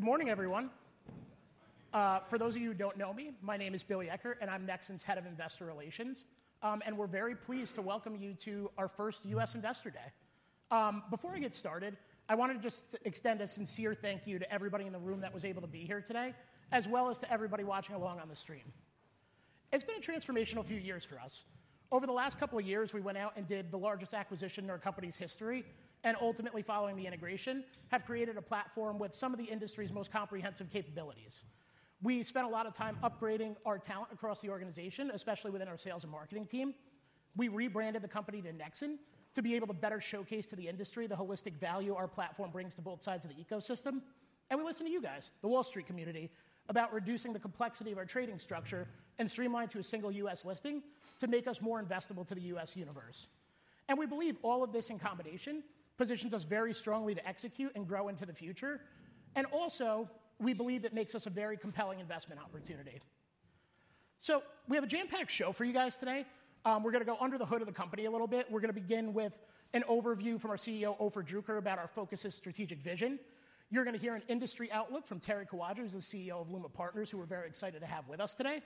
Good morning, everyone. For those of you who do not know me, my name is Billy Eckert, and I am Nexxen's Head of Investor Relations. We are very pleased to welcome you to our first U.S. Investor Day. Before I get started, I wanted to just extend a sincere thank you to everybody in the room that was able to be here today, as well as to everybody watching along on the stream. It has been a transformational few years for us. Over the last couple of years, we went out and did the largest acquisition in our company's history, and ultimately, following the integration, have created a platform with some of the industry's most comprehensive capabilities. We spent a lot of time upgrading our talent across the organization, especially within our sales and marketing team. We rebranded the company to Nexxen to be able to better showcase to the industry the holistic value our platform brings to both sides of the ecosystem. We listen to you guys, the Wall Street community, about reducing the complexity of our trading structure and streamlining to a single U.S. listing to make us more investable to the U.S. universe. We believe all of this in combination positions us very strongly to execute and grow into the future. We also believe it makes us a very compelling investment opportunity. We have a jam-packed show for you guys today. We're going to go under the hood of the company a little bit. We're going to begin with an overview from our CEO, Ofer Druker, about our focuses, strategic vision. You're going to hear an industry outlook from Terry Kawaja, who's the CEO of Luma Partners, who we're very excited to have with us today.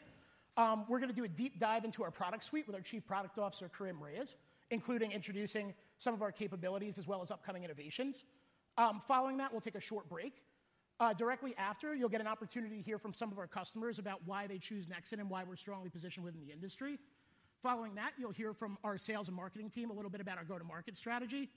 We're going to do a deep dive into our product suite with our Chief Product Officer, Karim Rayes, including introducing some of our capabilities as well as upcoming innovations. Following that, we'll take a short break. Directly after, you'll get an opportunity to hear from some of our customers about why they choose Nexxen and why we're strongly positioned within the industry. Following that, you'll hear from our sales and marketing team a little bit about our go-to-market strategy.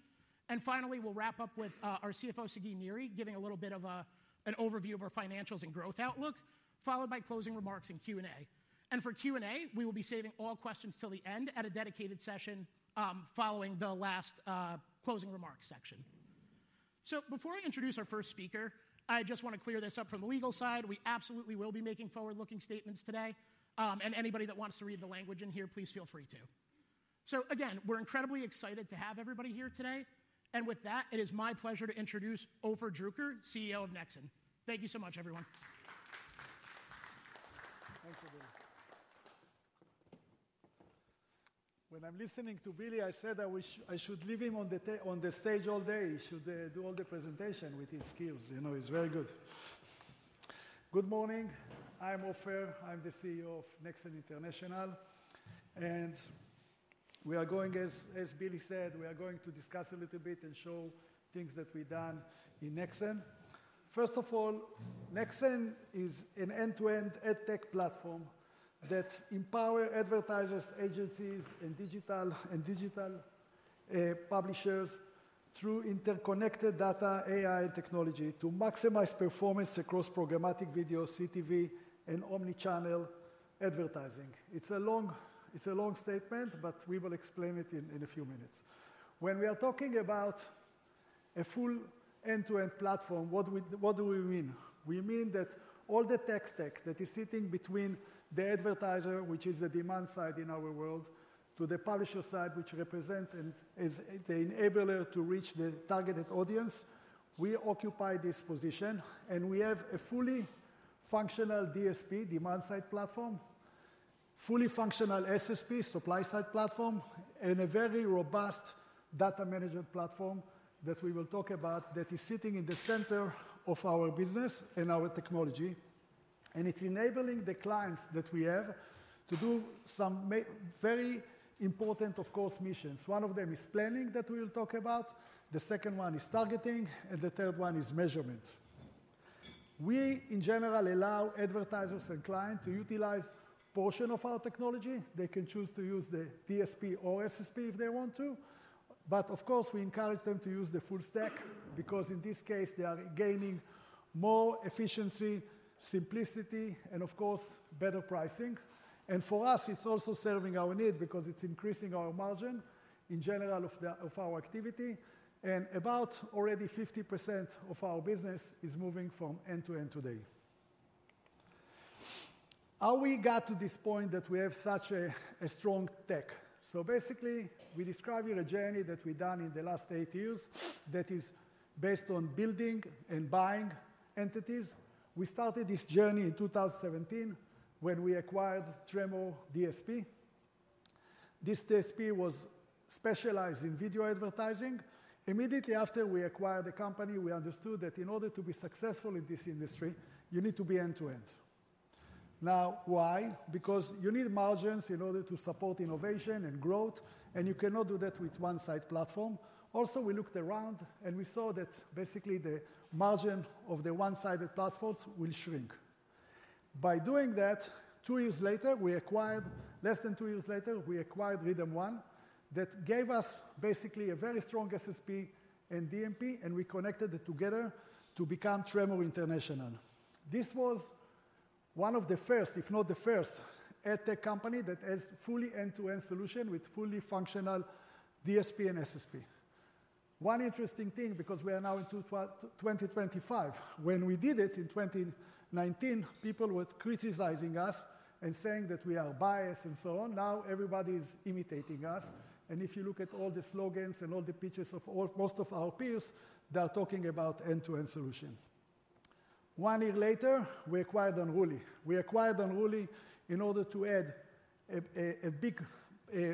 Finally, we'll wrap up with our CFO, Sagi Niri, giving a little bit of an overview of our financials and growth outlook, followed by closing remarks and Q&A. For Q&A, we will be saving all questions till the end at a dedicated session following the last closing remarks section. Before I introduce our first speaker, I just want to clear this up from the legal side. We absolutely will be making forward-looking statements today. Anybody that wants to read the language in here, please feel free to. Again, we're incredibly excited to have everybody here today. With that, it is my pleasure to introduce Ofer Druker, CEO of Nexxen. Thank you so much, everyone. Thanks, Billy. When I'm listening to Billy, I said I should leave him on the stage all day. He should do all the presentation with his skills. You know, he's very good. Good morning. I'm Ofer. I'm the CEO of Nexxen International. And we are going, as Billy said, we are going to discuss a little bit and show things that we've done in Nexxen. First of all, Nexxen is an end-to-end ad tech platform that empowers advertisers, agencies, and digital publishers through interconnected data, AI, and technology to maximize performance across programmatic video, CTV, and omnichannel advertising. It's a long statement, but we will explain it in a few minutes. When we are talking about a full end-to-end platform, what do we mean? We mean that all the tech stack that is sitting between the advertiser, which is the demand side in our world, to the publisher side, which represents and is the enabler to reach the targeted audience, we occupy this position. We have a fully functional DSP, demand-side platform, fully functional SSP, supply-side platform, and a very robust data management platform that we will talk about that is sitting in the center of our business and our technology. It is enabling the clients that we have to do some very important, of course, missions. One of them is planning that we will talk about. The second one is targeting. The third one is measurement. We, in general, allow advertisers and clients to utilize a portion of our technology. They can choose to use the DSP or SSP if they want to. Of course, we encourage them to use the full stack because in this case, they are gaining more efficiency, simplicity, and of course, better pricing. For us, it is also serving our need because it is increasing our margin in general of our activity. About already 50% of our business is moving from end-to-end today. How we got to this point that we have such a strong tech? Basically, we describe here a journey that we have done in the last eight years that is based on building and buying entities. We started this journey in 2017 when we acquired Tremor DSP. This DSP was specialized in video advertising. Immediately after we acquired the company, we understood that in order to be successful in this industry, you need to be end-to-end. Now, why? Because you need margins in order to support innovation and growth. You cannot do that with one-side platform. Also, we looked around and we saw that basically the margin of the one-sided platforms will shrink. By doing that, two years later, we acquired, less than two years later, we acquired RhythmOne that gave us basically a very strong SSP and DMP, and we connected it together to become Tremor International. This was one of the first, if not the first, ad tech company that has a fully end-to-end solution with fully functional DSP and SSP. One interesting thing, because we are now in 2025, when we did it in 2019, people were criticizing us and saying that we are biased and so on. Now everybody is imitating us. If you look at all the slogans and all the pitches of most of our peers, they're talking about end-to-end solutions. One year later, we acquired Unruly. We acquired Unruly in order to add a big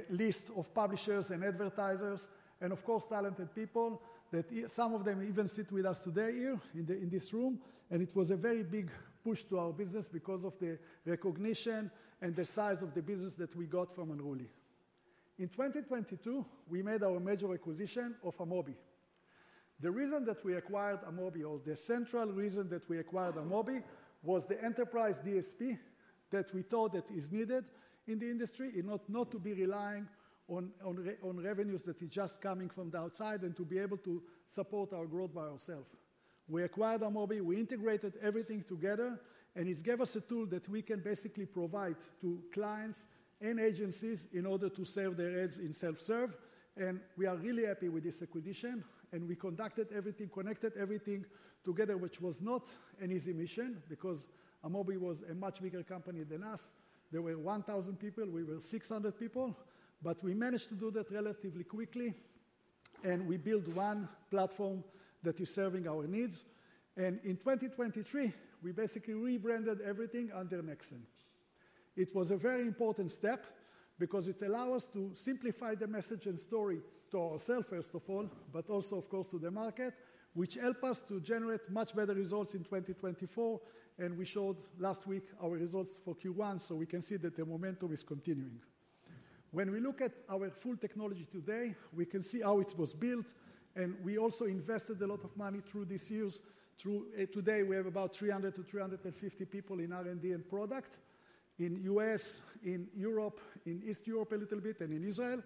list of publishers and advertisers and, of course, talented people that some of them even sit with us today here in this room. It was a very big push to our business because of the recognition and the size of the business that we got from Unruly. In 2022, we made our major acquisition of Amobee. The reason that we acquired Amobee, or the central reason that we acquired Amobee, was the enterprise DSP that we thought that is needed in the industry, not to be relying on revenues that are just coming from the outside and to be able to support our growth by ourselves. We acquired Amobee. We integrated everything together. It gave us a tool that we can basically provide to clients and agencies in order to serve their ads in self-serve. We are really happy with this acquisition. We conducted everything, connected everything together, which was not an easy mission because Amobee was a much bigger company than us. There were 1,000 people. We were 600 people. We managed to do that relatively quickly. We built one platform that is serving our needs. In 2023, we basically rebranded everything under Nexxen. It was a very important step because it allowed us to simplify the message and story to ourselves, first of all, but also, of course, to the market, which helped us to generate much better results in 2024. We showed last week our results for Q1, so we can see that the momentum is continuing. When we look at our full technology today, we can see how it was built. We also invested a lot of money through these years. Today, we have about 300-350 people in R&D and product in the U.S., in Europe, in East Europe a little bit, and in Israel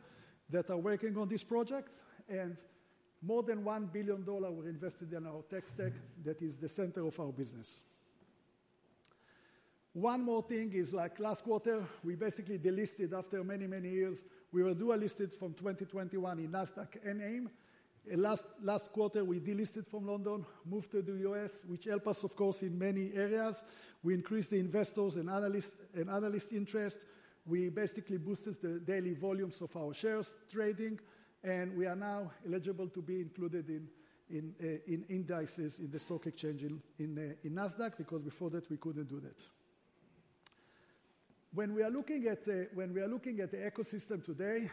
that are working on this project. And more than $1 billion were invested in our tech stack that is the center of our business. One more thing is, like last quarter, we basically delisted after many, many years. We were dual-listed from 2021 in Nasdaq and AIM. Last quarter, we delisted from London, moved to the U.S., which helped us, of course, in many areas. We increased the investors' and analysts' interest. We basically boosted the daily volumes of our shares trading. And we are now eligible to be included in indices in the stock exchange in Nasdaq because before that, we couldn't do that. When we are looking at the ecosystem today,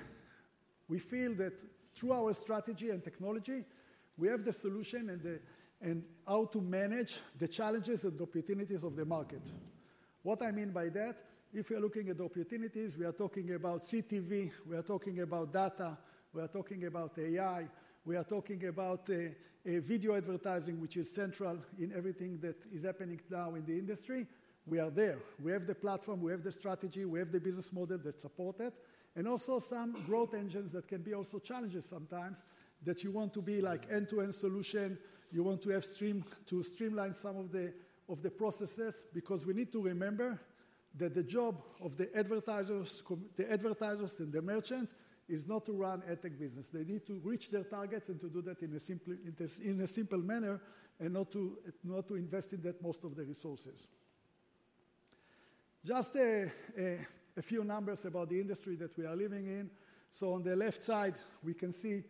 we feel that through our strategy and technology, we have the solution and how to manage the challenges and opportunities of the market. What I mean by that, if we are looking at opportunities, we are talking about CTV, we are talking about data, we are talking about AI, we are talking about video advertising, which is central in everything that is happening now in the industry. We are there. We have the platform. We have the strategy. We have the business model that supports it. Also some growth engines that can be also challenges sometimes that you want to be like end-to-end solution. You want to streamline some of the processes because we need to remember that the job of the advertisers and the merchants is not to run ad tech business. They need to reach their targets and to do that in a simple manner and not to invest in that most of the resources. Just a few numbers about the industry that we are living in. On the left side, we can see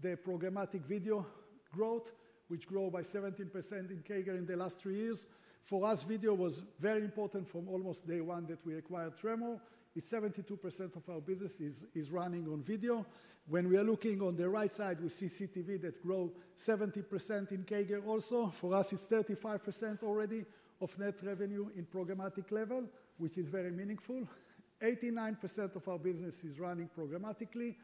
the programmatic video growth, which grew by 17% in CAGR in the last three years. For us, video was very important from almost day one that we acquired Tremor. It's 72% of our business is running on video. When we are looking on the right side, we see CTV that grew 70% in CAGR also. For us, it's 35% already of net revenue in programmatic level, which is very meaningful. 89% of our business is running programmatically.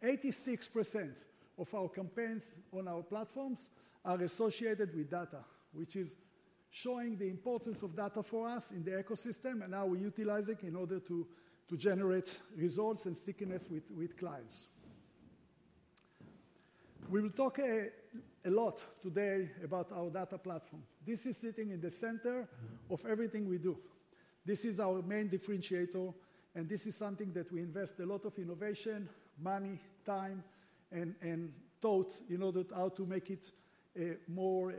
Eighty-six percent of our campaigns on our platforms are associated with data, which is showing the importance of data for us in the ecosystem and how we utilize it in order to generate results and stickiness with clients. We will talk a lot today about our data platform. This is sitting in the center of everything we do. This is our main differentiator. This is something that we invest a lot of innovation, money, time, and thoughts in order to make it more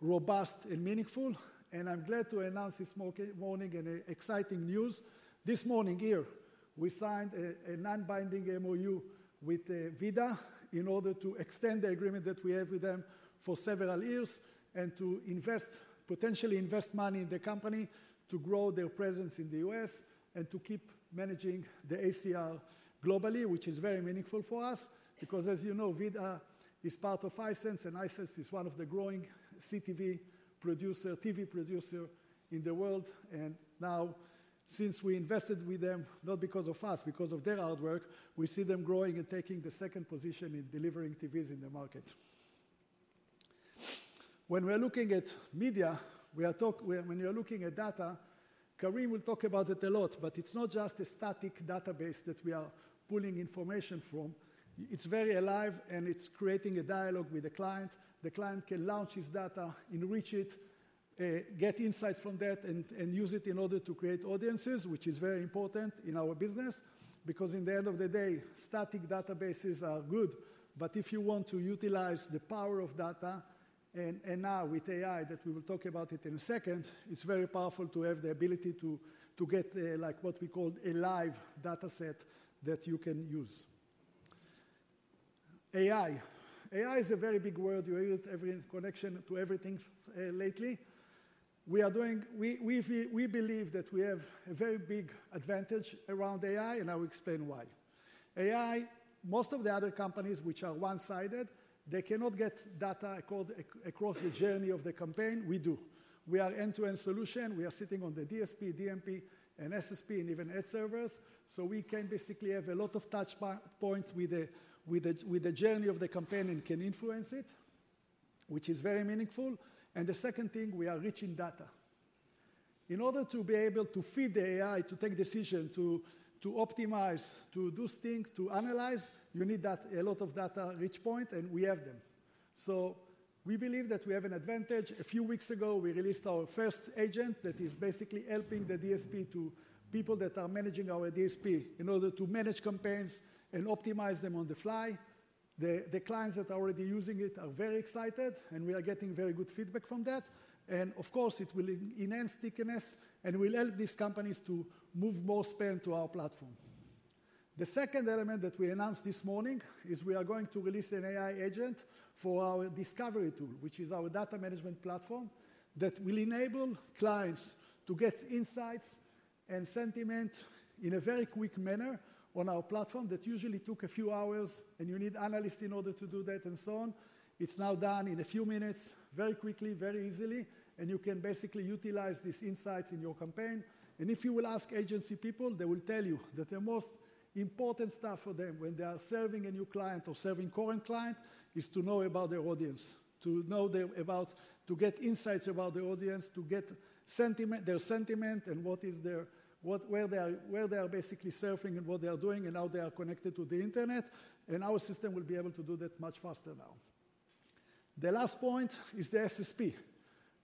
robust and meaningful. I'm glad to announce this morning an exciting news. This morning here, we signed a non-binding MOU with VIDAA in order to extend the agreement that we have with them for several years and to potentially invest money in the company to grow their presence in the U.S. to keep managing the ACR globally, which is very meaningful for us because, as you know, VIDAA is part of Hisense. Hisense is one of the growing CTV TV producers in the world. Now, since we invested with them, not because of us, because of their hard work, we see them growing and taking the second position in delivering TVs in the market. When we're looking at media, when you're looking at data, Karim will talk about it a lot, but it's not just a static database that we are pulling information from. It's very alive, and it's creating a dialogue with the client. The client can launch his data, enrich it, get insights from that, and use it in order to create audiences, which is very important in our business because in the end of the day, static databases are good. If you want to utilize the power of data, and now with AI, that we will talk about in a second, it's very powerful to have the ability to get what we call a live dataset that you can use. AI. AI is a very big word. You hear it in connection to everything lately. We believe that we have a very big advantage around AI, and I will explain why. AI, most of the other companies which are one-sided, they cannot get data across the journey of the campaign. We do. We are an end-to-end solution. We are sitting on the DSP, DMP, and SSP, and even ad servers. We can basically have a lot of touch points with the journey of the campaign and can influence it, which is very meaningful. The second thing, we are reaching data. In order to be able to feed the AI to take decisions, to optimize, to do things, to analyze, you need a lot of data reach points, and we have them. We believe that we have an advantage. A few weeks ago, we released our first agent that is basically helping the DSP to people that are managing our DSP in order to manage campaigns and optimize them on the fly. The clients that are already using it are very excited, and we are getting very good feedback from that. It will enhance stickiness and will help these companies to move more spend to our platform. The second element that we announced this morning is we are going to release an AI agent for our Discovery tool, which is our data management platform that will enable clients to get insights and sentiment in a very quick manner on our platform that usually took a few hours. You need analysts in order to do that and so on. It is now done in a few minutes, very quickly, very easily. You can basically utilize these insights in your campaign. If you will ask agency people, they will tell you that the most important stuff for them when they are serving a new client or serving a current client is to know about their audience, to get insights about their audience, to get their sentiment and where they are basically surfing and what they are doing and how they are connected to the internet. Our system will be able to do that much faster now. The last point is the SSP.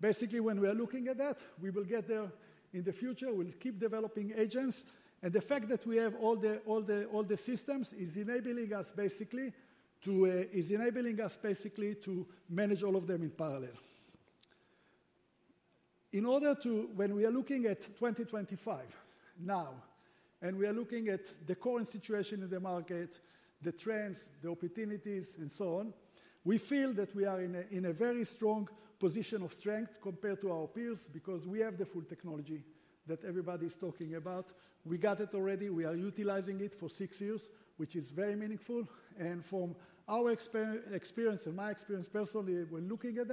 Basically, when we are looking at that, we will get there in the future. We will keep developing agents. The fact that we have all the systems is enabling us basically to manage all of them in parallel. When we are looking at 2025 now and we are looking at the current situation in the market, the trends, the opportunities, and so on, we feel that we are in a very strong position of strength compared to our peers because we have the full technology that everybody is talking about. We got it already. We are utilizing it for six years, which is very meaningful. From our experience and my experience personally, when looking at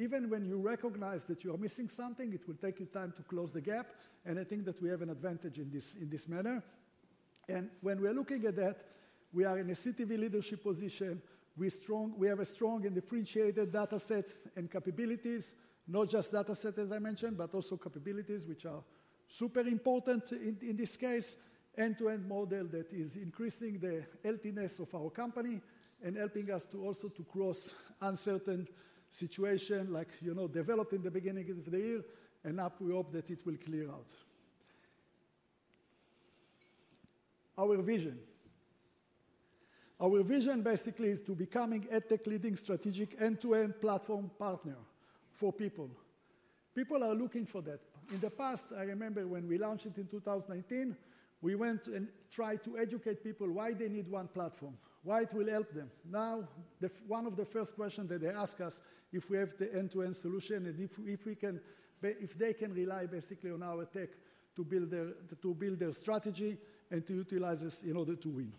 that, even when you recognize that you are missing something, it will take you time to close the gap. I think that we have an advantage in this manner. When we are looking at that, we are in a CTV leadership position. We have a strong and differentiated dataset and capabilities, not just dataset, as I mentioned, but also capabilities, which are super important in this case, end-to-end model that is increasing the healthiness of our company and helping us to also cross uncertain situations like developed in the beginning of the year. Now we hope that it will clear out. Our vision basically is to become an ad tech leading strategic end-to-end platform partner for people. People are looking for that. In the past, I remember when we launched it in 2019, we went and tried to educate people why they need one platform, why it will help them. Now, one of the first questions that they ask us is if we have the end-to-end solution and if they can rely basically on our tech to build their strategy and to utilize us in order to win.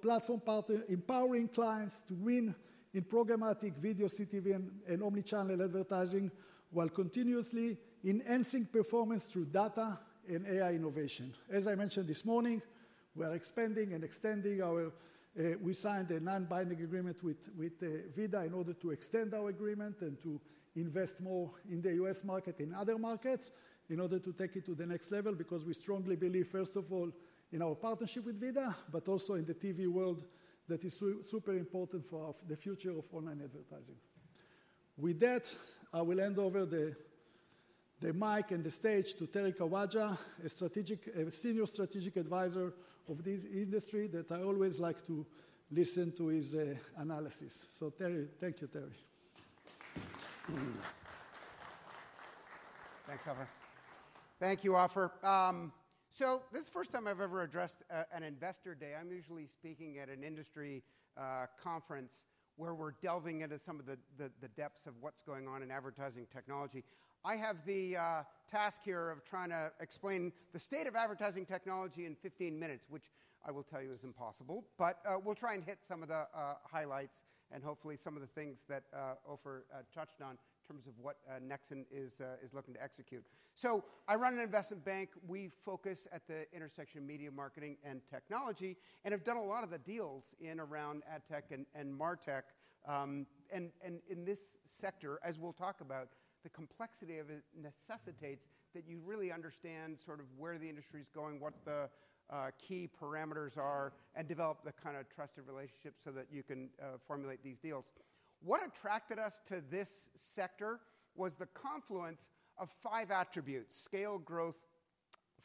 Platform partner, empowering clients to win in programmatic video, CTV, and omnichannel advertising while continuously enhancing performance through data and AI innovation. As I mentioned this morning, we are expanding and extending our—we signed a non-binding agreement with VIDAA in order to extend our agreement and to invest more in the U.S. market and other markets in order to take it to the next level because we strongly believe, first of all, in our partnership with VIDAA, but also in the TV world that is super important for the future of online advertising. With that, I will hand over the mic and the stage to Terry Kawaja, a senior strategic advisor of this industry that I always like to listen to his analysis. So Terry, thank you, Terry. Thanks, Ofer. Thank you, Ofer. This is the first time I've ever addressed an investor day. I'm usually speaking at an industry conference where we're delving into some of the depths of what's going on in advertising technology. I have the task here of trying to explain the state of advertising technology in 15 minutes, which I will tell you is impossible. We'll try and hit some of the highlights and hopefully some of the things that Ofer touched on in terms of what Nexxen is looking to execute. I run an investment bank. We focus at the intersection of media, marketing, and technology and have done a lot of the deals in and around ad tech and martech. In this sector, as we'll talk about, the complexity of it necessitates that you really understand sort of where the industry is going, what the key parameters are, and develop the kind of trusted relationships so that you can formulate these deals. What attracted us to this sector was the confluence of five attributes: scale, growth,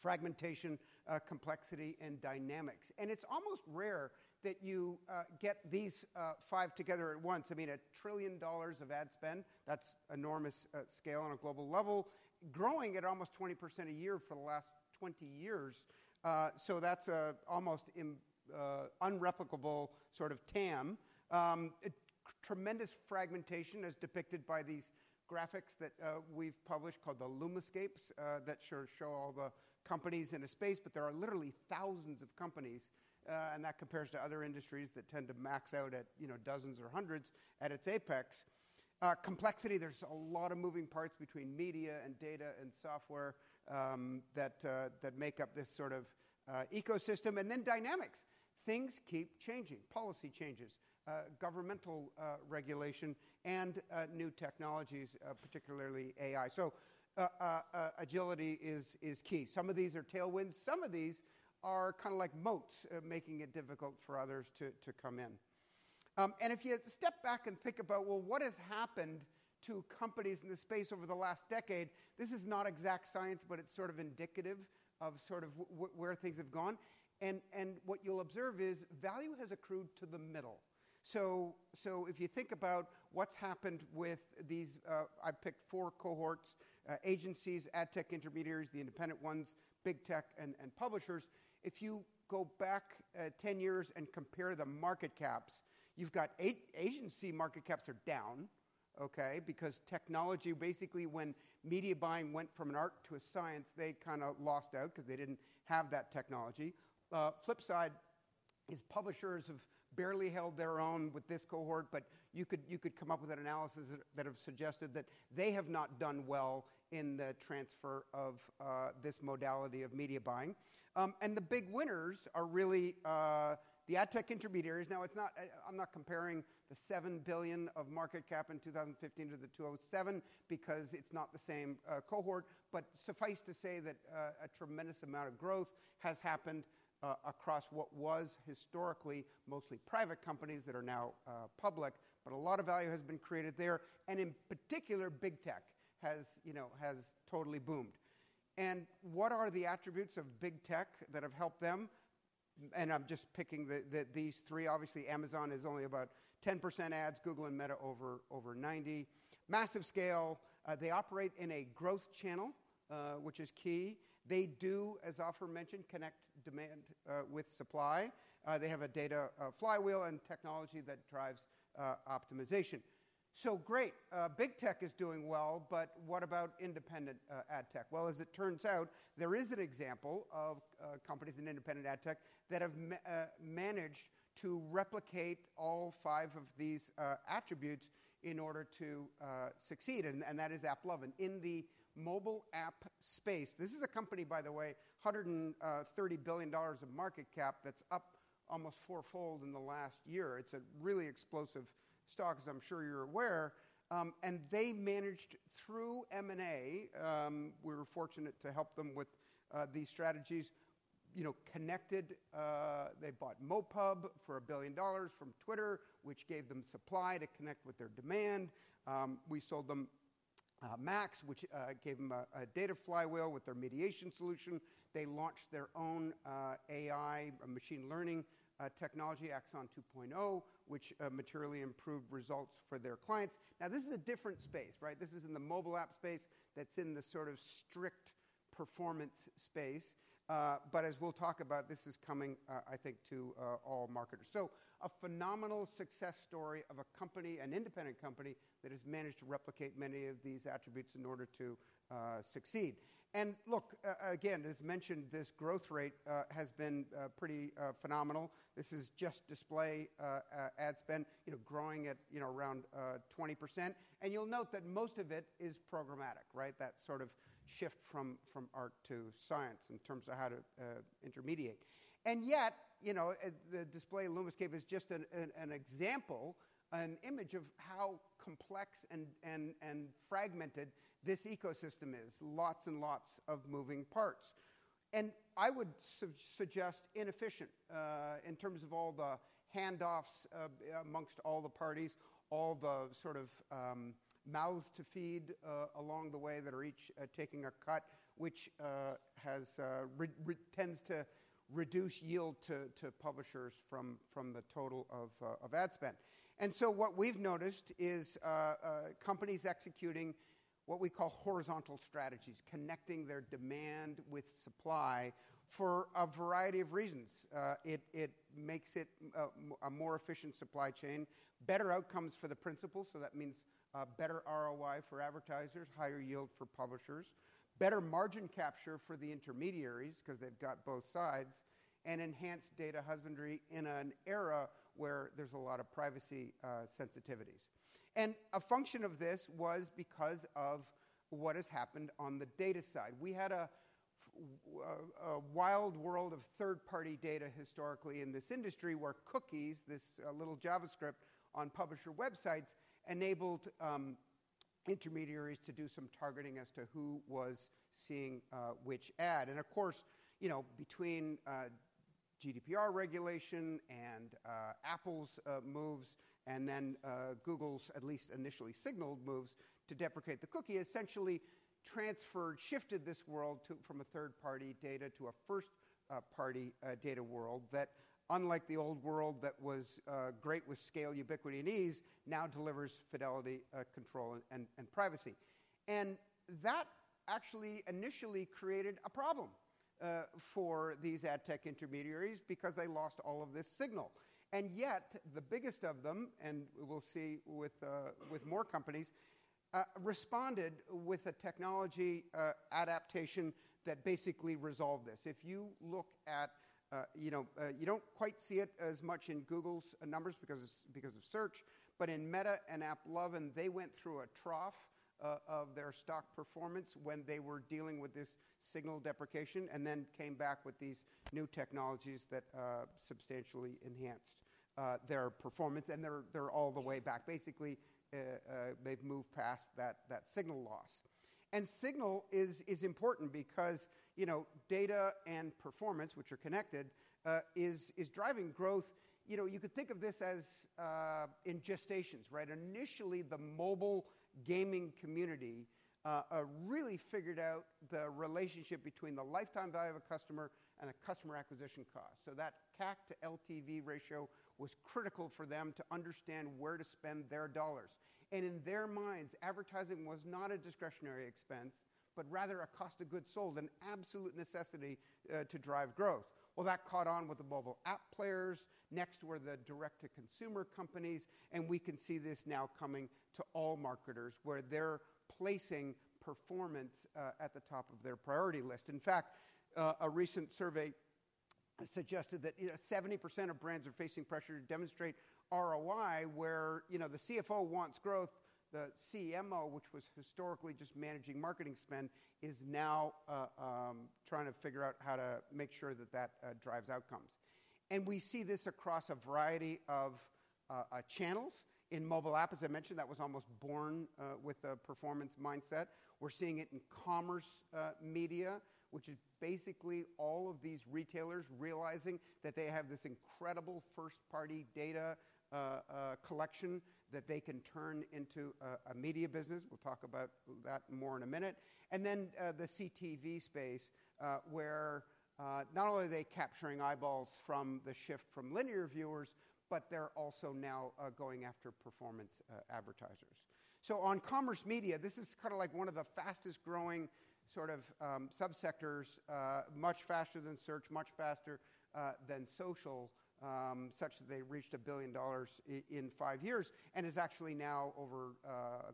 fragmentation, complexity, and dynamics. It is almost rare that you get these five together at once. I mean, a trillion dollars of ad spend, that is enormous scale on a global level, growing at almost 20% a year for the last 20 years. That is an almost unreplicable sort of TAM. Tremendous fragmentation as depicted by these graphics that we have published called the Lumescapes that show all the companies in a space. There are literally thousands of companies. That compares to other industries that tend to max out at dozens or hundreds at its apex. Complexity, there is a lot of moving parts between media and data and software that make up this sort of ecosystem. Then dynamics. Things keep changing. Policy changes, governmental regulation, and new technologies, particularly AI. Agility is key. Some of these are tailwinds. Some of these are kind of like moats making it difficult for others to come in. If you step back and think about what has happened to companies in this space over the last decade, this is not exact science, but it is sort of indicative of where things have gone. What you will observe is value has accrued to the middle. If you think about what has happened with these—I have picked four cohorts: agencies, ad tech intermediaries, the independent ones, big tech, and publishers. If you go back 10 years and compare the market caps, you've got eight agency market caps are down, okay, because technology, basically when media buying went from an art to a science, they kind of lost out because they didn't have that technology. The flip side is publishers have barely held their own with this cohort. You could come up with an analysis that have suggested that they have not done well in the transfer of this modality of media buying. The big winners are really the ad tech intermediaries. Now, I'm not comparing the $7 billion of market cap in 2015 to the 2007 because it's not the same cohort. Suffice to say that a tremendous amount of growth has happened across what was historically mostly private companies that are now public. A lot of value has been created there. In particular, big tech has totally boomed. What are the attributes of big tech that have helped them? I'm just picking these three. Obviously, Amazon is only about 10% ads, Google and Meta over 90%. Massive scale. They operate in a growth channel, which is key. They do, as Ofer mentioned, connect demand with supply. They have a data flywheel and technology that drives optimization. Great. Big tech is doing well. What about independent ad tech? As it turns out, there is an example of companies in independent ad tech that have managed to replicate all five of these attributes in order to succeed. That is AppLovin. In the mobile app space, this is a company, by the way, $130 billion of market cap that's up almost fourfold in the last year. It's a really explosive stock, as I'm sure you're aware. They managed through M&A—we were fortunate to help them with these strategies—connected. They bought Mopub for $1 billion from Twitter, which gave them supply to connect with their demand. We sold them Max, which gave them a data flywheel with their mediation solution. They launched their own AI machine learning technology, Axon 2.0, which materially improved results for their clients. Now, this is a different space, right? This is in the mobile app space that's in the sort of strict performance space. As we'll talk about, this is coming, I think, to all marketers. A phenomenal success story of an independent company that has managed to replicate many of these attributes in order to succeed. Look, again, as mentioned, this growth rate has been pretty phenomenal. This is just display ad spend growing at around 20%. You'll note that most of it is programmatic, right? That sort of shift from art to science in terms of how to intermediate. The display Lumascape is just an example, an image of how complex and fragmented this ecosystem is, lots and lots of moving parts. I would suggest inefficient in terms of all the handoffs amongst all the parties, all the sort of mouths to feed along the way that are each taking a cut, which tends to reduce yield to publishers from the total of ad spend. What we've noticed is companies executing what we call horizontal strategies, connecting their demand with supply for a variety of reasons. It makes it a more efficient supply chain, better outcomes for the principal. That means better ROI for advertisers, higher yield for publishers, better margin capture for the intermediaries because they've got both sides, and enhanced data husbandry in an era where there's a lot of privacy sensitivities. A function of this was because of what has happened on the data side. We had a wild world of third-party data historically in this industry where cookies, this little JavaScript on publisher websites, enabled intermediaries to do some targeting as to who was seeing which ad. Of course, between GDPR regulation and Apple's moves and then Google's, at least initially signaled moves to deprecate the cookie, essentially transferred, shifted this world from a third-party data to a first-party data world that, unlike the old world that was great with scale, ubiquity, and ease, now delivers fidelity, control, and privacy. That actually initially created a problem for these ad tech intermediaries because they lost all of this signal. Yet, the biggest of them, and we'll see with more companies, responded with a technology adaptation that basically resolved this. If you look at it, you do not quite see it as much in Google's numbers because of search. In Meta and AppLovin, they went through a trough of their stock performance when they were dealing with this signal deprecation and then came back with these new technologies that substantially enhanced their performance. They are all the way back. Basically, they have moved past that signal loss. Signal is important because data and performance, which are connected, is driving growth. You could think of this as in gestations, right? Initially, the mobile gaming community really figured out the relationship between the lifetime value of a customer and a customer acquisition cost. That CAC to LTV ratio was critical for them to understand where to spend their dollars. In their minds, advertising was not a discretionary expense, but rather a cost of goods sold, an absolute necessity to drive growth. That caught on with the mobile app players. Next were the direct-to-consumer companies. We can see this now coming to all marketers where they're placing performance at the top of their priority list. In fact, a recent survey suggested that 70% of brands are facing pressure to demonstrate ROI where the CFO wants growth. The CMO, which was historically just managing marketing spend, is now trying to figure out how to make sure that that drives outcomes. We see this across a variety of channels in mobile apps. As I mentioned, that was almost born with a performance mindset. We're seeing it in commerce media, which is basically all of these retailers realizing that they have this incredible first-party data collection that they can turn into a media business. We'll talk about that more in a minute. In the CTV space, not only are they capturing eyeballs from the shift from linear viewers, but they're also now going after performance advertisers. On commerce media, this is kind of like one of the fastest-growing sort of subsectors, much faster than search, much faster than social, such that they reached $1 billion in five years and is actually now over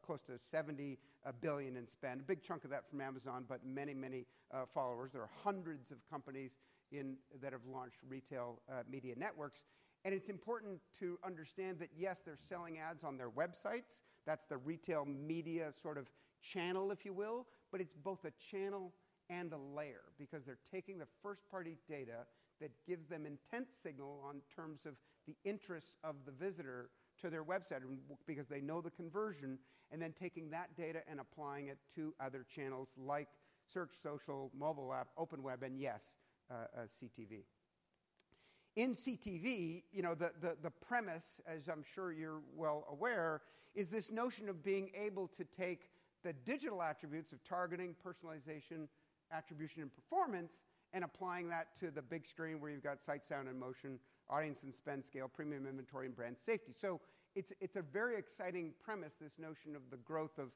close to $70 billion in spend. A big chunk of that from Amazon, but many, many followers. There are hundreds of companies that have launched retail media networks. It's important to understand that, yes, they're selling ads on their websites. That's the retail media sort of channel, if you will. It is both a channel and a layer because they're taking the first-party data that gives them intent signal on terms of the interest of the visitor to their website because they know the conversion and then taking that data and applying it to other channels like search, social, mobile app, open web, and yes, CTV. In CTV, the premise, as I'm sure you're well aware, is this notion of being able to take the digital attributes of targeting, personalization, attribution, and performance and applying that to the big screen where you've got sight, sound, and motion, audience and spend scale, premium inventory, and brand safety. It is a very exciting premise, this notion of the growth of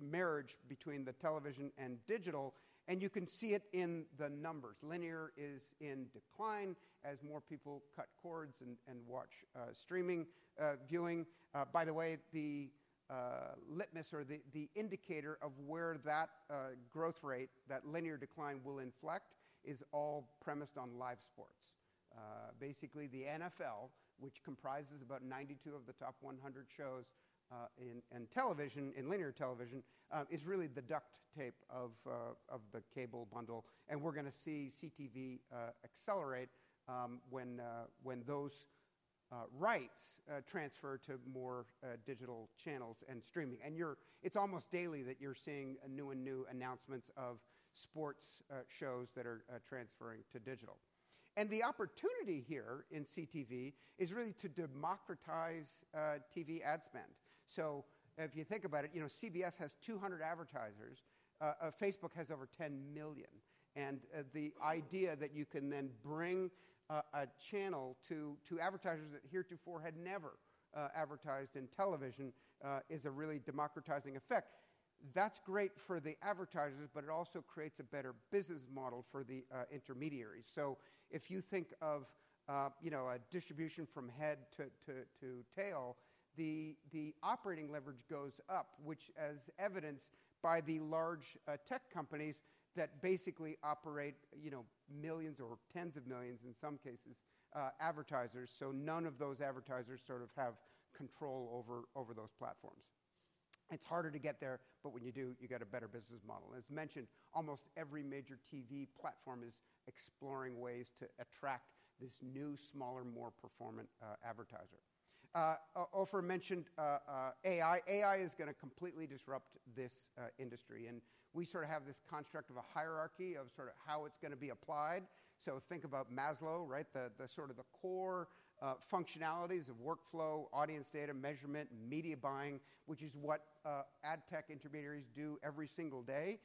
marriage between the television and digital. You can see it in the numbers. Linear is in decline as more people cut cords and watch streaming viewing. By the way, the litmus or the indicator of where that growth rate, that linear decline will inflect, is all premised on live sports. Basically, the NFL, which comprises about 92 of the top 100 shows in television, in linear television, is really the duct tape of the cable bundle. We are going to see CTV accelerate when those rights transfer to more digital channels and streaming. It is almost daily that you are seeing new and new announcements of sports shows that are transferring to digital. The opportunity here in CTV is really to democratize TV ad spend. If you think about it, CBS has 200 advertisers. Facebook has over 10 million. The idea that you can then bring a channel to advertisers that heretofore had never advertised in television is a really democratizing effect. That's great for the advertisers, but it also creates a better business model for the intermediaries. If you think of a distribution from head to tail, the operating leverage goes up, which is evidenced by the large tech companies that basically operate millions or tens of millions in some cases advertisers. None of those advertisers sort of have control over those platforms. It's harder to get there, but when you do, you get a better business model. As mentioned, almost every major TV platform is exploring ways to attract this new, smaller, more performant advertiser. Ofer mentioned AI. AI is going to completely disrupt this industry. We sort of have this construct of a hierarchy of sort of how it's going to be applied. Think about Maslow, right? The sort of the core functionalities of workflow, audience data, measurement, media buying, which is what ad tech intermediaries do every single day.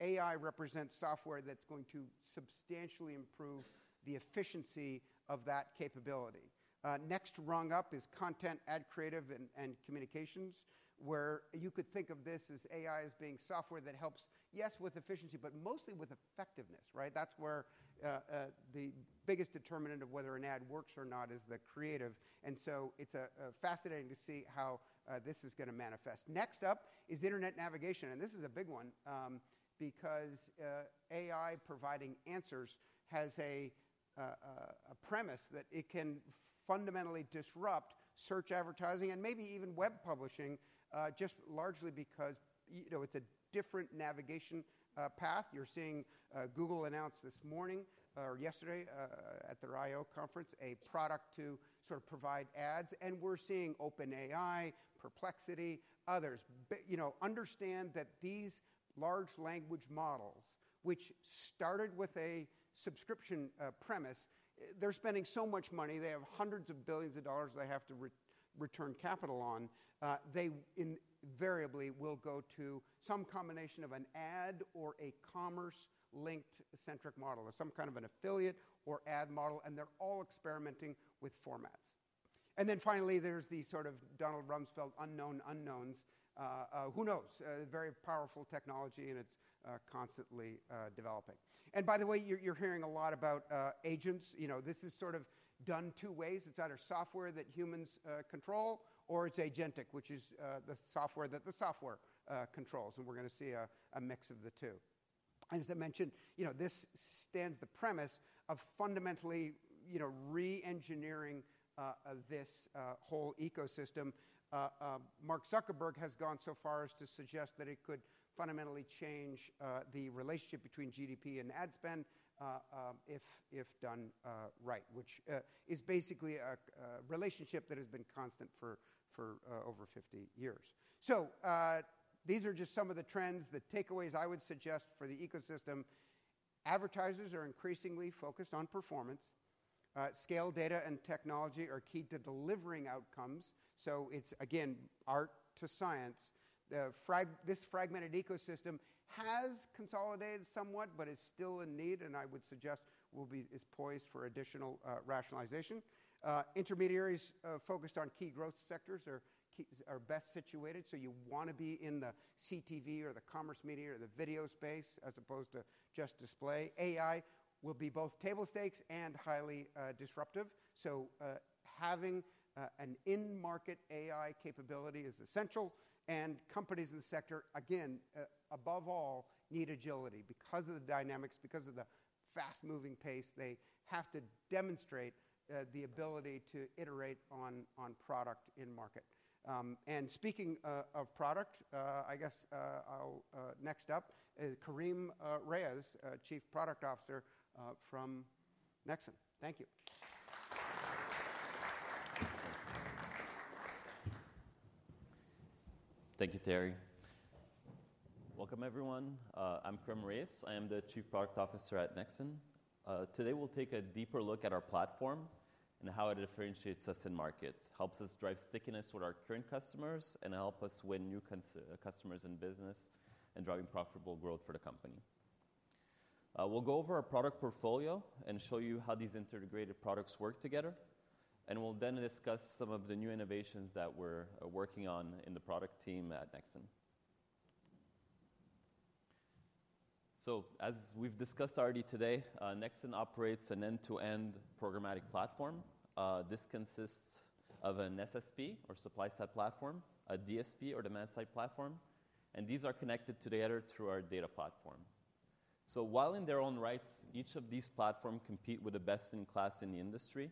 AI represents software that's going to substantially improve the efficiency of that capability. Next rung up is content, ad creative, and communications, where you could think of this as AI as being software that helps, yes, with efficiency, but mostly with effectiveness, right? That's where the biggest determinant of whether an ad works or not is the creative. It is fascinating to see how this is going to manifest. Next up is internet navigation. This is a big one because AI providing answers has a premise that it can fundamentally disrupt search advertising and maybe even web publishing just largely because it is a different navigation path. You are seeing Google announce this morning or yesterday at their I/O conference a product to sort of provide ads. We are seeing OpenAI, Perplexity, others. Understand that these large language models, which started with a subscription premise, are spending so much money. They have hundreds of billions of dollars they have to return capital on. They invariably will go to some combination of an ad or a commerce-linked centric model or some kind of an affiliate or ad model. They are all experimenting with formats. Finally, there is the sort of Donald Rumsfeld unknown unknowns. Who knows? Very powerful technology, and it is constantly developing. By the way, you are hearing a lot about agents. This is sort of done two ways. It's either software that humans control or it's agentic, which is the software that the software controls. We're going to see a mix of the two. As I mentioned, this stands the premise of fundamentally re-engineering this whole ecosystem. Mark Zuckerberg has gone so far as to suggest that it could fundamentally change the relationship between GDP and ad spend if done right, which is basically a relationship that has been constant for over 50 years. These are just some of the trends, the takeaways I would suggest for the ecosystem. Advertisers are increasingly focused on performance. Scale data and technology are key to delivering outcomes. It's, again, art to science. This fragmented ecosystem has consolidated somewhat, but is still in need, and I would suggest is poised for additional rationalization. Intermediaries focused on key growth sectors are best situated. You want to be in the CTV or the commerce media or the video space as opposed to just display. AI will be both table stakes and highly disruptive. Having an in-market AI capability is essential. Companies in the sector, again, above all, need agility because of the dynamics, because of the fast-moving pace. They have to demonstrate the ability to iterate on product in market. Speaking of product, I guess next up is Karim Rayes, Chief Product Officer from Nexxen. Thank you. Thank you, Terry. Welcome, everyone. I'm Karim Rayes. I am the Chief Product Officer at Nexxen. Today, we'll take a deeper look at our platform and how it differentiates us in market, helps us drive stickiness with our current customers, and help us win new customers and business and drive profitable growth for the company. We'll go over our product portfolio and show you how these integrated products work together. We'll then discuss some of the new innovations that we're working on in the product team at Nexxen. As we've discussed already today, Nexxen operates an end-to-end programmatic platform. This consists of an SSP or supply-side platform, a DSP or demand-side platform. These are connected together through our data platform. While in their own rights, each of these platforms compete with the best in class in the industry,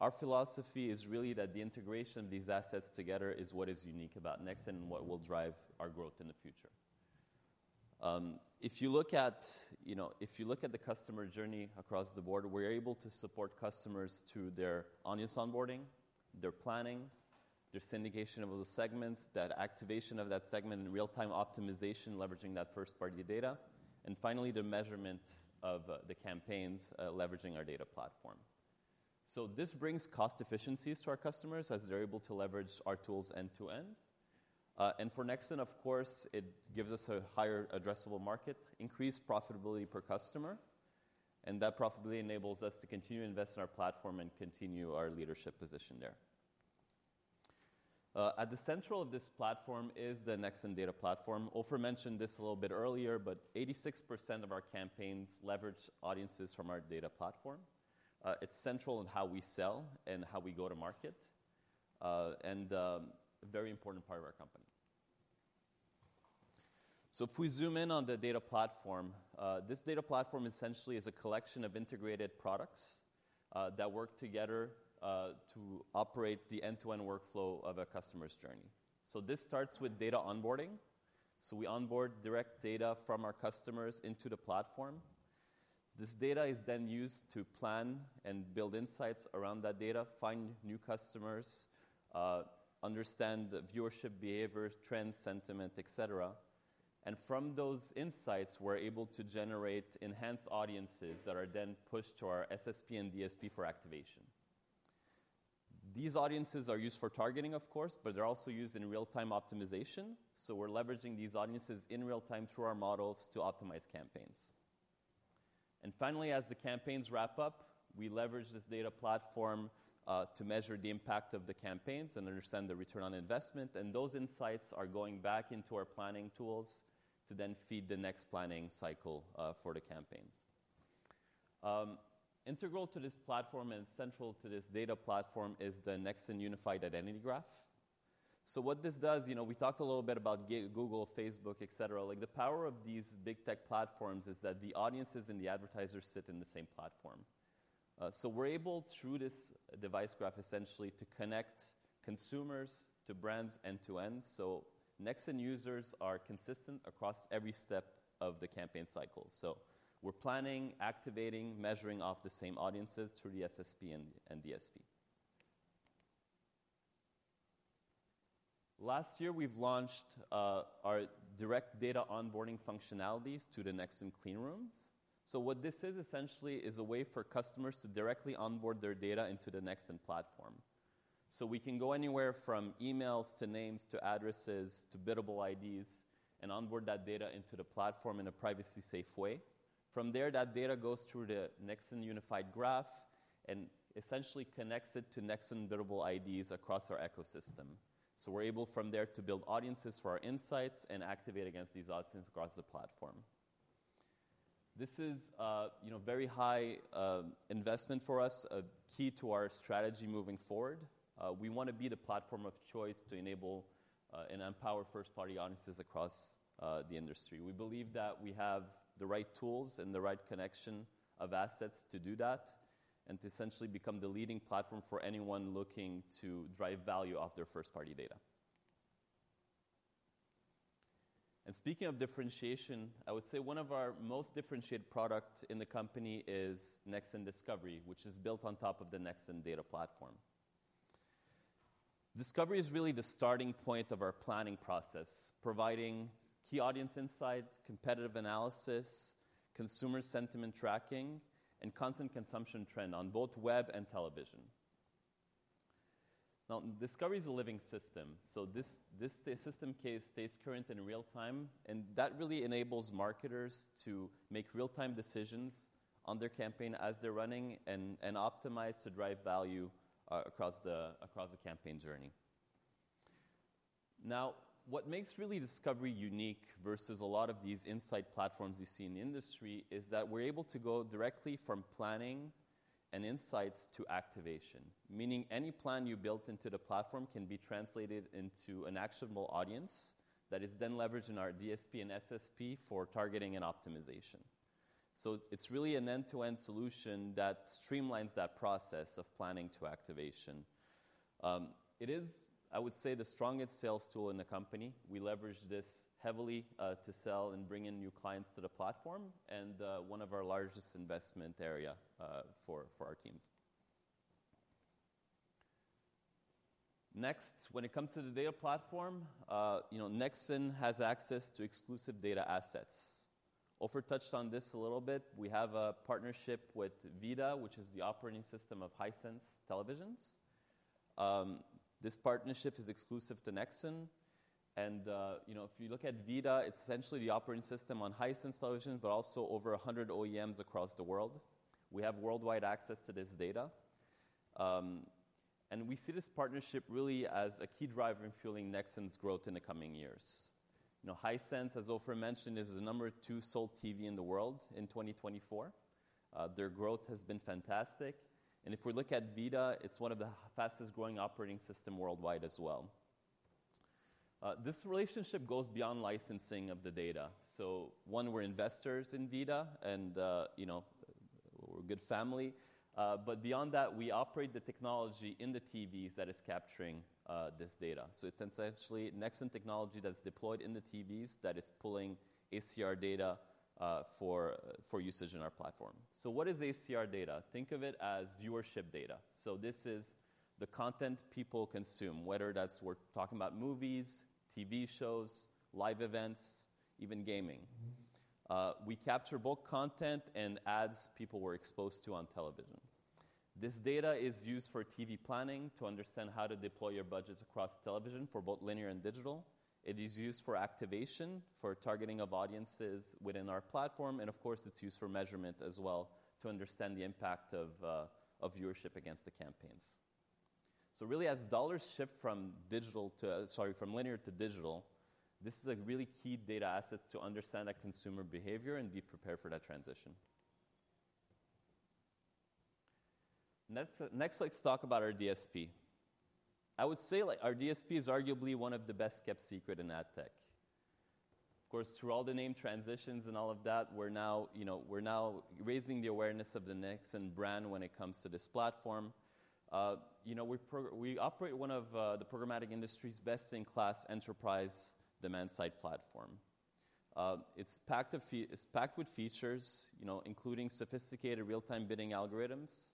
our philosophy is really that the integration of these assets together is what is unique about Nexxen and what will drive our growth in the future. If you look at the customer journey across the board, we're able to support customers through their audience onboarding, their planning, their syndication of those segments, that activation of that segment, real-time optimization, leveraging that first-party data, and finally, the measurement of the campaigns leveraging our data platform. This brings cost efficiencies to our customers as they're able to leverage our tools end-to-end. For Nexxen, of course, it gives us a higher addressable market, increased profitability per customer. That profitability enables us to continue to invest in our platform and continue our leadership position there. At the center of this platform is the Nexxen data platform. Ofer mentioned this a little bit earlier, but 86% of our campaigns leverage audiences from our data platform. It's central in how we sell and how we go to market and a very important part of our company. If we zoom in on the data platform, this data platform essentially is a collection of integrated products that work together to operate the end-to-end workflow of a customer's journey. This starts with data onboarding. We onboard direct data from our customers into the platform. This data is then used to plan and build insights around that data, find new customers, understand viewership behavior, trends, sentiment, etc. From those insights, we're able to generate enhanced audiences that are then pushed to our SSP and DSP for activation. These audiences are used for targeting, of course, but they're also used in real-time optimization. We're leveraging these audiences in real-time through our models to optimize campaigns. Finally, as the campaigns wrap up, we leverage this data platform to measure the impact of the campaigns and understand the return on investment. Those insights are going back into our planning tools to then feed the next planning cycle for the campaigns. Integral to this platform and central to this data platform is the Nexxen Unified Identity Graph. What this does, we talked a little bit about Google, Facebook, etc. The power of these big tech platforms is that the audiences and the advertisers sit in the same platform. We're able, through this device graph, essentially to connect consumers to brands end-to-end. Nexxen users are consistent across every step of the campaign cycle. We're planning, activating, measuring off the same audiences through the SSP and DSP. Last year, we've launched our direct data onboarding functionalities to the Nexen Cleanrooms. What this is essentially is a way for customers to directly onboard their data into the Nexen platform. We can go anywhere from emails to names to addresses to biddable IDs and onboard that data into the platform in a privacy-safe way. From there, that data goes through the Nexen Unified Identity Graph and essentially connects it to Nexen biddable IDs across our ecosystem. We're able from there to build audiences for our insights and activate against these audiences across the platform. This is a very high investment for us, a key to our strategy moving forward. We want to be the platform of choice to enable and empower first-party audiences across the industry. We believe that we have the right tools and the right connection of assets to do that and to essentially become the leading platform for anyone looking to drive value off their first-party data. Speaking of differentiation, I would say one of our most differentiated products in the company is Nexxen Discovery, which is built on top of the Nexxen data platform. Discovery is really the starting point of our planning process, providing key audience insights, competitive analysis, consumer sentiment tracking, and content consumption trend on both web and television. Now, Discovery is a living system. This system stays current in real time. That really enables marketers to make real-time decisions on their campaign as they're running and optimize to drive value across the campaign journey. Now, what makes really Discovery unique versus a lot of these insight platforms you see in the industry is that we're able to go directly from planning and insights to activation, meaning any plan you built into the platform can be translated into an actionable audience that is then leveraged in our DSP and SSP for targeting and optimization. It is really an end-to-end solution that streamlines that process of planning to activation. It is, I would say, the strongest sales tool in the company. We leverage this heavily to sell and bring in new clients to the platform and one of our largest investment areas for our teams. Next, when it comes to the data platform, Nexxen has access to exclusive data assets. Ofer touched on this a little bit. We have a partnership with VIDAA, which is the operating system of Hisense televisions. This partnership is exclusive to Nexxen. If you look at VIDAA, it is essentially the operating system on Hisense televisions, but also over 100 OEMs across the world. We have worldwide access to this data. We see this partnership really as a key driver in fueling Nexxen's growth in the coming years. Hisense, as Ofer mentioned, is the number two sold TV in the world in 2024. Their growth has been fantastic. If we look at VIDAA, it is one of the fastest-growing operating systems worldwide as well. This relationship goes beyond licensing of the data. One, we are investors in VIDAA, and we are a good family. Beyond that, we operate the technology in the TVs that is capturing this data. It is essentially Nexxen technology that is deployed in the TVs that is pulling ACR data for usage in our platform. What is ACR data? Think of it as viewership data. This is the content people consume, whether that's we're talking about movies, TV shows, live events, even gaming. We capture both content and ads people were exposed to on television. This data is used for TV planning to understand how to deploy your budgets across television for both linear and digital. It is used for activation, for targeting of audiences within our platform. Of course, it's used for measurement as well to understand the impact of viewership against the campaigns. Really, as dollars shift from linear to digital, this is a really key data asset to understand that consumer behavior and be prepared for that transition. Next, let's talk about our DSP. I would say our DSP is arguably one of the best kept secrets in ad tech. Of course, through all the name transitions and all of that, we're now raising the awareness of the Nexxen brand when it comes to this platform. We operate one of the programmatic industry's best-in-class enterprise demand-side platforms. It's packed with features, including sophisticated real-time bidding algorithms,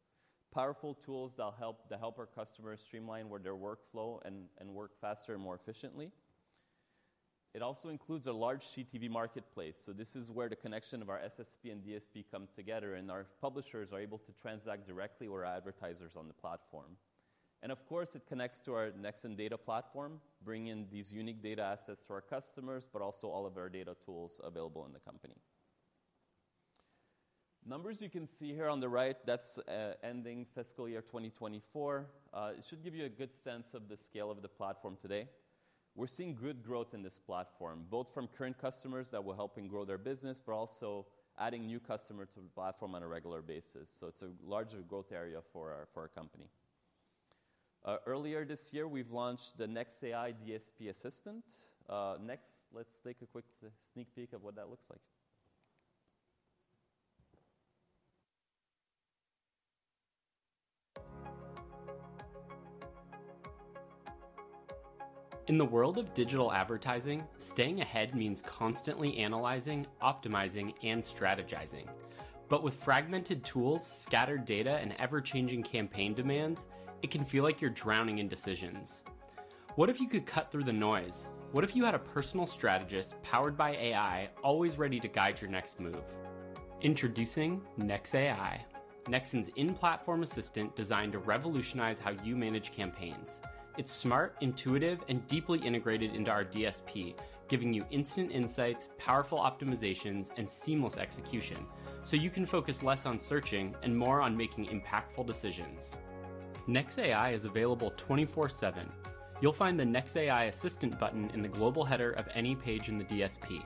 powerful tools that help our customers streamline their workflow and work faster and more efficiently. It also includes a large CTV marketplace. This is where the connection of our SSP and DSP comes together, and our publishers are able to transact directly with our advertisers on the platform. Of course, it connects to our Nexxen data platform, bringing in these unique data assets to our customers, but also all of our data tools available in the company. Numbers you can see here on the right, that's ending fiscal year 2024. It should give you a good sense of the scale of the platform today. We're seeing good growth in this platform, both from current customers that we're helping grow their business, but also adding new customers to the platform on a regular basis. It's a larger growth area for our company. Earlier this year, we've launched the NexAI DSP Assistant. Next, let's take a quick sneak peek of what that looks like. In the world of digital advertising, staying ahead means constantly analyzing, optimizing, and strategizing. With fragmented tools, scattered data, and ever-changing campaign demands, it can feel like you're drowning in decisions. What if you could cut through the noise? What if you had a personal strategist powered by AI, always ready to guide your next move? Introducing NexAI, Nexxen's in-platform assistant designed to revolutionize how you manage campaigns. It's smart, intuitive, and deeply integrated into our DSP, giving you instant insights, powerful optimizations, and seamless execution so you can focus less on searching and more on making impactful decisions. NexAI is available 24/7. You'll find the NexAI Assistant button in the global header of any page in the DSP.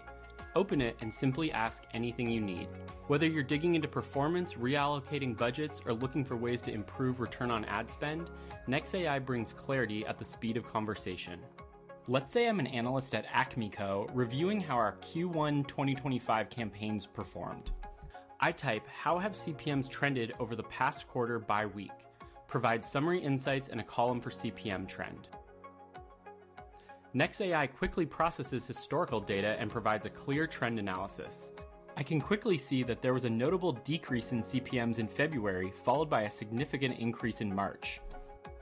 Open it and simply ask anything you need. Whether you're digging into performance, reallocating budgets, or looking for ways to improve return on ad spend, NexAI brings clarity at the speed of conversation. Let's say I'm an analyst at AcmeCo reviewing how our Q1 2025 campaigns performed. I type, "How have CPMs trended over the past quarter by week?" Provide summary insights and a column for CPM trend. NexAI quickly processes historical data and provides a clear trend analysis. I can quickly see that there was a notable decrease in CPMs in February, followed by a significant increase in March.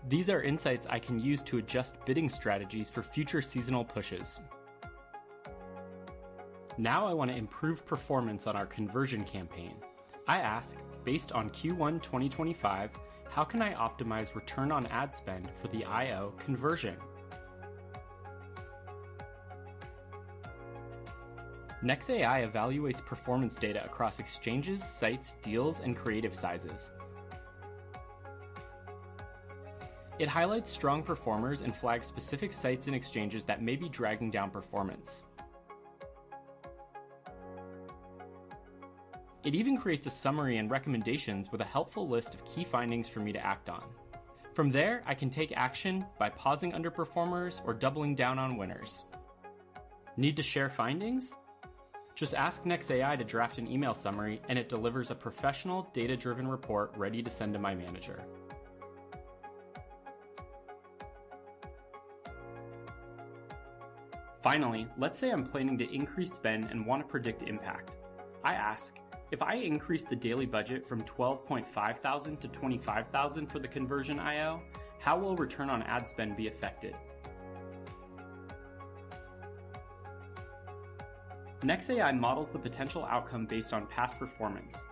These are insights I can use to adjust bidding strategies for future seasonal pushes. Now I want to improve performance on our conversion campaign. I ask, "Based on Q1 2025, how can I optimize return on ad spend for the I/O conversion?" NexAI evaluates performance data across exchanges, sites, deals, and creative sizes. It highlights strong performers and flags specific sites and exchanges that may be dragging down performance. It even creates a summary and recommendations with a helpful list of key findings for me to act on. From there, I can take action by pausing underperformers or doubling down on winners. Need to share findings? Just ask NexAI to draft an email summary, and it delivers a professional, data-driven report ready to send to my manager. Finally, let's say I'm planning to increase spend and want to predict impact. I ask, "If I increase the daily budget from $12,500 to $25,000 for the conversion I/O, how will return on ad spend be affected?" NexAI models the potential outcome based on past performance.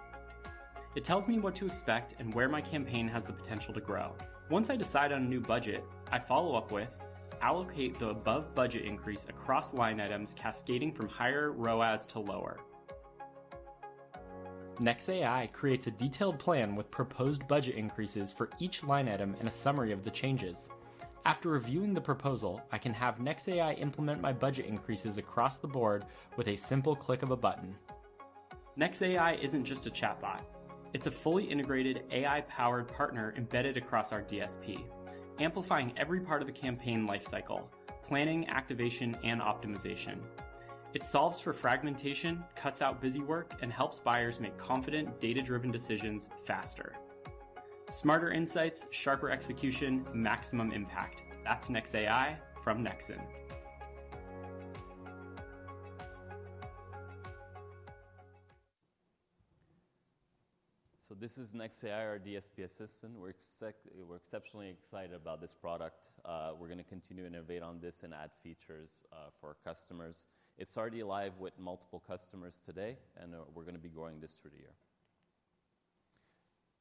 It tells me what to expect and where my campaign has the potential to grow. Once I decide on a new budget, I follow up with, "Allocate the above budget increase across line items cascading from higher ROAS to lower." NexAI creates a detailed plan with proposed budget increases for each line item and a summary of the changes. After reviewing the proposal, I can have NexAI implement my budget increases across the board with a simple click of a button. NexAI isn't just a chatbot. It's a fully integrated AI-powered partner embedded across our DSP, amplifying every part of the campaign lifecycle: planning, activation, and optimization. It solves for fragmentation, cuts out busy work, and helps buyers make confident, data-driven decisions faster. Smarter insights, sharper execution, maximum impact. That's NexAI from Nexxen. This is NexAI, our DSP assistant. We're exceptionally excited about this product. We're going to continue to innovate on this and add features for our customers. It's already live with multiple customers today, and we're going to be growing this through the year.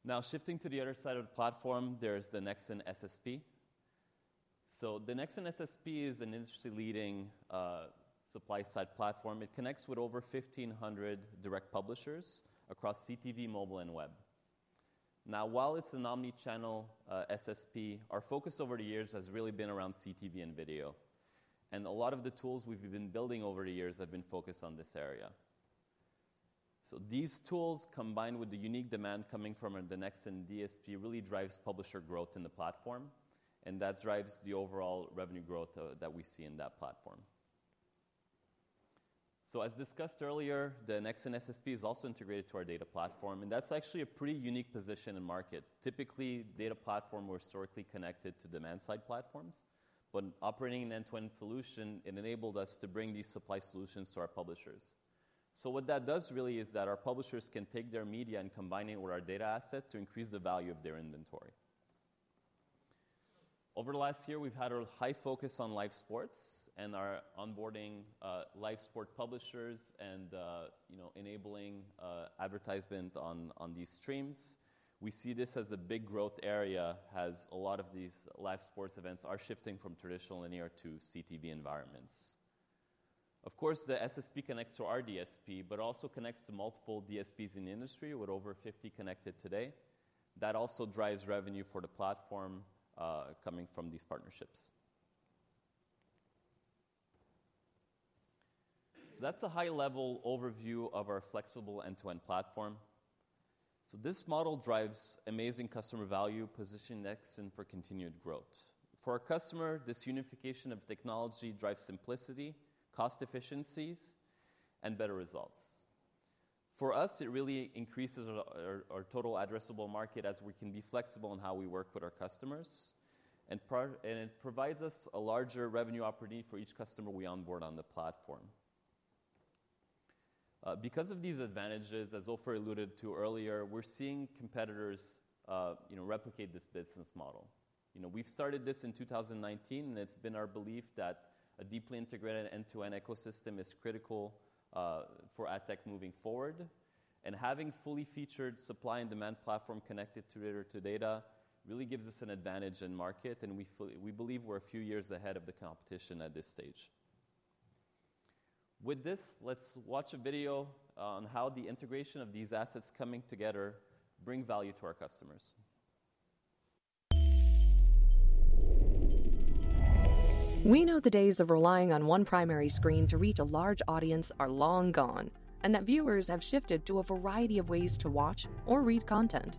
Now, shifting to the other side of the platform, there's the Nexxen SSP. The Nexxen SSP is an industry-leading supply-side platform. It connects with over 1,500 direct publishers across CTV, mobile, and web. While it's an omnichannel SSP, our focus over the years has really been around CTV and video. A lot of the tools we've been building over the years have been focused on this area. These tools, combined with the unique demand coming from the Nexxen DSP, really drive publisher growth in the platform. That drives the overall revenue growth that we see in that platform. As discussed earlier, the Nexxen SSP is also integrated to our data platform. That's actually a pretty unique position in the market. Typically, data platforms were historically connected to demand-side platforms. Operating an end-to-end solution enabled us to bring these supply solutions to our publishers. What that does really is that our publishers can take their media and combine it with our data asset to increase the value of their inventory. Over the last year, we've had a high focus on live sports and our onboarding live sport publishers and enabling advertisement on these streams. We see this as a big growth area as a lot of these live sports events are shifting from traditional linear to CTV environments. Of course, the SSP connects to our DSP, but also connects to multiple DSPs in the industry with over 50 connected today. That also drives revenue for the platform coming from these partnerships. That is a high-level overview of our flexible end-to-end platform. This model drives amazing customer value, positioning Nexxen for continued growth. For our customer, this unification of technology drives simplicity, cost efficiencies, and better results. For us, it really increases our total addressable market as we can be flexible in how we work with our customers. It provides us a larger revenue opportunity for each customer we onboard on the platform. Because of these advantages, as Ofer alluded to earlier, we are seeing competitors replicate this business model. We've started this in 2019, and it's been our belief that a deeply integrated end-to-end ecosystem is critical for ad tech moving forward. Having a fully featured supply and demand platform connected to data really gives us an advantage in market. We believe we're a few years ahead of the competition at this stage. With this, let's watch a video on how the integration of these assets coming together brings value to our customers. We know the days of relying on one primary screen to reach a large audience are long gone, and that viewers have shifted to a variety of ways to watch or read content.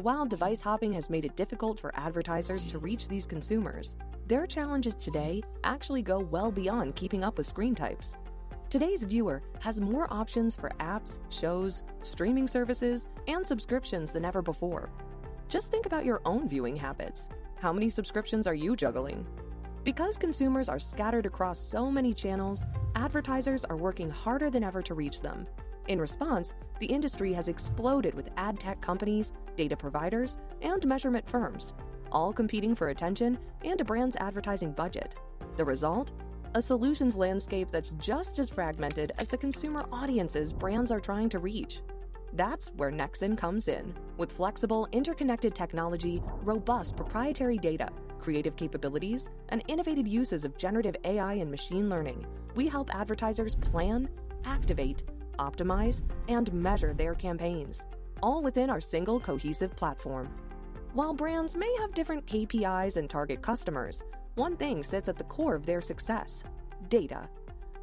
While device hopping has made it difficult for advertisers to reach these consumers, their challenges today actually go well beyond keeping up with screen types. Today's viewer has more options for apps, shows, streaming services, and subscriptions than ever before. Just think about your own viewing habits. How many subscriptions are you juggling? Because consumers are scattered across so many channels, advertisers are working harder than ever to reach them. In response, the industry has exploded with ad tech companies, data providers, and measurement firms, all competing for attention and a brand's advertising budget. The result? A solutions landscape that's just as fragmented as the consumer audiences brands are trying to reach. That's where Nexxen comes in. With flexible, interconnected technology, robust proprietary data, creative capabilities, and innovative uses of generative AI and machine learning, we help advertisers plan, activate, optimize, and measure their campaigns, all within our single cohesive platform. While brands may have different KPIs and target customers, one thing sits at the core of their success: data.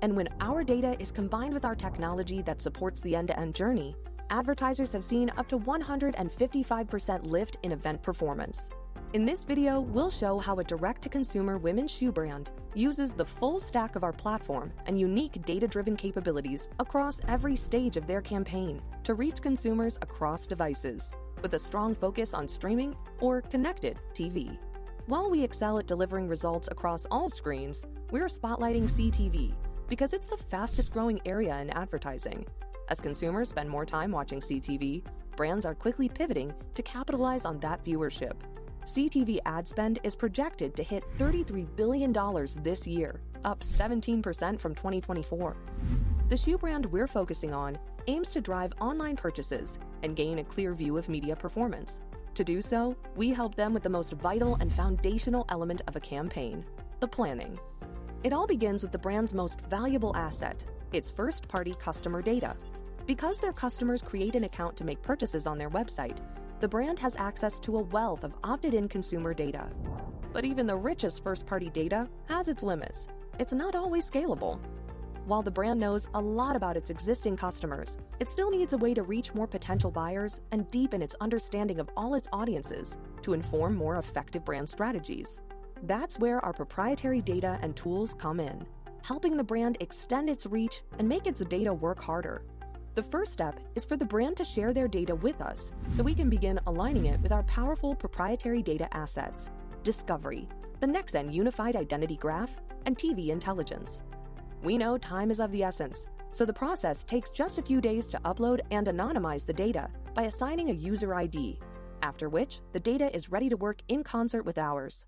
When our data is combined with our technology that supports the end-to-end journey, advertisers have seen up to 155% lift in event performance. In this video, we'll show how a direct-to-consumer women's shoe brand uses the full stack of our platform and unique data-driven capabilities across every stage of their campaign to reach consumers across devices, with a strong focus on streaming or connected TV. While we excel at delivering results across all screens, we're spotlighting CTV because it's the fastest-growing area in advertising. As consumers spend more time watching CTV, brands are quickly pivoting to capitalize on that viewership. CTV ad spend is projected to hit $33 billion this year, up 17% from 2024. The shoe brand we're focusing on aims to drive online purchases and gain a clear view of media performance. To do so, we help them with the most vital and foundational element of a campaign: the planning. It all begins with the brand's most valuable asset, its first-party customer data. Because their customers create an account to make purchases on their website, the brand has access to a wealth of opted-in consumer data. Even the richest first-party data has its limits. It is not always scalable. While the brand knows a lot about its existing customers, it still needs a way to reach more potential buyers and deepen its understanding of all its audiences to inform more effective brand strategies. That is where our proprietary data and tools come in, helping the brand extend its reach and make its data work harder. The first step is for the brand to share their data with us so we can begin aligning it with our powerful proprietary data assets: Discovery, the Nexxen Unified Identity Graph, and TV Intelligence. We know time is of the essence, so the process takes just a few days to upload and anonymize the data by assigning a user ID, after which the data is ready to work in concert with ours.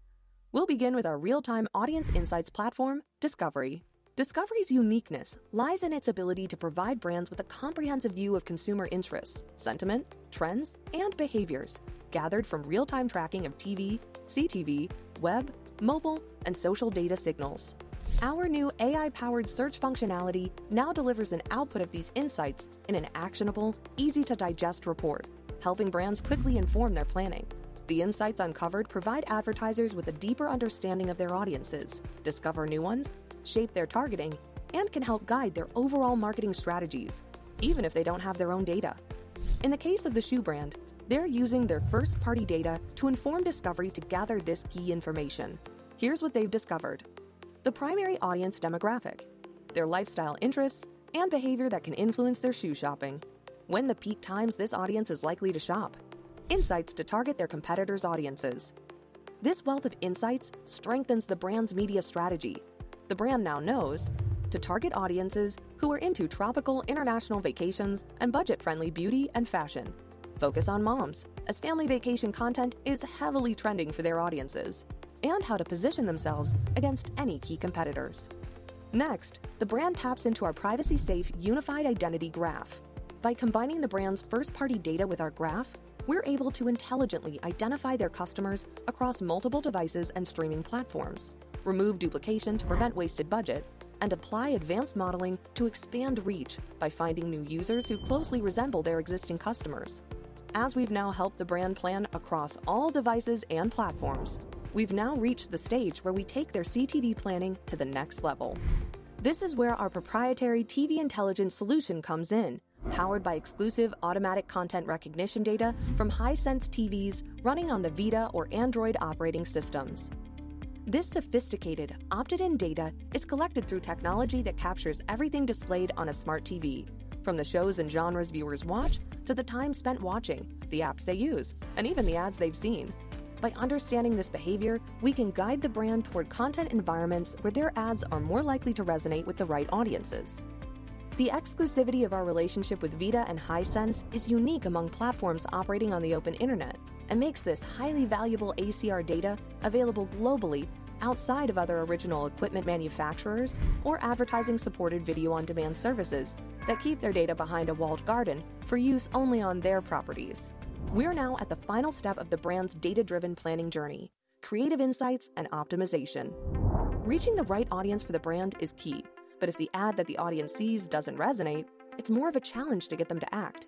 We'll begin with our real-time audience insights platform, Discovery. Discovery's uniqueness lies in its ability to provide brands with a comprehensive view of consumer interests, sentiment, trends, and behaviors gathered from real-time tracking of TV, CTV, web, mobile, and social data signals. Our new AI-powered search functionality now delivers an output of these insights in an actionable, easy-to-digest report, helping brands quickly inform their planning. The insights uncovered provide advertisers with a deeper understanding of their audiences, discover new ones, shape their targeting, and can help guide their overall marketing strategies, even if they do not have their own data. In the case of the shoe brand, they are using their first-party data to inform Discovery to gather this key information. Here is what they have discovered: the primary audience demographic, their lifestyle interests, and behavior that can influence their shoe shopping, when the peak times this audience is likely to shop, insights to target their competitors' audiences. This wealth of insights strengthens the brand's media strategy. The brand now knows to target audiences who are into tropical, international vacations and budget-friendly beauty and fashion, focus on moms, as family vacation content is heavily trending for their audiences, and how to position themselves against any key competitors. Next, the brand taps into our privacy-safe Unified Identity Graph. By combining the brand's first-party data with our graph, we're able to intelligently identify their customers across multiple devices and streaming platforms, remove duplication to prevent wasted budget, and apply advanced modeling to expand reach by finding new users who closely resemble their existing customers. As we've now helped the brand plan across all devices and platforms, we've now reached the stage where we take their CTV planning to the next level. This is where our proprietary TV Intelligence solution comes in, powered by exclusive automatic content recognition data from Hisense TVs running on the VIDAA or Android operating systems. This sophisticated, opted-in data is collected through technology that captures everything displayed on a smart TV, from the shows and genres viewers watch to the time spent watching, the apps they use, and even the ads they've seen. By understanding this behavior, we can guide the brand toward content environments where their ads are more likely to resonate with the right audiences. The exclusivity of our relationship with VIDAA and Hisense is unique among platforms operating on the open internet and makes this highly valuable ACR data available globally outside of other original equipment manufacturers or advertising-supported video on-demand services that keep their data behind a walled garden for use only on their properties. We're now at the final step of the brand's data-driven planning journey: creative insights and optimization. Reaching the right audience for the brand is key. If the ad that the audience sees doesn't resonate, it's more of a challenge to get them to act.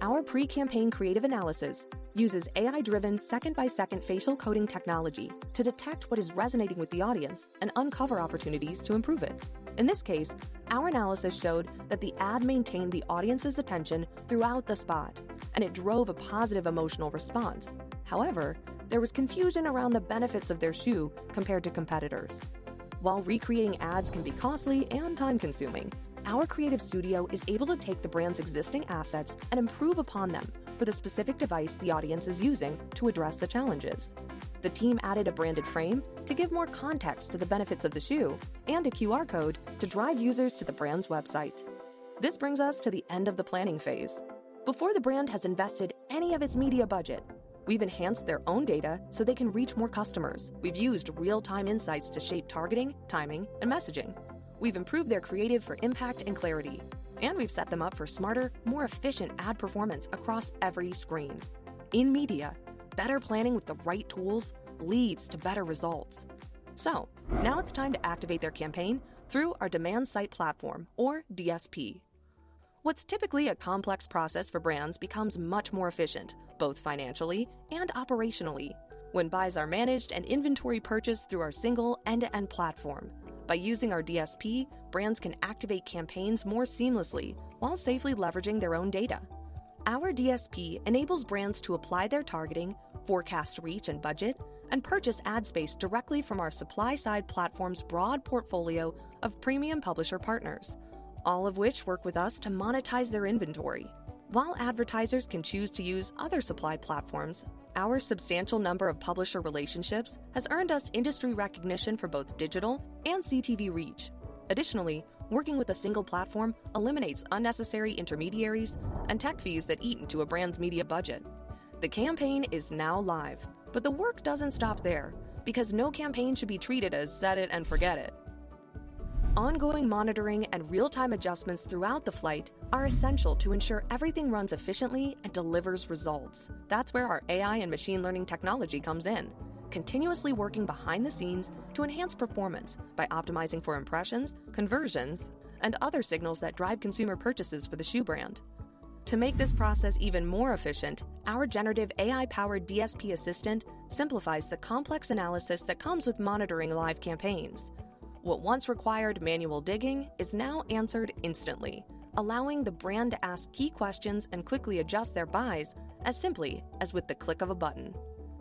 Our pre-campaign creative analysis uses AI-driven second-by-second facial coding technology to detect what is resonating with the audience and uncover opportunities to improve it. In this case, our analysis showed that the ad maintained the audience's attention throughout the spot, and it drove a positive emotional response. However, there was confusion around the benefits of their shoe compared to competitors. While recreating ads can be costly and time-consuming, our creative studio is able to take the brand's existing assets and improve upon them for the specific device the audience is using to address the challenges. The team added a branded frame to give more context to the benefits of the shoe and a QR code to drive users to the brand's website. This brings us to the end of the planning phase. Before the brand has invested any of its media budget, we've enhanced their own data so they can reach more customers. We've used real-time insights to shape targeting, timing, and messaging. We've improved their creative for impact and clarity. We have set them up for smarter, more efficient ad performance across every screen. In media, better planning with the right tools leads to better results. Now it is time to activate their campaign through our demand-side platform, or DSP. What is typically a complex process for brands becomes much more efficient, both financially and operationally, when buys are managed and inventory purchased through our single end-to-end platform. By using our DSP, brands can activate campaigns more seamlessly while safely leveraging their own data. Our DSP enables brands to apply their targeting, forecast reach and budget, and purchase ad space directly from our supply-side platform's broad portfolio of premium publisher partners, all of which work with us to monetize their inventory. While advertisers can choose to use other supply platforms, our substantial number of publisher relationships has earned us industry recognition for both digital and CTV reach. Additionally, working with a single platform eliminates unnecessary intermediaries and tech fees that eat into a brand's media budget. The campaign is now live, but the work does not stop there because no campaign should be treated as set it and forget it. Ongoing monitoring and real-time adjustments throughout the flight are essential to ensure everything runs efficiently and delivers results. That is where our AI and machine learning technology comes in, continuously working behind the scenes to enhance performance by optimizing for impressions, conversions, and other signals that drive consumer purchases for the shoe brand. To make this process even more efficient, our generative AI-powered DSP assistant simplifies the complex analysis that comes with monitoring live campaigns. What once required manual digging is now answered instantly, allowing the brand to ask key questions and quickly adjust their buys as simply as with the click of a button.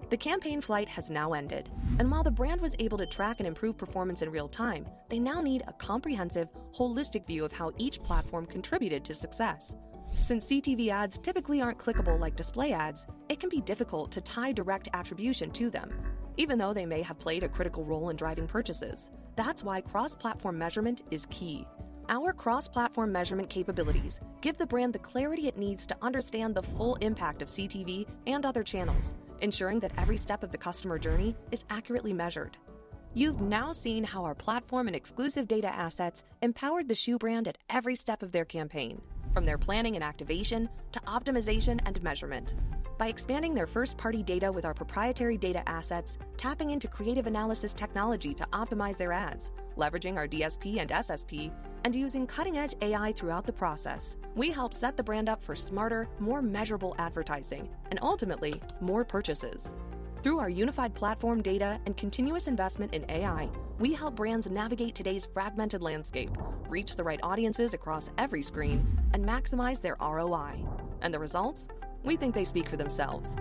The campaign flight has now ended, and while the brand was able to track and improve performance in real time, they now need a comprehensive, holistic view of how each platform contributed to success. Since CTV ads typically aren't clickable like display ads, it can be difficult to tie direct attribution to them, even though they may have played a critical role in driving purchases. That is why cross-platform measurement is key. Our cross-platform measurement capabilities give the brand the clarity it needs to understand the full impact of CTV and other channels, ensuring that every step of the customer journey is accurately measured. You have now seen how our platform and exclusive data assets empowered the shoe brand at every step of their campaign, from their planning and activation to optimization and measurement. By expanding their first-party data with our proprietary data assets, tapping into creative analysis technology to optimize their ads, leveraging our DSP and SSP, and using cutting-edge AI throughout the process, we help set the brand up for smarter, more measurable advertising and ultimately more purchases. Through our unified platform data and continuous investment in AI, we help brands navigate today's fragmented landscape, reach the right audiences across every screen, and maximize their ROI. The results? We think they speak for themselves.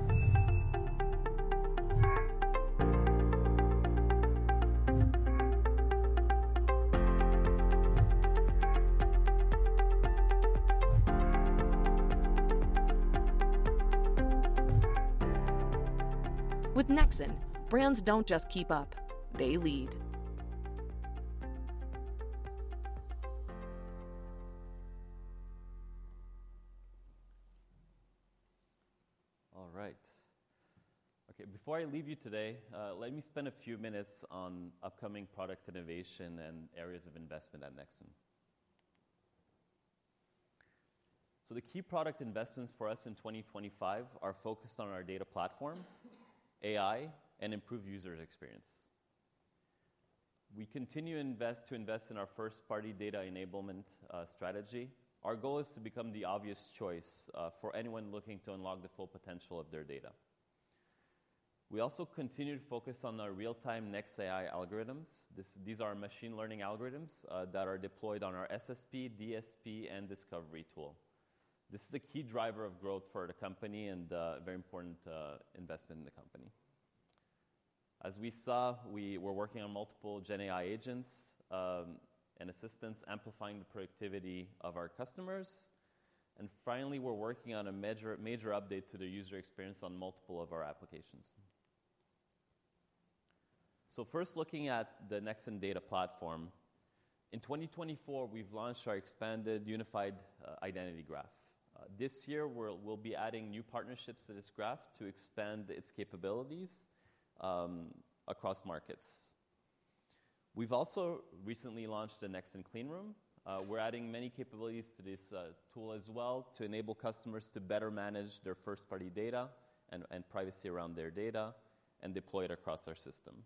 With Nexxen, brands do not just keep up; they lead. All right. Okay, before I leave you today, let me spend a few minutes on upcoming product innovation and areas of investment at Nexxen. The key product investments for us in 2025 are focused on our data platform, AI, and improved user experience. We continue to invest in our first-party data enablement strategy. Our goal is to become the obvious choice for anyone looking to unlock the full potential of their data. We also continue to focus on our real-time NexAI algorithms. These are machine learning algorithms that are deployed on our SSP, DSP, and Discovery tool. This is a key driver of growth for the company and a very important investment in the company. As we saw, we were working on multiple Gen AI agents and assistants, amplifying the productivity of our customers. Finally, we're working on a major update to the user experience on multiple of our applications. First, looking at the Nexxen data platform, in 2024, we've launched our expanded Unified Identity Graph. This year, we'll be adding new partnerships to this graph to expand its capabilities across markets. We've also recently launched a Nexxen Cleanroom. We're adding many capabilities to this tool as well to enable customers to better manage their first-party data and privacy around their data and deploy it across our system.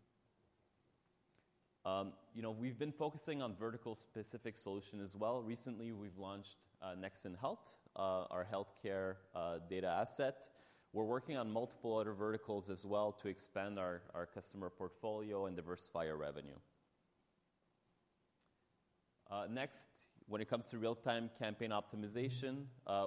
We've been focusing on vertical-specific solutions as well. Recently, we've launched Nexen Health, our healthcare data asset. We're working on multiple other verticals as well to expand our customer portfolio and diversify our revenue. Next, when it comes to real-time campaign optimization,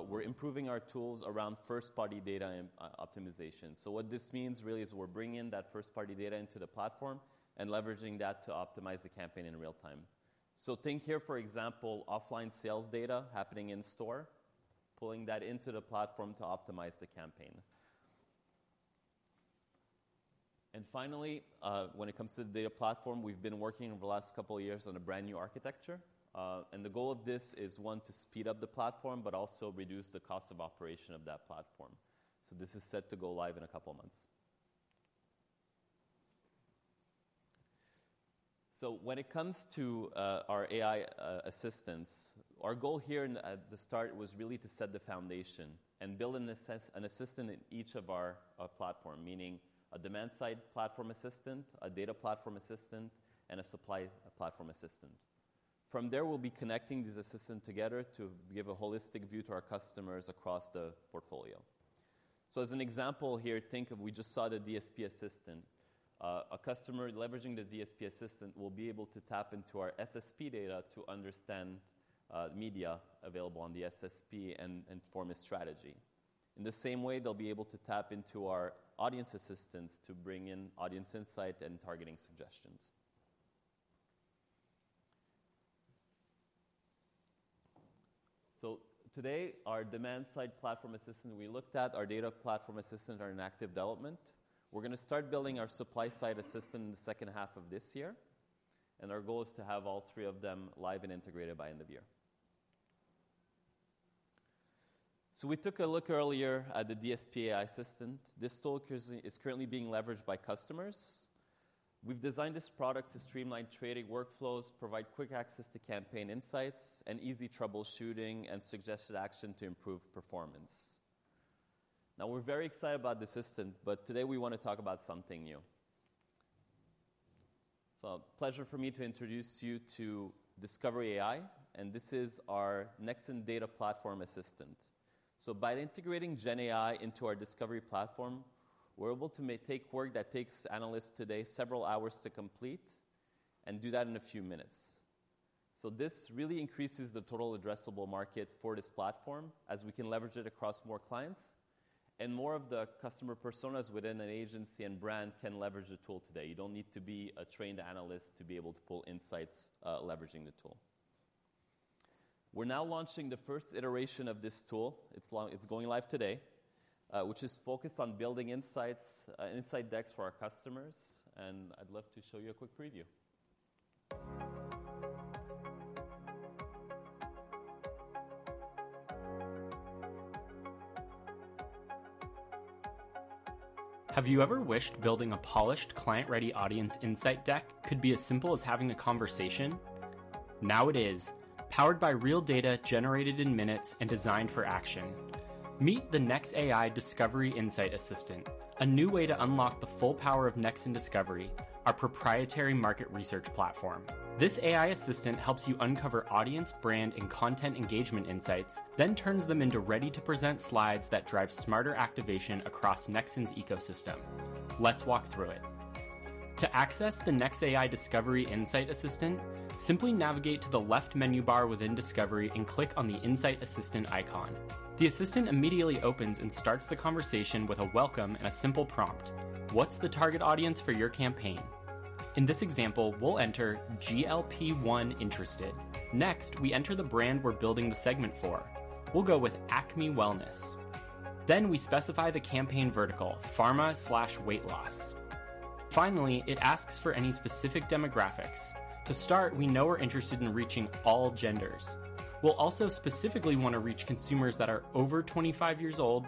we're improving our tools around first-party data optimization. What this means really is we're bringing that first-party data into the platform and leveraging that to optimize the campaign in real time. Think here, for example, offline sales data happening in-store, pulling that into the platform to optimize the campaign. Finally, when it comes to the data platform, we've been working over the last couple of years on a brand new architecture. The goal of this is, one, to speed up the platform, but also reduce the cost of operation of that platform. This is set to go live in a couple of months. When it comes to our AI assistants, our goal here at the start was really to set the foundation and build an assistant in each of our platforms, meaning a demand-side platform assistant, a data platform assistant, and a supply platform assistant. From there, we'll be connecting these assistants together to give a holistic view to our customers across the portfolio. As an example here, think of we just saw the DSP assistant. A customer leveraging the DSP assistant will be able to tap into our SSP data to understand media available on the SSP and form a strategy. In the same way, they'll be able to tap into our audience assistants to bring in audience insight and targeting suggestions. Today, our demand-side platform assistant we looked at, our data platform assistant are in active development. We're going to start building our supply-side assistant in the second half of this year. Our goal is to have all three of them live and integrated by end of year. We took a look earlier at the DSP AI assistant. This tool is currently being leveraged by customers. We've designed this product to streamline trading workflows, provide quick access to campaign insights, and easy troubleshooting and suggested action to improve performance. Now, we're very excited about this assistant, but today we want to talk about something new. It's a pleasure for me to introduce you to Discovery AI, and this is our Nexxen data platform assistant. By integrating Gen AI into our Discovery platform, we're able to take work that takes analysts today several hours to complete and do that in a few minutes. This really increases the total addressable market for this platform as we can leverage it across more clients. More of the customer personas within an agency and brand can leverage the tool today. You don't need to be a trained analyst to be able to pull insights leveraging the tool. We're now launching the first iteration of this tool. It's going live today, which is focused on building insights and insight decks for our customers. I'd love to show you a quick preview. Have you ever wished building a polished, client-ready audience insight deck could be as simple as having a conversation? Now it is, powered by real data generated in minutes and designed for action. Meet the Next AI Discovery Insight Assistant, a new way to unlock the full power of Nexxen Discovery, our proprietary market research platform. This AI assistant helps you uncover audience, brand, and content engagement insights, then turns them into ready-to-present slides that drive smarter activation across Nexxen's ecosystem. Let's walk through it. To access the Next AI Discovery Insight Assistant, simply navigate to the left menu bar within Discovery and click on the Insight Assistant icon. The assistant immediately opens and starts the conversation with a welcome and a simple prompt. What's the target audience for your campaign? In this example, we'll enter GLP-1 interested. Next, we enter the brand we're building the segment for. We'll go with Acme Wellness. Then we specify the campaign vertical, pharma/weight loss. Finally, it asks for any specific demographics. To start, we know we're interested in reaching all genders. We'll also specifically want to reach consumers that are over 25 years old,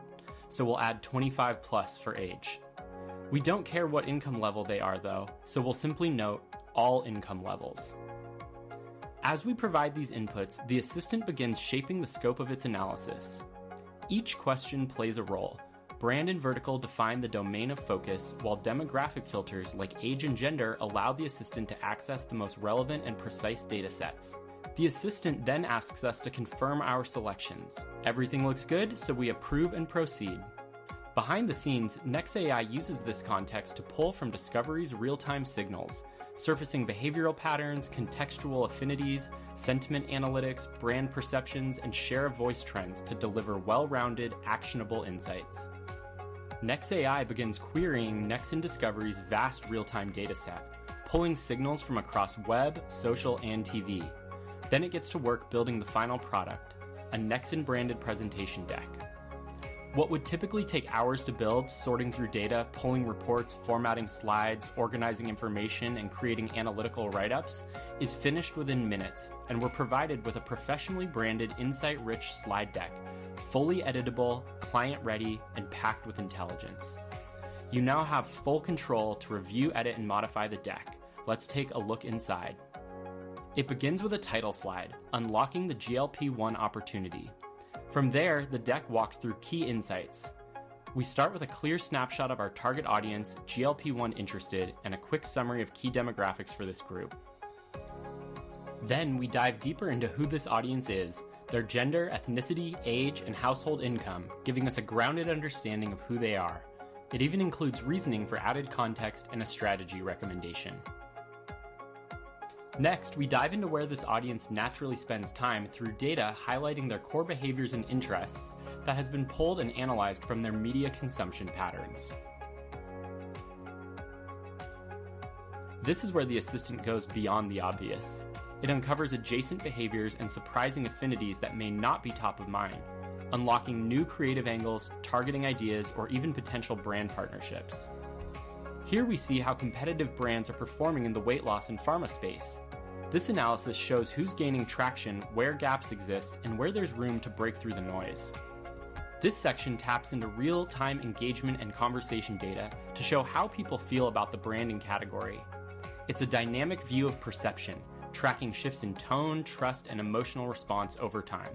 so we'll add 25 plus for age. We don't care what income level they are, though, so we'll simply note all income levels. As we provide these inputs, the assistant begins shaping the scope of its analysis. Each question plays a role. Brand and vertical define the domain of focus, while demographic filters like age and gender allow the assistant to access the most relevant and precise data sets. The assistant then asks us to confirm our selections. Everything looks good, so we approve and proceed. Behind the scenes, NexAI uses this context to pull from Discovery's real-time signals, surfacing behavioral patterns, contextual affinities, sentiment analytics, brand perceptions, and share of voice trends to deliver well-rounded, actionable insights. NexAI begins querying Discovery's vast real-time data set, pulling signals from across web, social, and TV. Then it gets to work building the final product, a Nexxen-branded presentation deck. What would typically take hours to build, sorting through data, pulling reports, formatting slides, organizing information, and creating analytical write-ups, is finished within minutes and we're provided with a professionally branded, insight-rich slide deck, fully editable, client-ready, and packed with intelligence. You now have full control to review, edit, and modify the deck. Let's take a look inside. It begins with a title slide, unlocking the GLP-1 opportunity. From there, the deck walks through key insights. We start with a clear snapshot of our target audience, GLP-1 interested, and a quick summary of key demographics for this group. Then we dive deeper into who this audience is, their gender, ethnicity, age, and household income, giving us a grounded understanding of who they are. It even includes reasoning for added context and a strategy recommendation. Next, we dive into where this audience naturally spends time through data highlighting their core behaviors and interests that have been pulled and analyzed from their media consumption patterns. This is where the assistant goes beyond the obvious. It uncovers adjacent behaviors and surprising affinities that may not be top of mind, unlocking new creative angles, targeting ideas, or even potential brand partnerships. Here we see how competitive brands are performing in the weight loss and pharma space. This analysis shows who is gaining traction, where gaps exist, and where there is room to break through the noise. This section taps into real-time engagement and conversation data to show how people feel about the branding category. It is a dynamic view of perception, tracking shifts in tone, trust, and emotional response over time.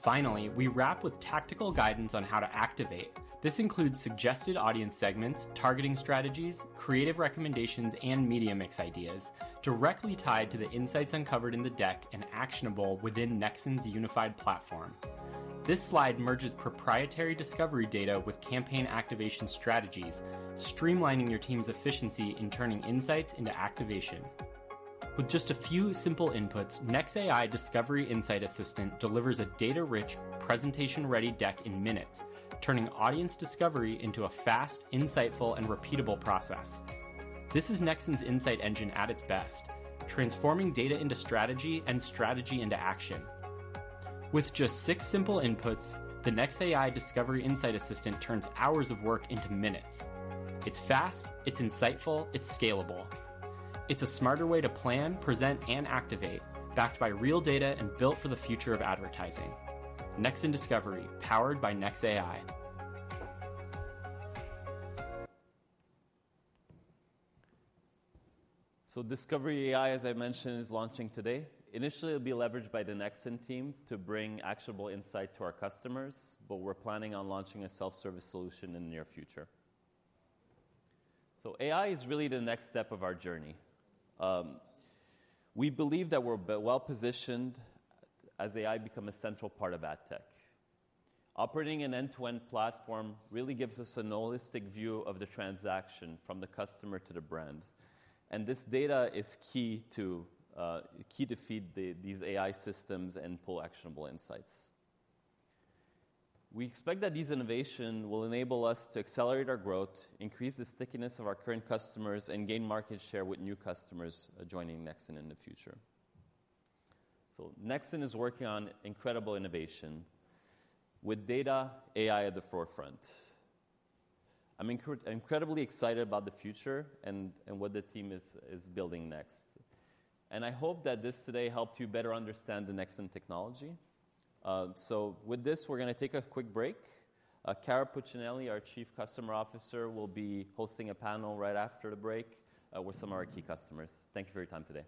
Finally, we wrap with tactical guidance on how to activate. This includes suggested audience segments, targeting strategies, creative recommendations, and media mix ideas directly tied to the insights uncovered in the deck and actionable within Nexxen's unified platform. This slide merges proprietary Discovery data with campaign activation strategies, streamlining your team's efficiency in turning insights into activation. With just a few simple inputs, NexAI Discovery Insight Assistant delivers a data-rich, presentation-ready deck in minutes, turning audience discovery into a fast, insightful, and repeatable process. This is Nexxen's insight engine at its best, transforming data into strategy and strategy into action. With just six simple inputs, the NexAI Discovery Insight Assistant turns hours of work into minutes. It's fast, it's insightful, it's scalable. It's a smarter way to plan, present, and activate, backed by real data and built for the future of advertising. Nexxen Discovery, powered by NexAI. Discovery AI, as I mentioned, is launching today. Initially, it'll be leveraged by the Nexxen team to bring actionable insight to our customers, but we're planning on launching a self-service solution in the near future. AI is really the next step of our journey. We believe that we're well positioned as AI becomes a central part of ad tech. Operating an end-to-end platform really gives us a holistic view of the transaction from the customer to the brand. This data is key to feed these AI systems and pull actionable insights. We expect that these innovations will enable us to accelerate our growth, increase the stickiness of our current customers, and gain market share with new customers joining Nexxen in the future. Nexxen is working on incredible innovation with data AI at the forefront. I'm incredibly excited about the future and what the team is building next. I hope that this today helped you better understand the Nexxen technology. With this, we're going to take a quick break. Kara Puccinelli, our Chief Customer Officer, will be hosting a panel right after the break with some of our key customers. Thank you for your time today.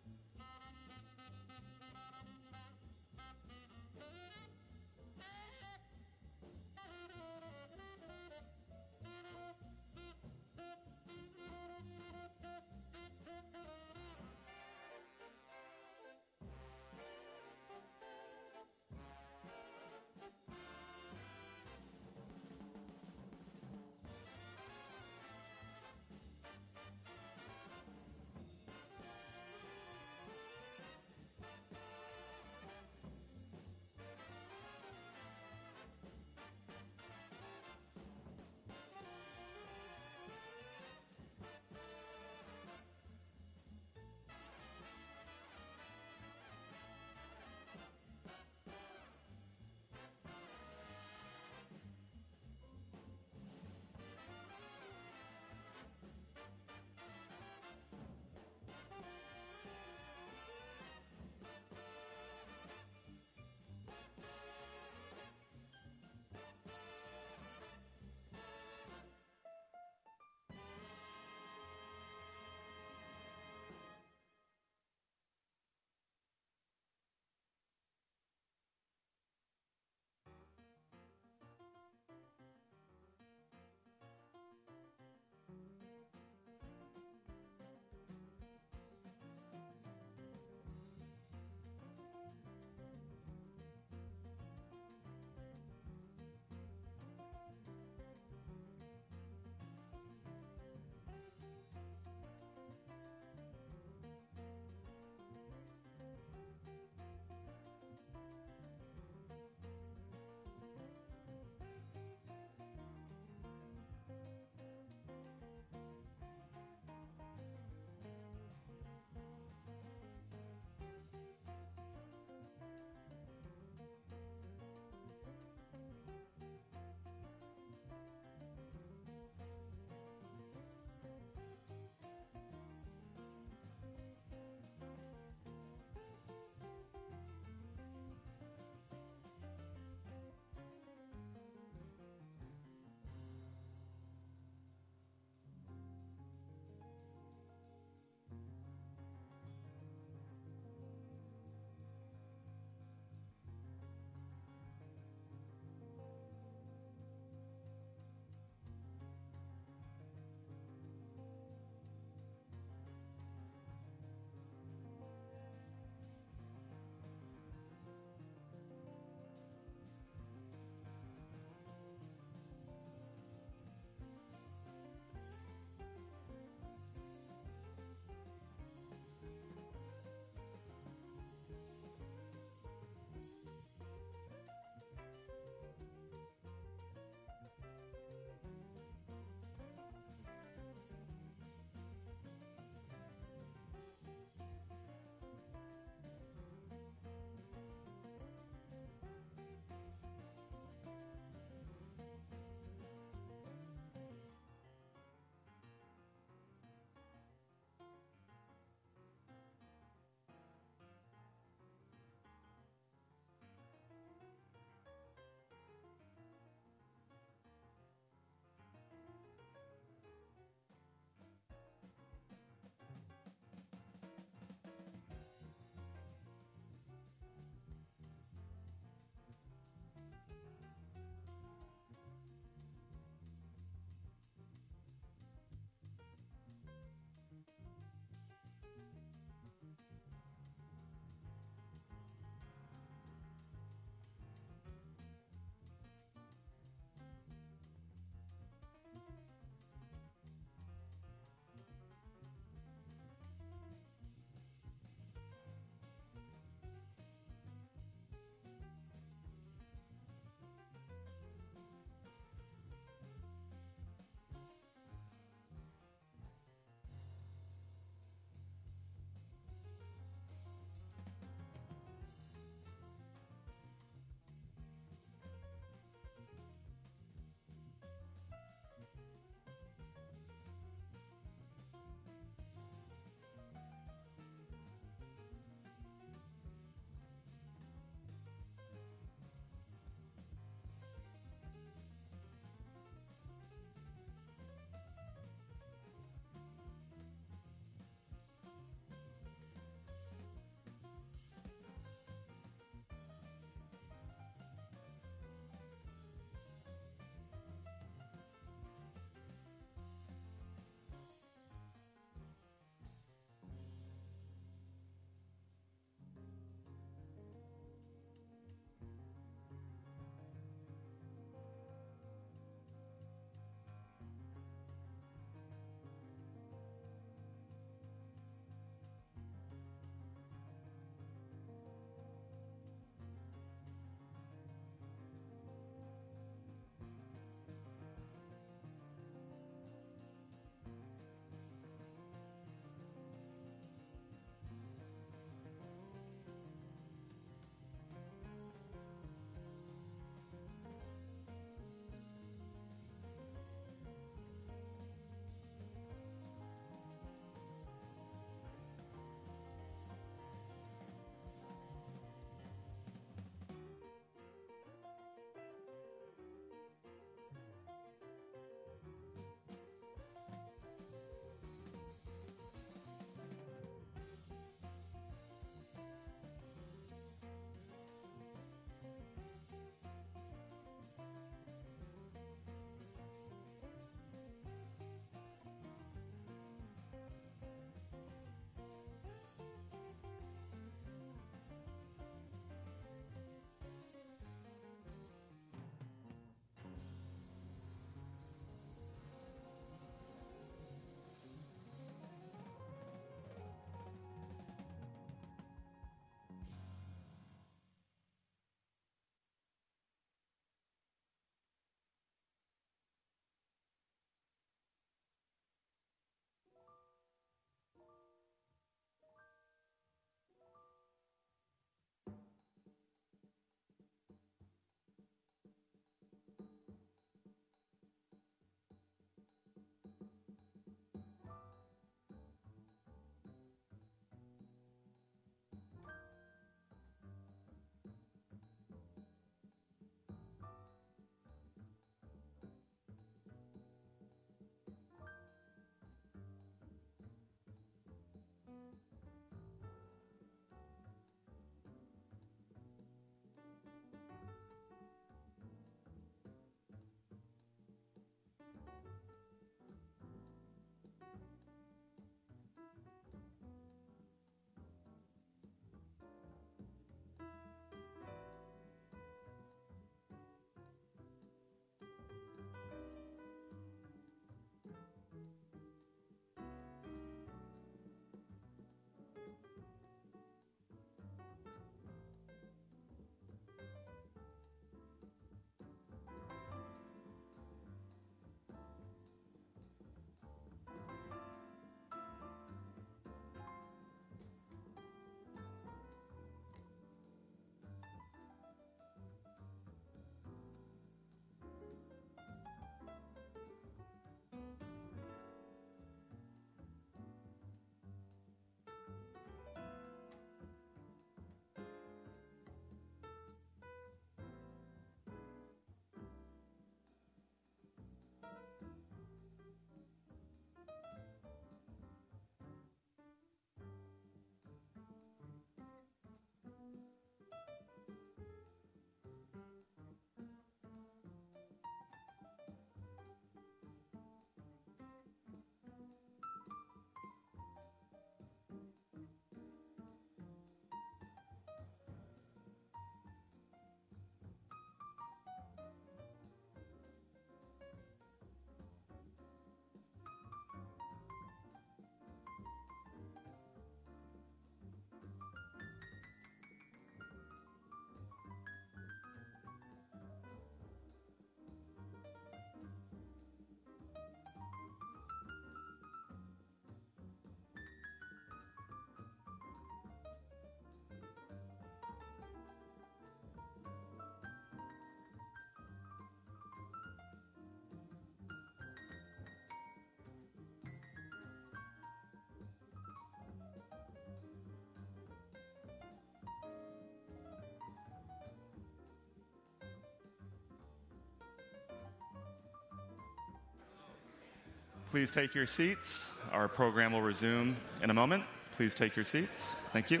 Please take your seats. Our program will resume in a moment. Please take your seats. Thank you.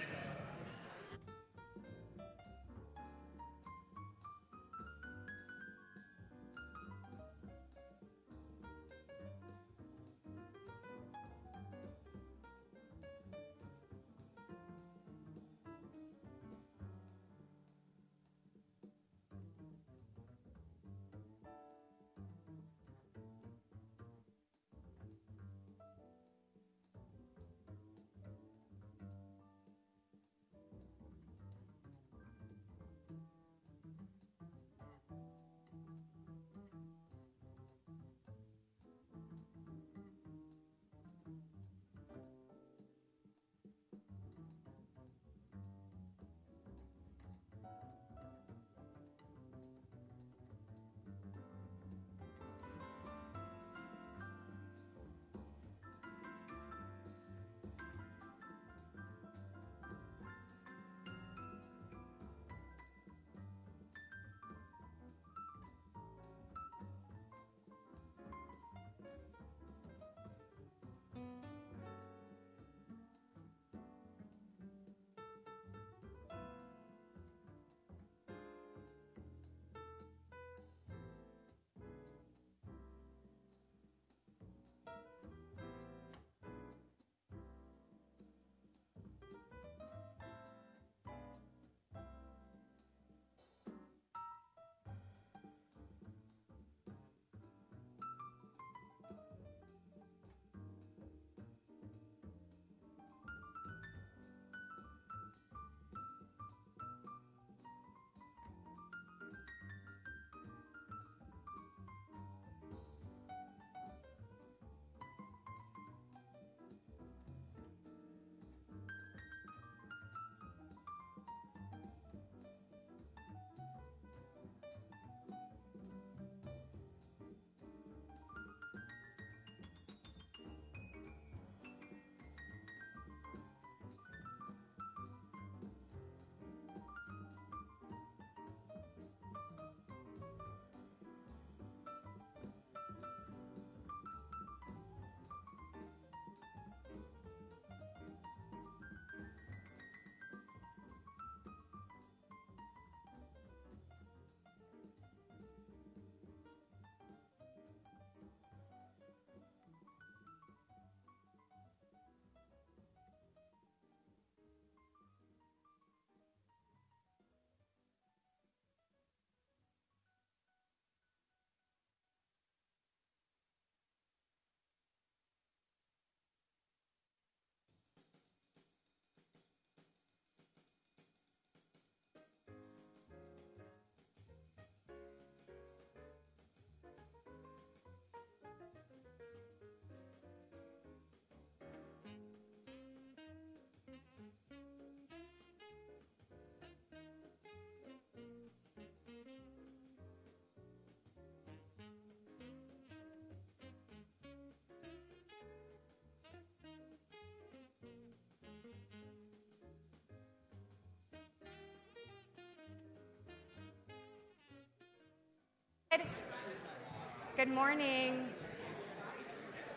Good morning.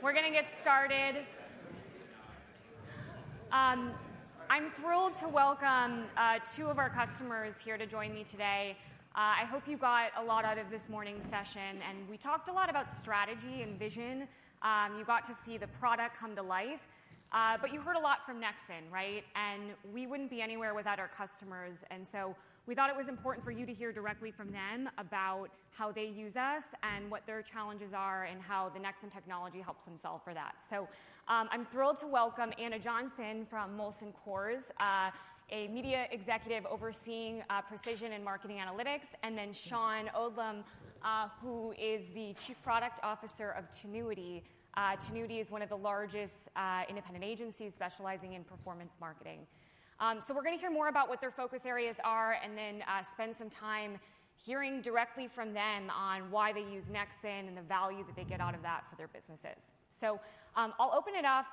We're going to get started. I'm thrilled to welcome two of our customers here to join me today. I hope you got a lot out of this morning's session. We talked a lot about strategy and vision. You got to see the product come to life. You heard a lot from Nexxen, right? We wouldn't be anywhere without our customers. We thought it was important for you to hear directly from them about how they use us and what their challenges are and how the Nexxen technology helps them solve for that. I'm thrilled to welcome Anna Johnson from Molson Coors, a media executive overseeing precision and marketing analytics, and then Sean Odlumom, who is the Chief Product Officer of Tinuiti. Tinuiti is one of the largest independent agencies specializing in performance marketing. We're going to hear more about what their focus areas are and then spend some time hearing directly from them on why they use Nexxen and the value that they get out of that for their businesses. I'll open it up,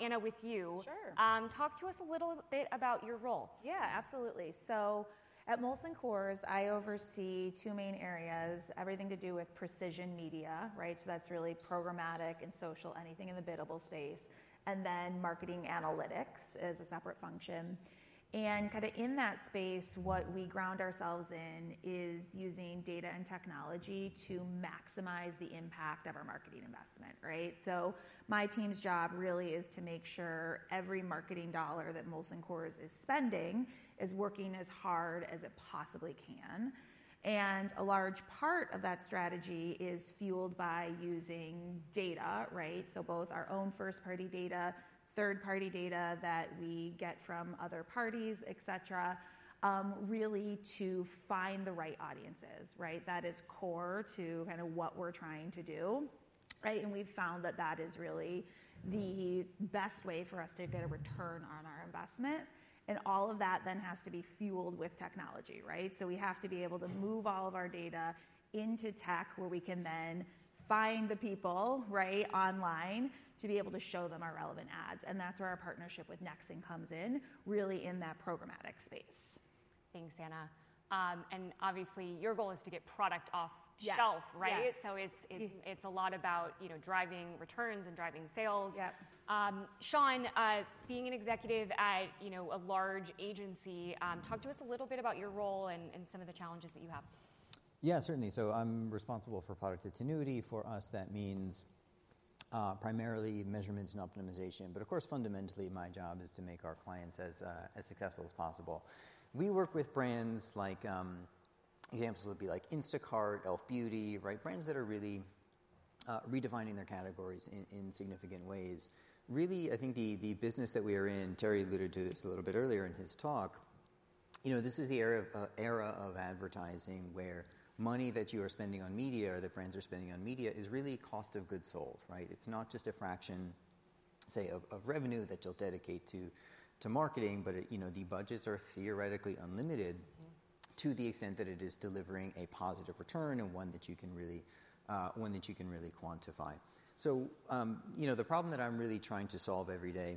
Anna, with you. Talk to us a little bit about your role. Yeah, absolutely. At Molson Coors, I oversee two main areas: everything to do with precision media, right? That's really programmatic and social, anything in the biddable space. Marketing analytics is a separate function. In that space, what we ground ourselves in is using data and technology to maximize the impact of our marketing investment, right? My team's job really is to make sure every marketing dollar that Molson Coors is spending is working as hard as it possibly can. A large part of that strategy is fueled by using data, right? Both our own first-party data, third-party data that we get from other parties, et cetera, really to find the right audiences, right? That is core to kind of what we're trying to do, right? We've found that that is really the best way for us to get a return on our investment. All of that then has to be fueled with technology, right? We have to be able to move all of our data into tech where we can then find the people, right, online to be able to show them our relevant ads. That is where our partnership with Nexxen comes in, really in that programmatic space. Thanks, Anna. Obviously, your goal is to get product off shelf, right? It is a lot about driving returns and driving sales. Sean, being an executive at a large agency, talk to us a little bit about your role and some of the challenges that you have. Yeah, certainly. I am responsible for product at Tinuiti. For us, that means primarily measurements and optimization. Of course, fundamentally, my job is to make our clients as successful as possible. We work with brands like examples would be like Instacart, Elf Beauty, right? Brands that are really redefining their categories in significant ways. Really, I think the business that we are in, Terry alluded to this a little bit earlier in his talk, this is the era of advertising where money that you are spending on media or the brands are spending on media is really cost of goods sold, right? It's not just a fraction, say, of revenue that you'll dedicate to marketing, but the budgets are theoretically unlimited to the extent that it is delivering a positive return and one that you can really quantify. The problem that I'm really trying to solve every day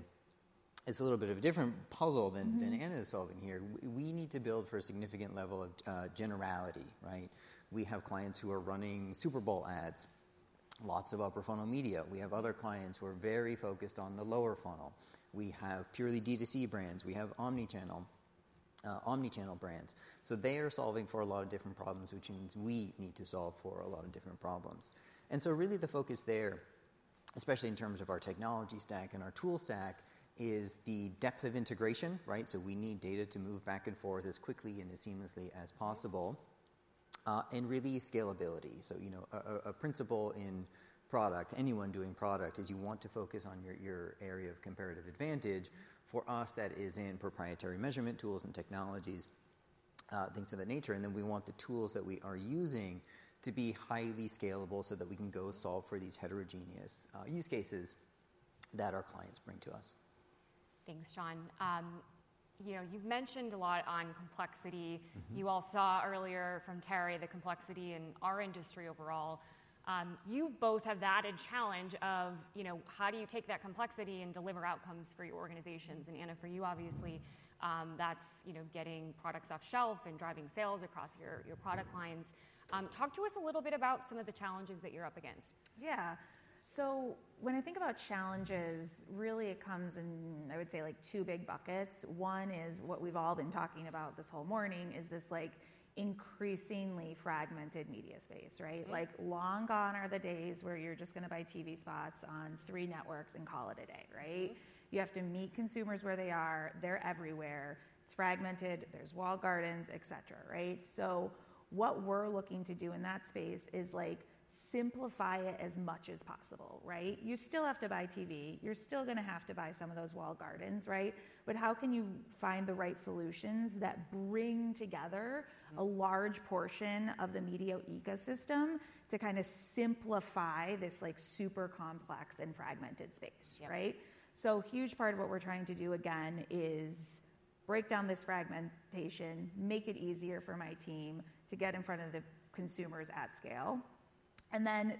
is a little bit of a different puzzle than Anna is solving here. We need to build for a significant level of generality, right? We have clients who are running Super Bowl ads, lots of upper funnel media. We have other clients who are very focused on the lower funnel. We have purely D2C brands. We have omnichannel brands. They are solving for a lot of different problems, which means we need to solve for a lot of different problems. Really the focus there, especially in terms of our technology stack and our tool stack, is the depth of integration, right? We need data to move back and forth as quickly and as seamlessly as possible and really scalability. A principle in product, anyone doing product, is you want to focus on your area of comparative advantage. For us, that is in proprietary measurement tools and technologies, things of that nature. We want the tools that we are using to be highly scalable so that we can go solve for these heterogeneous use cases that our clients bring to us. Thanks, Sean. You've mentioned a lot on complexity. You all saw earlier from Terry the complexity in our industry overall. You both have that challenge of how do you take that complexity and deliver outcomes for your organizations. Anna, for you, obviously, that is getting products off shelf and driving sales across your product lines. Talk to us a little bit about some of the challenges that you are up against. Yeah. When I think about challenges, really it comes in, I would say, two big buckets. One is what we have all been talking about this whole morning, this increasingly fragmented media space, right? Long gone are the days where you are just going to buy TV spots on three networks and call it a day, right? You have to meet consumers where they are. They are everywhere. It is fragmented. There are walled gardens, et cetera, right? What we're looking to do in that space is simplify it as much as possible, right? You still have to buy TV. You're still going to have to buy some of those walled gardens, right? How can you find the right solutions that bring together a large portion of the media ecosystem to kind of simplify this super complex and fragmented space, right? A huge part of what we're trying to do, again, is break down this fragmentation, make it easier for my team to get in front of the consumers at scale.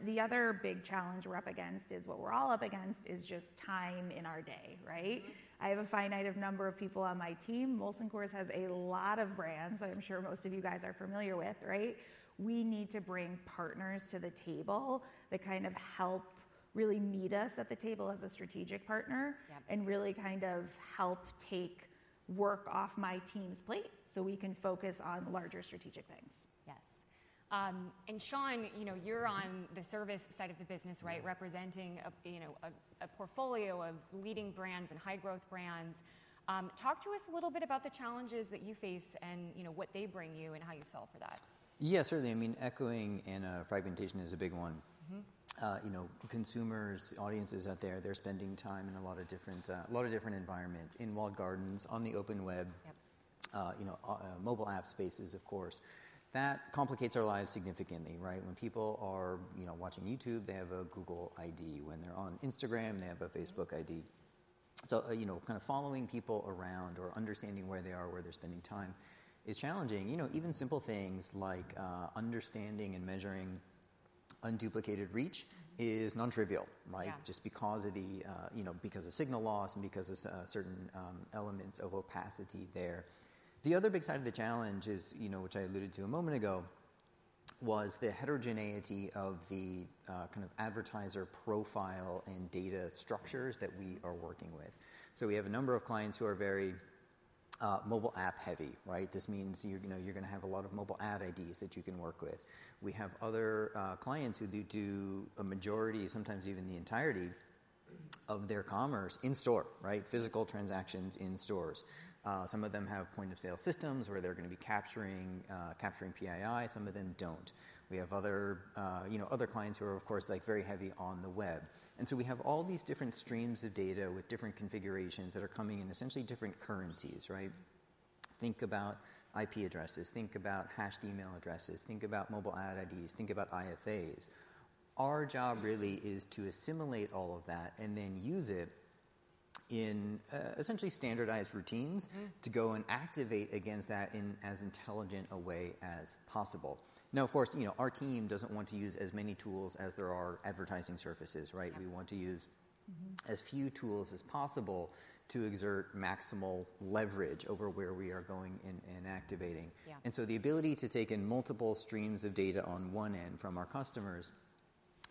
The other big challenge we're up against is what we're all up against, which is just time in our day, right? I have a finite number of people on my team. Molson Coors has a lot of brands that I'm sure most of you guys are familiar with, right? We need to bring partners to the table that kind of help really meet us at the table as a strategic partner and really kind of help take work off my team's plate so we can focus on larger strategic things. Yes. And Sean, you're on the service side of the business, right, representing a portfolio of leading brands and high-growth brands. Talk to us a little bit about the challenges that you face and what they bring you and how you solve for that. Yeah, certainly. I mean, echoing and fragmentation is a big one. Consumers, audiences out there, they're spending time in a lot of different environments: in walled gardens, on the open web, mobile app spaces, of course. That complicates our lives significantly, right? When people are watching YouTube, they have a Google ID. When they're on Instagram, they have a Facebook ID. Kind of following people around or understanding where they are, where they're spending time is challenging. Even simple things like understanding and measuring unduplicated reach is non-trivial, right? Just because of signal loss and because of certain elements of opacity there. The other big side of the challenge, which I alluded to a moment ago, was the heterogeneity of the kind of advertiser profile and data structures that we are working with. We have a number of clients who are very mobile app heavy, right? This means you're going to have a lot of mobile ad IDs that you can work with. We have other clients who do a majority, sometimes even the entirety of their commerce in store, right? Physical transactions in stores. Some of them have point-of-sale systems where they're going to be capturing PII. Some of them don't. We have other clients who are, of course, very heavy on the web. And so we have all these different streams of data with different configurations that are coming in essentially different currencies, right? Think about IP addresses. Think about hashed email addresses. Think about mobile ad IDs. Think about IFAs. Our job really is to assimilate all of that and then use it in essentially standardized routines to go and activate against that in as intelligent a way as possible. Now, of course, our team does not want to use as many tools as there are advertising surfaces, right? We want to use as few tools as possible to exert maximal leverage over where we are going and activating. The ability to take in multiple streams of data on one end from our customers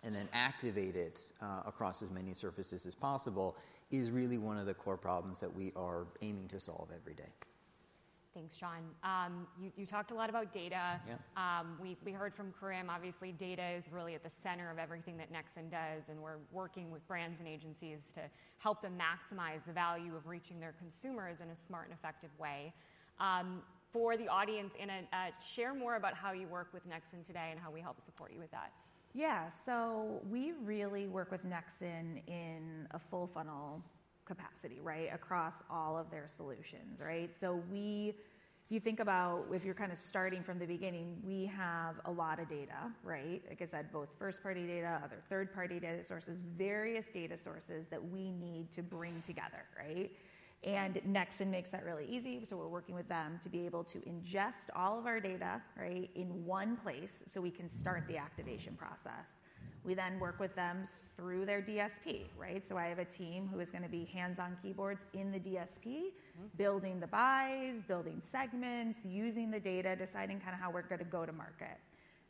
and then activate it across as many surfaces as possible is really one of the core problems that we are aiming to solve every day. Thanks, Sean. You talked a lot about data. We heard from Karim, obviously, data is really at the center of everything that Nexxen does. We are working with brands and agencies to help them maximize the value of reaching their consumers in a smart and effective way. For the audience, Anna, share more about how you work with Nexxen today and how we help support you with that. Yeah. We really work with Nexxen in a full funnel capacity, right, across all of their solutions, right? If you think about, if you are kind of starting from the beginning, we have a lot of data, right? Like I said, both first-party data, other third-party data sources, various data sources that we need to bring together, right? And Nexxen makes that really easy. We are working with them to be able to ingest all of our data, right, in one place so we can start the activation process. We then work with them through their DSP, right? I have a team who is going to be hands-on keyboards in the DSP, building the buys, building segments, using the data, deciding kind of how we are going to go to market.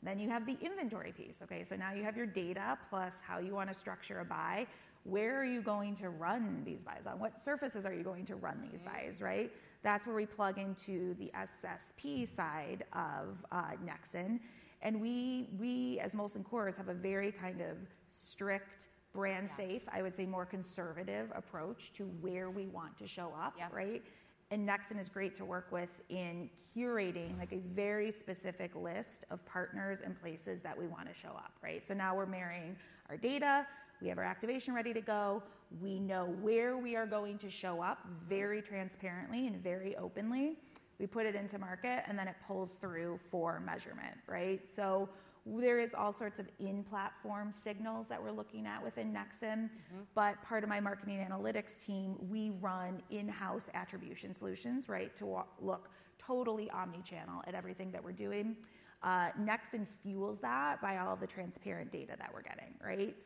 Then you have the inventory piece, okay? Now you have your data plus how you want to structure a buy. Where are you going to run these buys on? What surfaces are you going to run these buys, right? That is where we plug into the SSP side of Nexxen. We, as Molson Coors, have a very kind of strict brand-safe, I would say more conservative approach to where we want to show up, right? Nexxen is great to work with in curating a very specific list of partners and places that we want to show up, right? Now we're marrying our data. We have our activation ready to go. We know where we are going to show up very transparently and very openly. We put it into market, and then it pulls through for measurement, right? There are all sorts of in-platform signals that we're looking at within Nexxen. Part of my marketing analytics team, we run in-house attribution solutions, right, to look totally omnichannel at everything that we're doing. Nexxen fuels that by all of the transparent data that we're getting, right?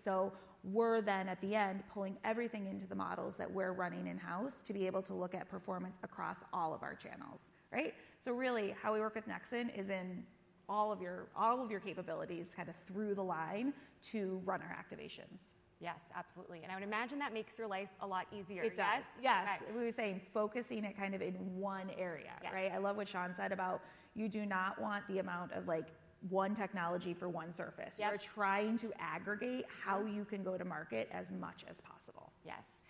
We're then at the end pulling everything into the models that we're running in-house to be able to look at performance across all of our channels, right? Really, how we work with Nexxen is in all of your capabilities kind of through the line to run our activations. Yes, absolutely. I would imagine that makes your life a lot easier, right? It does. Yes. We were saying focusing it kind of in one area, right? I love what Sean said about you do not want the amount of one technology for one surface. You're trying to aggregate how you can go to market as much as possible. Yes.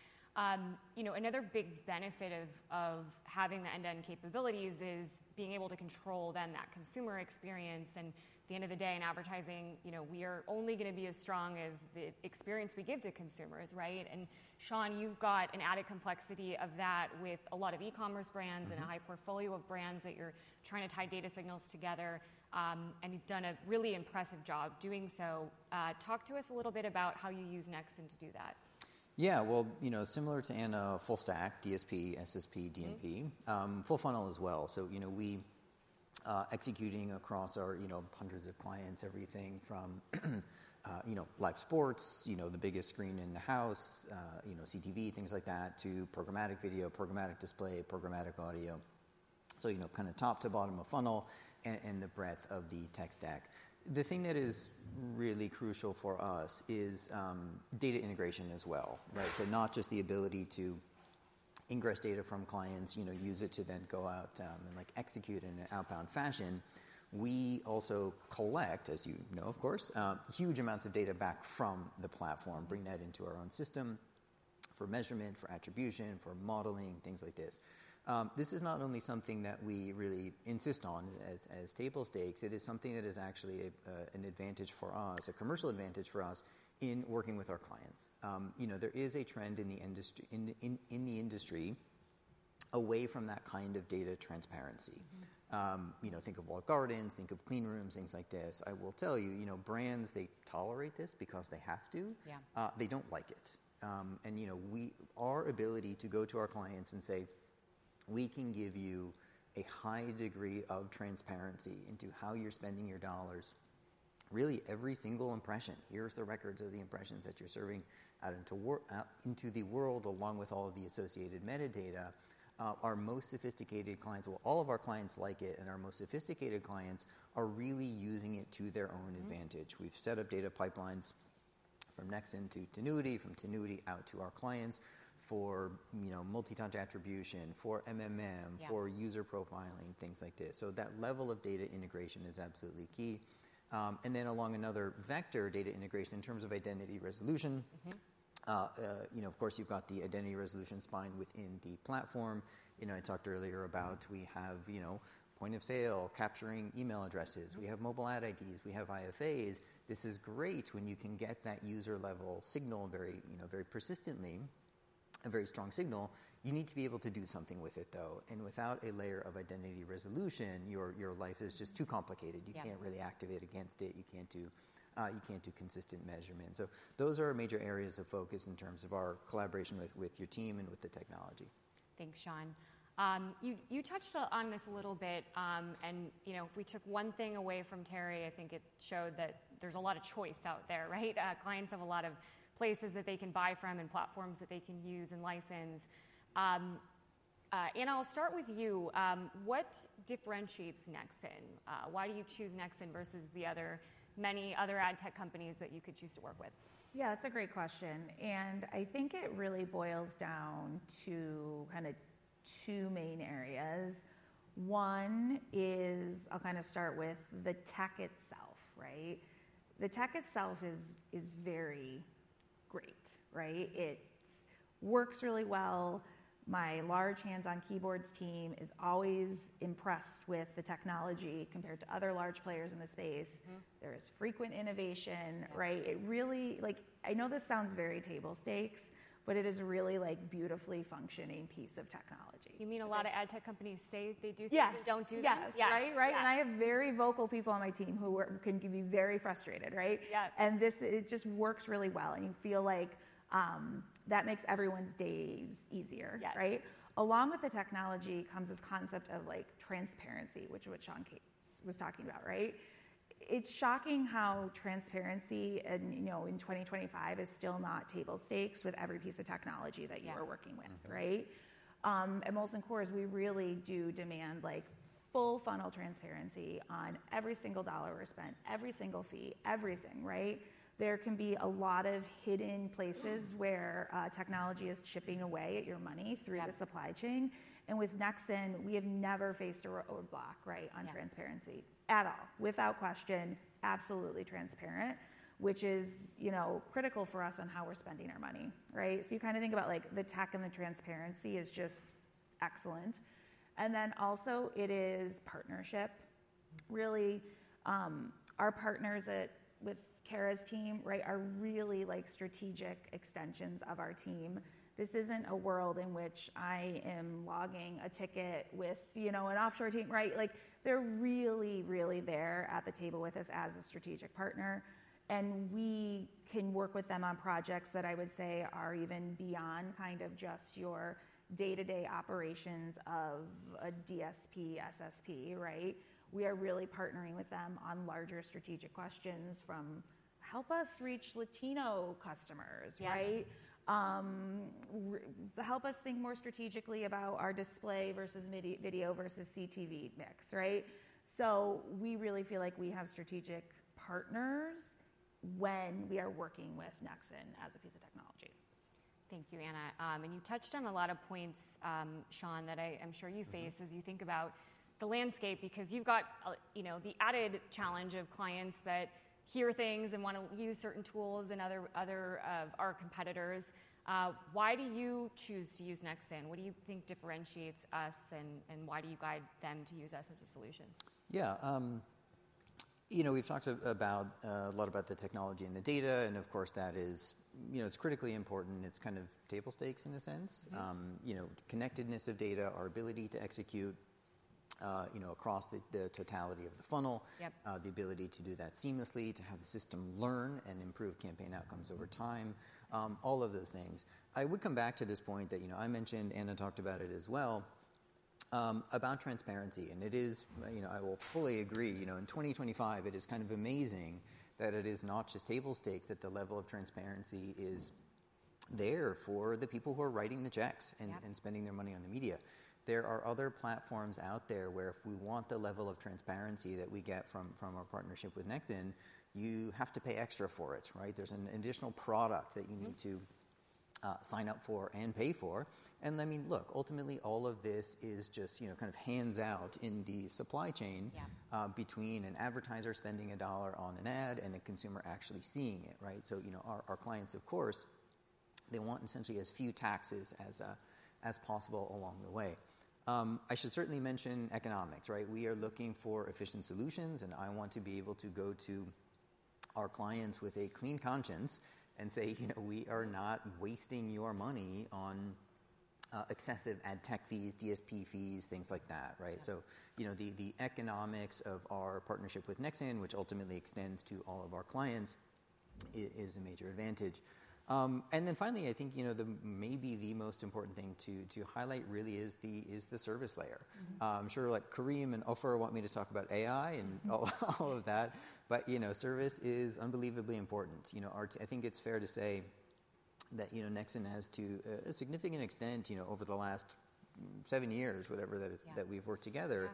Another big benefit of having the end-to-end capabilities is being able to control then that consumer experience. At the end of the day in advertising, we are only going to be as strong as the experience we give to consumers, right? Sean, you've got an added complexity of that with a lot of e-commerce brands and a high portfolio of brands that you're trying to tie data signals together. You've done a really impressive job doing so. Talk to us a little bit about how you use Nexxen to do that. Yeah. Similar to Anna, full stack, DSP, SSP, DMP, full funnel as well. We're executing across our hundreds of clients, everything from live sports, the biggest screen in the house, CTV, things like that, to programmatic video, programmatic display, programmatic audio. Kind of top to bottom of funnel and the breadth of the tech stack. The thing that is really crucial for us is data integration as well, right? Not just the ability to ingress data from clients, use it to then go out and execute in an outbound fashion. We also collect, as you know, of course, huge amounts of data back from the platform, bring that into our own system for measurement, for attribution, for modeling, things like this. This is not only something that we really insist on as table stakes. It is something that is actually an advantage for us, a commercial advantage for us in working with our clients. There is a trend in the industry away from that kind of data transparency. Think of walled gardens, think of clean rooms, things like this. I will tell you, brands, they tolerate this because they have to. They do not like it. Our ability to go to our clients and say, "We can give you a high degree of transparency into how you're spending your dollars, really every single impression. Here's the records of the impressions that you're serving out into the world along with all of the associated metadata." All of our clients like it, and our most sophisticated clients are really using it to their own advantage. We've set up data pipelines from Nexxen to Tinuiti, from Tinuiti out to our clients for multi-touch attribution, for user profiling, things like this. That level of data integration is absolutely key. Then along another vector, data integration in terms of identity resolution. Of course, you've got the identity resolution spine within the platform. I talked earlier about we have point of sale, capturing email addresses. We have mobile ad IDs. We have IFAs. This is great when you can get that user-level signal very persistently, a very strong signal. You need to be able to do something with it, though. Without a layer of identity resolution, your life is just too complicated. You cannot really activate against it. You cannot do consistent measurement. Those are major areas of focus in terms of our collaboration with your team and with the technology. Thanks, Sean. You touched on this a little bit. If we took one thing away from Terry, I think it showed that there is a lot of choice out there, right? Clients have a lot of places that they can buy from and platforms that they can use and license. Anna, I will start with you. What differentiates Nexxen? Why do you choose Nexxen versus the many other ad tech companies that you could choose to work with? Yeah, that's a great question. I think it really boils down to kind of two main areas. One is I'll kind of start with the tech itself, right? The tech itself is very great, right? It works really well. My large hands-on keyboards team is always impressed with the technology compared to other large players in the space. There is frequent innovation, right? I know this sounds very table stakes, but it is a really beautifully functioning piece of technology. You mean a lot of ad tech companies say they do things and do not do things, right? Yes. Right. I have very vocal people on my team who can be very frustrated, right? It just works really well. You feel like that makes everyone's days easier, right? Along with the technology comes this concept of transparency, which Sean was talking about, right? It's shocking how transparency in 2025 is still not table stakes with every piece of technology that you are working with, right? At Molson Coors, we really do demand full funnel transparency on every single dollar we're spent, every single fee, everything, right? There can be a lot of hidden places where technology is chipping away at your money through the supply chain. With Nexxen, we have never faced a roadblock, right, on transparency at all. Without question, absolutely transparent, which is critical for us on how we're spending our money, right? You kind of think about the tech and the transparency is just excellent. Also, it is partnership. Really, our partners with Kara's team, right, are really strategic extensions of our team. This isn't a world in which I am logging a ticket with an offshore team, right? They're really, really there at the table with us as a strategic partner. We can work with them on projects that I would say are even beyond kind of just your day-to-day operations of a DSP, SSP, right? We are really partnering with them on larger strategic questions from help us reach Latino customers, right? Help us think more strategically about our display versus video versus CTV mix, right? We really feel like we have strategic partners when we are working with Nexxen as a piece of technology. Thank you, Anna. You touched on a lot of points, Sean, that I'm sure you face as you think about the landscape because you've got the added challenge of clients that hear things and want to use certain tools and other of our competitors. Why do you choose to use Nexxen? What do you think differentiates us, and why do you guide them to use us as a solution? Yeah. We've talked a lot about the technology and the data. And of course, that is critically important. It's kind of table stakes in a sense. Connectedness of data, our ability to execute across the totality of the funnel, the ability to do that seamlessly, to have the system learn and improve campaign outcomes over time, all of those things. I would come back to this point that I mentioned, Anna talked about it as well, about transparency. And I will fully agree. In 2025, it is kind of amazing that it is not just table stakes that the level of transparency is there for the people who are writing the checks and spending their money on the media. There are other platforms out there where if we want the level of transparency that we get from our partnership with Nexxen, you have to pay extra for it, right? There is an additional product that you need to sign up for and pay for. I mean, look, ultimately, all of this is just kind of hands-out in the supply chain between an advertiser spending a dollar on an ad and a consumer actually seeing it, right? Our clients, of course, they want essentially as few taxes as possible along the way. I should certainly mention economics, right? We are looking for efficient solutions, and I want to be able to go to our clients with a clean conscience and say, "We are not wasting your money on excessive ad tech fees, DSP fees, things like that," right? The economics of our partnership with Nexxen, which ultimately extends to all of our clients, is a major advantage. Finally, I think maybe the most important thing to highlight really is the service layer. I'm sure Karim and Ofer want me to talk about AI and all of that, but service is unbelievably important. I think it's fair to say that Nexxen, to a significant extent, over the last seven years, whatever that we've worked together,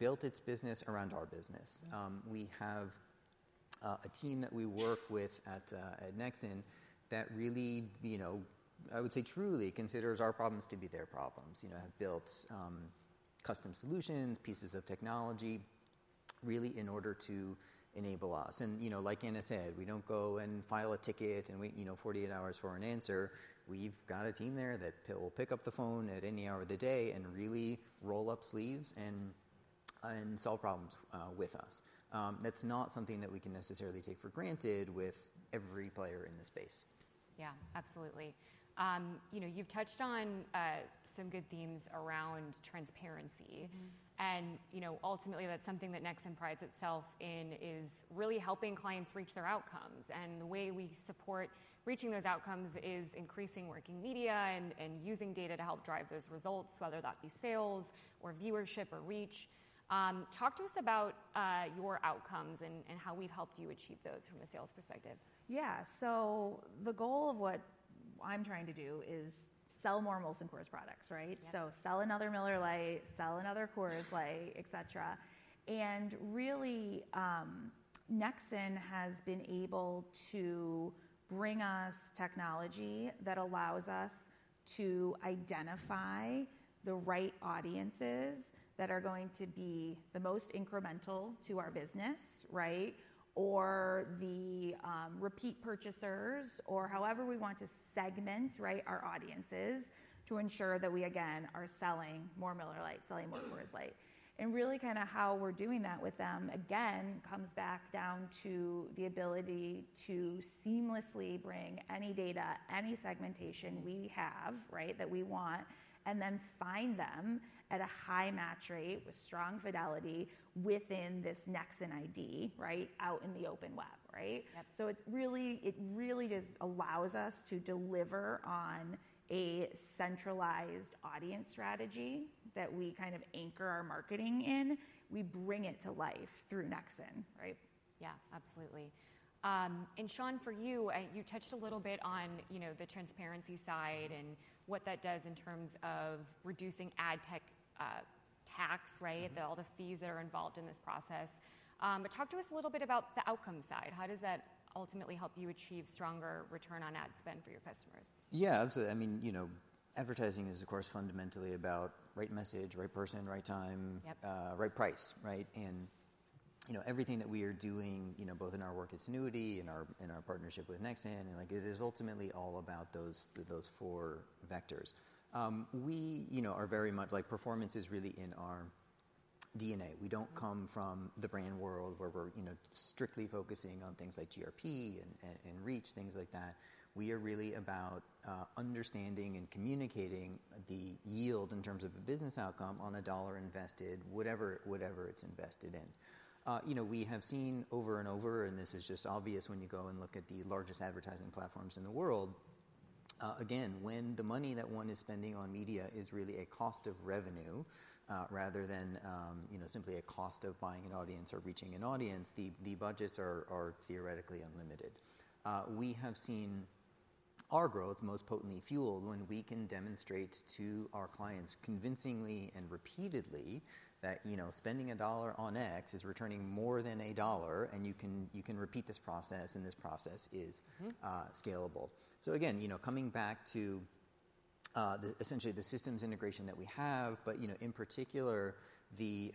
built its business around our business. We have a team that we work with at Nexxen that really, I would say, truly considers our problems to be their problems. I have built custom solutions, pieces of technology, really in order to enable us. Like Anna said, we don't go and file a ticket and wait 48 hours for an answer. We've got a team there that will pick up the phone at any hour of the day and really roll up sleeves and solve problems with us. That's not something that we can necessarily take for granted with every player in the space. Yeah, absolutely. You've touched on some good themes around transparency. Ultimately, that's something that Nexxen prides itself in is really helping clients reach their outcomes. The way we support reaching those outcomes is increasing working media and using data to help drive those results, whether that be sales or viewership or reach. Talk to us about your outcomes and how we've helped you achieve those from a sales perspective. Yeah. The goal of what I'm trying to do is sell more Molson Coors products, right? Sell another Miller Lite, sell another Coors Lite, etc. Really, Nexxen has been able to bring us technology that allows us to identify the right audiences that are going to be the most incremental to our business, right? Or the repeat purchasers or however we want to segment our audiences to ensure that we, again, are selling more Miller Lite, selling more Coors Lite. Really kind of how we are doing that with them, again, comes back down to the ability to seamlessly bring any data, any segmentation we have, right, that we want, and then find them at a high match rate with strong fidelity within this Nexxen ID, right, out in the open web, right? It really just allows us to deliver on a centralized audience strategy that we kind of anchor our marketing in. We bring it to life through Nexxen, right? Yeah, absolutely. Sean, for you, you touched a little bit on the transparency side and what that does in terms of reducing ad tech tax, right? All the fees that are involved in this process. Talk to us a little bit about the outcome side. How does that ultimately help you achieve stronger return on ad spend for your customers? Yeah, absolutely. I mean, advertising is, of course, fundamentally about right message, right person, right time, right price, right? Everything that we are doing, both in our work at Tinuiti and our partnership with Nexxen, it is ultimately all about those four vectors. We are very much like performance is really in our DNA. We do not come from the brand world where we are strictly focusing on things like GRP and reach, things like that. We are really about understanding and communicating the yield in terms of a business outcome on a dollar invested, whatever it's invested in. We have seen over and over, and this is just obvious when you go and look at the largest advertising platforms in the world. Again, when the money that one is spending on media is really a cost of revenue rather than simply a cost of buying an audience or reaching an audience, the budgets are theoretically unlimited. We have seen our growth most potently fueled when we can demonstrate to our clients convincingly and repeatedly that spending a dollar on X is returning more than a dollar, and you can repeat this process, and this process is scalable. Again, coming back to essentially the systems integration that we have, but in particular, the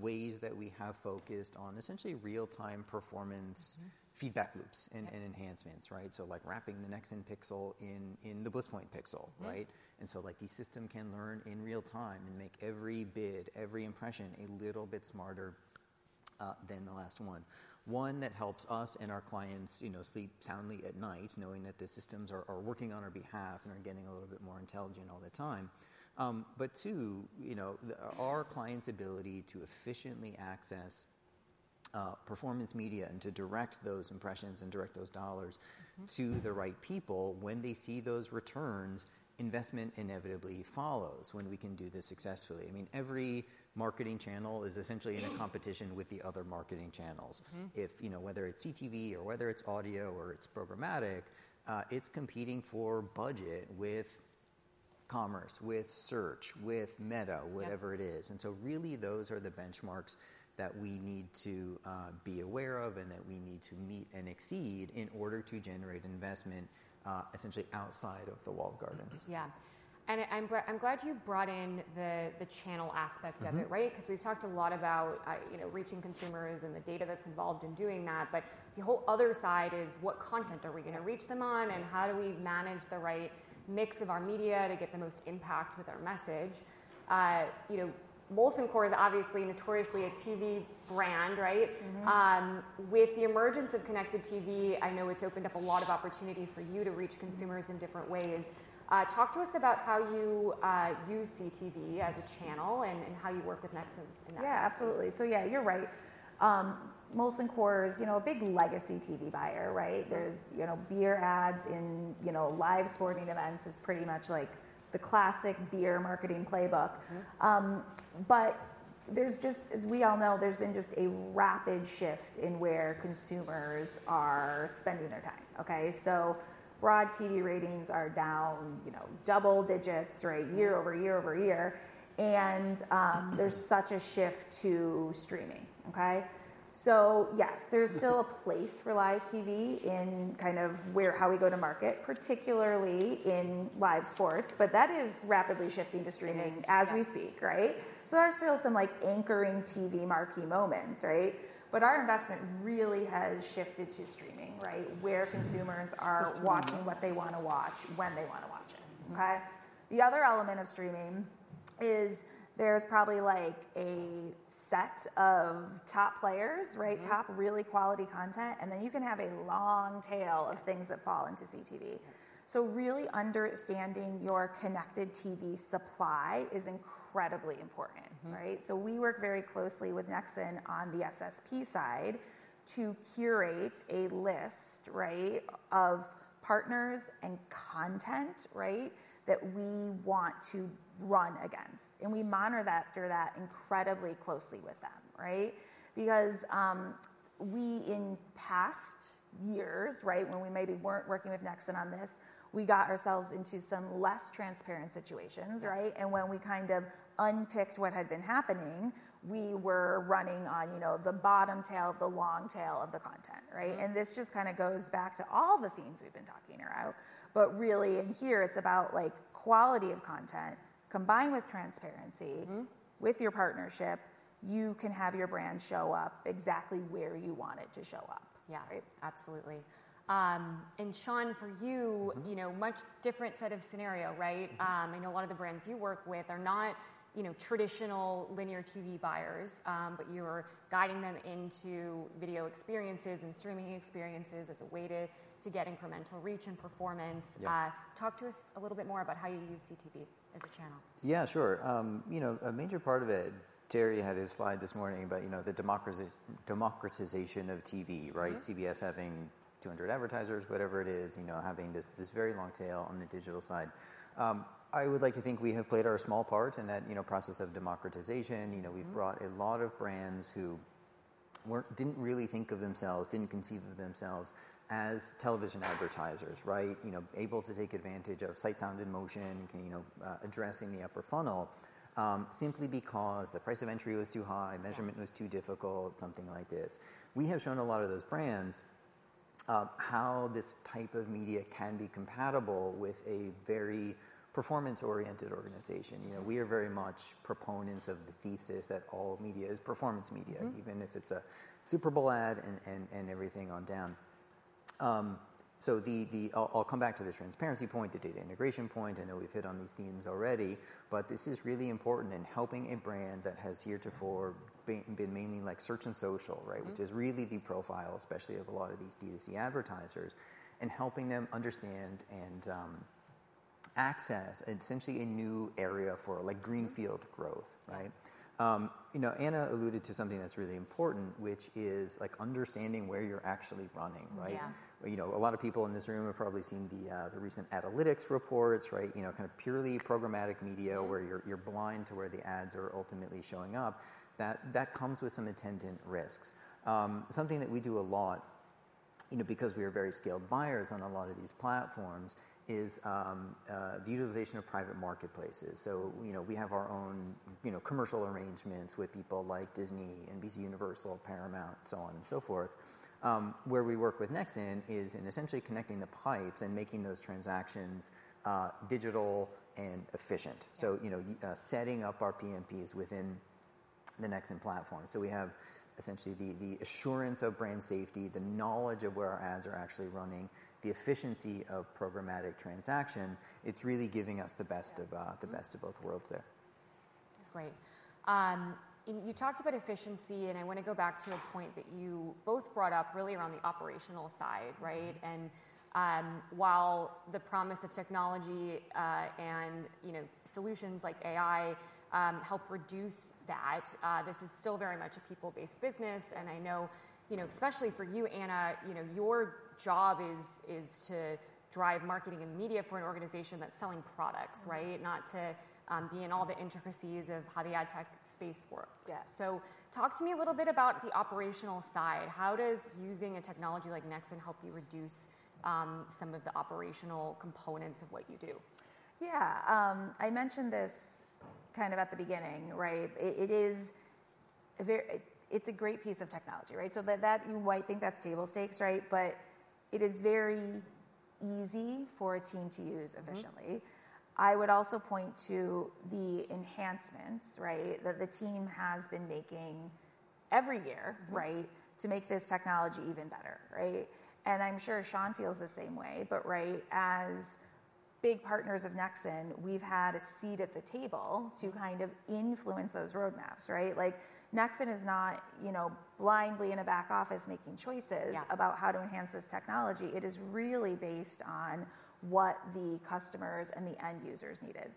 ways that we have focused on essentially real-time performance feedback loops and enhancements, right? Like wrapping the Nexxen pixel in the BlissPoint pixel, right? The system can learn in real time and make every bid, every impression a little bit smarter than the last one. One, that helps us and our clients sleep soundly at night knowing that the systems are working on our behalf and are getting a little bit more intelligent all the time. Two, our clients' ability to efficiently access performance media and to direct those impressions and direct those dollars to the right people. When they see those returns, investment inevitably follows when we can do this successfully. I mean, every marketing channel is essentially in a competition with the other marketing channels. Whether it's CTV or whether it's audio or it's programmatic, it's competing for budget with commerce, with search, with Meta, whatever it is. Really, those are the benchmarks that we need to be aware of and that we need to meet and exceed in order to generate investment essentially outside of the walled gardens. Yeah. I'm glad you brought in the channel aspect of it, right? Because we've talked a lot about reaching consumers and the data that's involved in doing that. The whole other side is what content are we going to reach them on and how do we manage the right mix of our media to get the most impact with our message. Molson Coors is obviously notoriously a TV brand, right? With the emergence of connected TV, I know it's opened up a lot of opportunity for you to reach consumers in different ways. Talk to us about how you use CTV as a channel and how you work with Nexxen in that context. Yeah, absolutely. So yeah, you're right. Molson Coors is a big legacy TV buyer, right? There's beer ads in live sporting events. It's pretty much like the classic beer marketing playbook. But as we all know, there's been just a rapid shift in where consumers are spending their time, okay? So broad TV ratings are down double digits, right? Year-over-year over-year. And there's such a shift to streaming, okay? Yes, there's still a place for live TV in kind of how we go to market, particularly in live sports, but that is rapidly shifting to streaming as we speak, right? There are still some anchoring TV marquee moments, right? Our investment really has shifted to streaming, right? Where consumers are watching what they want to watch when they want to watch it, okay? The other element of streaming is there's probably a set of top players, right? Top really quality content, and then you can have a long tail of things that fall into CTV. Really understanding your connected TV supply is incredibly important, right? We work very closely with Nexxen on the SSP side to curate a list, right, of partners and content, right, that we want to run against. We monitor that through that incredibly closely with them, right? In past years, right, when we maybe were not working with Nexxen on this, we got ourselves into some less transparent situations, right? When we kind of unpicked what had been happening, we were running on the bottom tail, the long tail of the content, right? This just kind of goes back to all the themes we've been talking about. Really in here, it's about quality of content combined with transparency. With your partnership, you can have your brand show up exactly where you want it to show up, right? Yeah, absolutely. Sean, for you, much different set of scenario, right? I know a lot of the brands you work with are not traditional linear TV buyers, but you're guiding them into video experiences and streaming experiences as a way to get incremental reach and performance. Talk to us a little bit more about how you use CTV as a channel. Yeah, sure. A major part of it, Terry had his slide this morning about the democratization of TV, right? CBS having 200 advertisers, whatever it is, having this very long tail on the digital side. I would like to think we have played our small part in that process of democratization. We've brought a lot of brands who didn't really think of themselves, didn't conceive of themselves as television advertisers, right? Able to take advantage of sight, sound, and motion, addressing the upper funnel simply because the price of entry was too high, measurement was too difficult, something like this. We have shown a lot of those brands how this type of media can be compatible with a very performance-oriented organization. We are very much proponents of the thesis that all media is performance media, even if it's a Super Bowl ad and everything on down. I'll come back to the transparency point, the data integration point. I know we've hit on these themes already, but this is really important in helping a brand that has year to four been mainly like search and social, right? Which is really the profile, especially of a lot of these DTC advertisers, and helping them understand and access essentially a new area for greenfield growth, right? Anna alluded to something that's really important, which is understanding where you're actually running, right? A lot of people in this room have probably seen the recent analytics reports, right? Kind of purely programmatic media where you're blind to where the ads are ultimately showing up. That comes with some attendant risks. Something that we do a lot because we are very scaled buyers on a lot of these platforms is the utilization of private marketplaces. We have our own commercial arrangements with people like Disney, NBC, Universal, Paramount, so on and so forth. Where we work with Nexxen is in essentially connecting the pipes and making those transactions digital and efficient. Setting up our PMPs within the Nexxen platform, we have essentially the assurance of brand safety, the knowledge of where our ads are actually running, the efficiency of programmatic transaction. It is really giving us the best of both worlds there. That's great. You talked about efficiency, and I want to go back to a point that you both brought up really around the operational side, right? While the promise of technology and solutions like AI help reduce that, this is still very much a people-based business. I know, especially for you, Anna, your job is to drive marketing and media for an organization that is selling products, right? Not to be in all the intricacies of how the ad tech space works. Talk to me a little bit about the operational side. How does using a technology like Nexxen help you reduce some of the operational components of what you do? Yeah. I mentioned this kind of at the beginning, right? It's a great piece of technology, right? You might think that's table stakes, right? It is very easy for a team to use efficiently. I would also point to the enhancements, right? That the team has been making every year, right? To make this technology even better, right? I'm sure Sean feels the same way, right? As big partners of Nexxen, we've had a seat at the table to kind of influence those roadmaps, right? Nexxen is not blindly in a back office making choices about how to enhance this technology. It is really based on what the customers and the end users needed.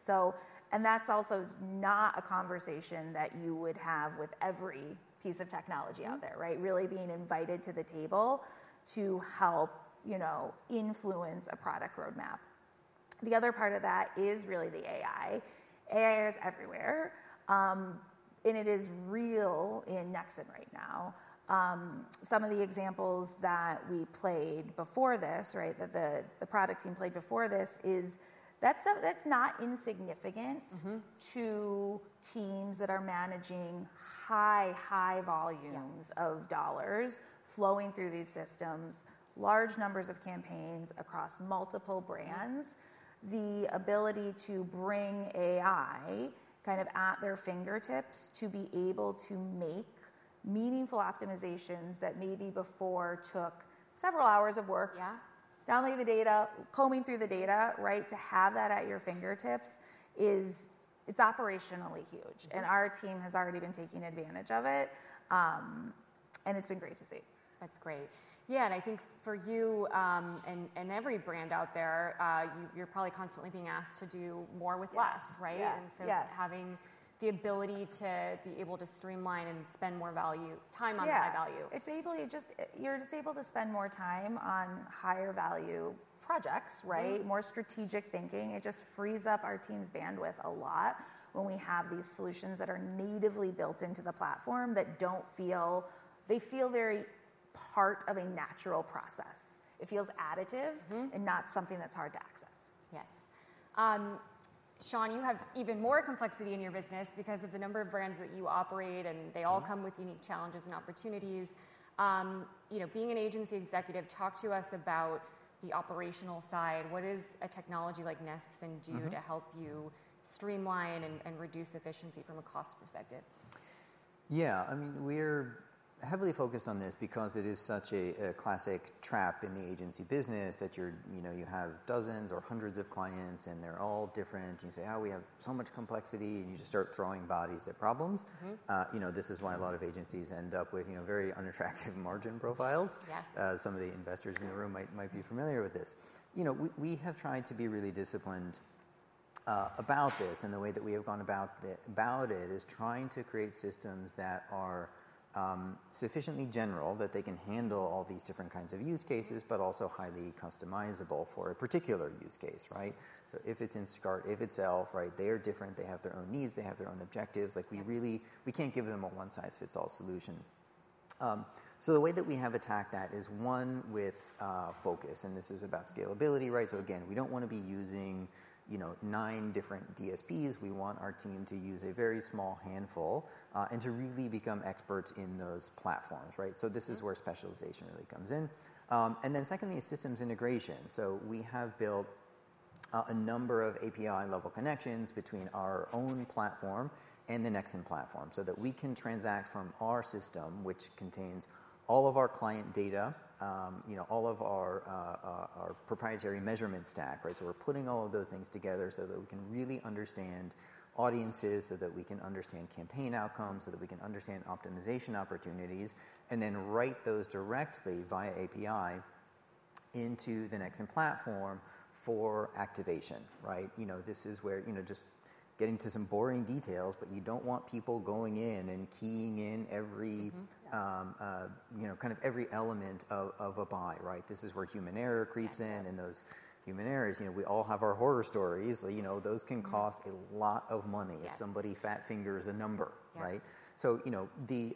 That is also not a conversation that you would have with every piece of technology out there, right? Really being invited to the table to help influence a product roadmap. The other part of that is really the AI. AI is everywhere, and it is real in Nexxen right now. Some of the examples that we played before this, right? That the product team played before this is that's not insignificant to teams that are managing high, high volumes of dollars flowing through these systems, large numbers of campaigns across multiple brands. The ability to bring AI kind of at their fingertips to be able to make meaningful optimizations that maybe before took several hours of work, downloading the data, combing through the data, right? To have that at your fingertips, it's operationally huge. Our team has already been taking advantage of it, and it's been great to see. That's great. Yeah. I think for you and every brand out there, you're probably constantly being asked to do more with less, right? Having the ability to be able to streamline and spend more value, time on high value. Yeah. You're just able to spend more time on higher value projects, right? More strategic thinking. It just frees up our team's bandwidth a lot when we have these solutions that are natively built into the platform that do not feel—they feel very part of a natural process. It feels additive and not something that's hard to access. Yes. Sean, you have even more complexity in your business because of the number of brands that you operate, and they all come with unique challenges and opportunities. Being an agency executive, talk to us about the operational side. What does a technology like Nexxen do to help you streamline and reduce efficiency from a cost perspective? Yeah. I mean, we're heavily focused on this because it is such a classic trap in the agency business that you have dozens or hundreds of clients, and they're all different, and you say, "Oh, we have so much complexity," and you just start throwing bodies at problems. This is why a lot of agencies end up with very unattractive margin profiles. Some of the investors in the room might be familiar with this. We have tried to be really disciplined about this, and the way that we have gone about it is trying to create systems that are sufficiently general that they can handle all these different kinds of use cases, but also highly customizable for a particular use case, right? If it is in and of itself, right? They are different. They have their own needs. They have their own objectives. We cannot give them a one-size-fits-all solution. The way that we have attacked that is one with focus, and this is about scalability, right? Again, we do not want to be using nine different DSPs. We want our team to use a very small handful and to really become experts in those platforms, right? This is where specialization really comes in. Then secondly, systems integration. We have built a number of API-level connections between our own platform and the Nexxen platform so that we can transact from our system, which contains all of our client data, all of our proprietary measurement stack, right? We are putting all of those things together so that we can really understand audiences, so that we can understand campaign outcomes, so that we can understand optimization opportunities, and then write those directly via API into the Nexxen platform for activation, right? This is where, just getting to some boring details, but you do not want people going in and keying in kind of every element of a buy, right? This is where human error creeps in, and those human errors, we all have our horror stories. Those can cost a lot of money if somebody fat-fingers a number, right? The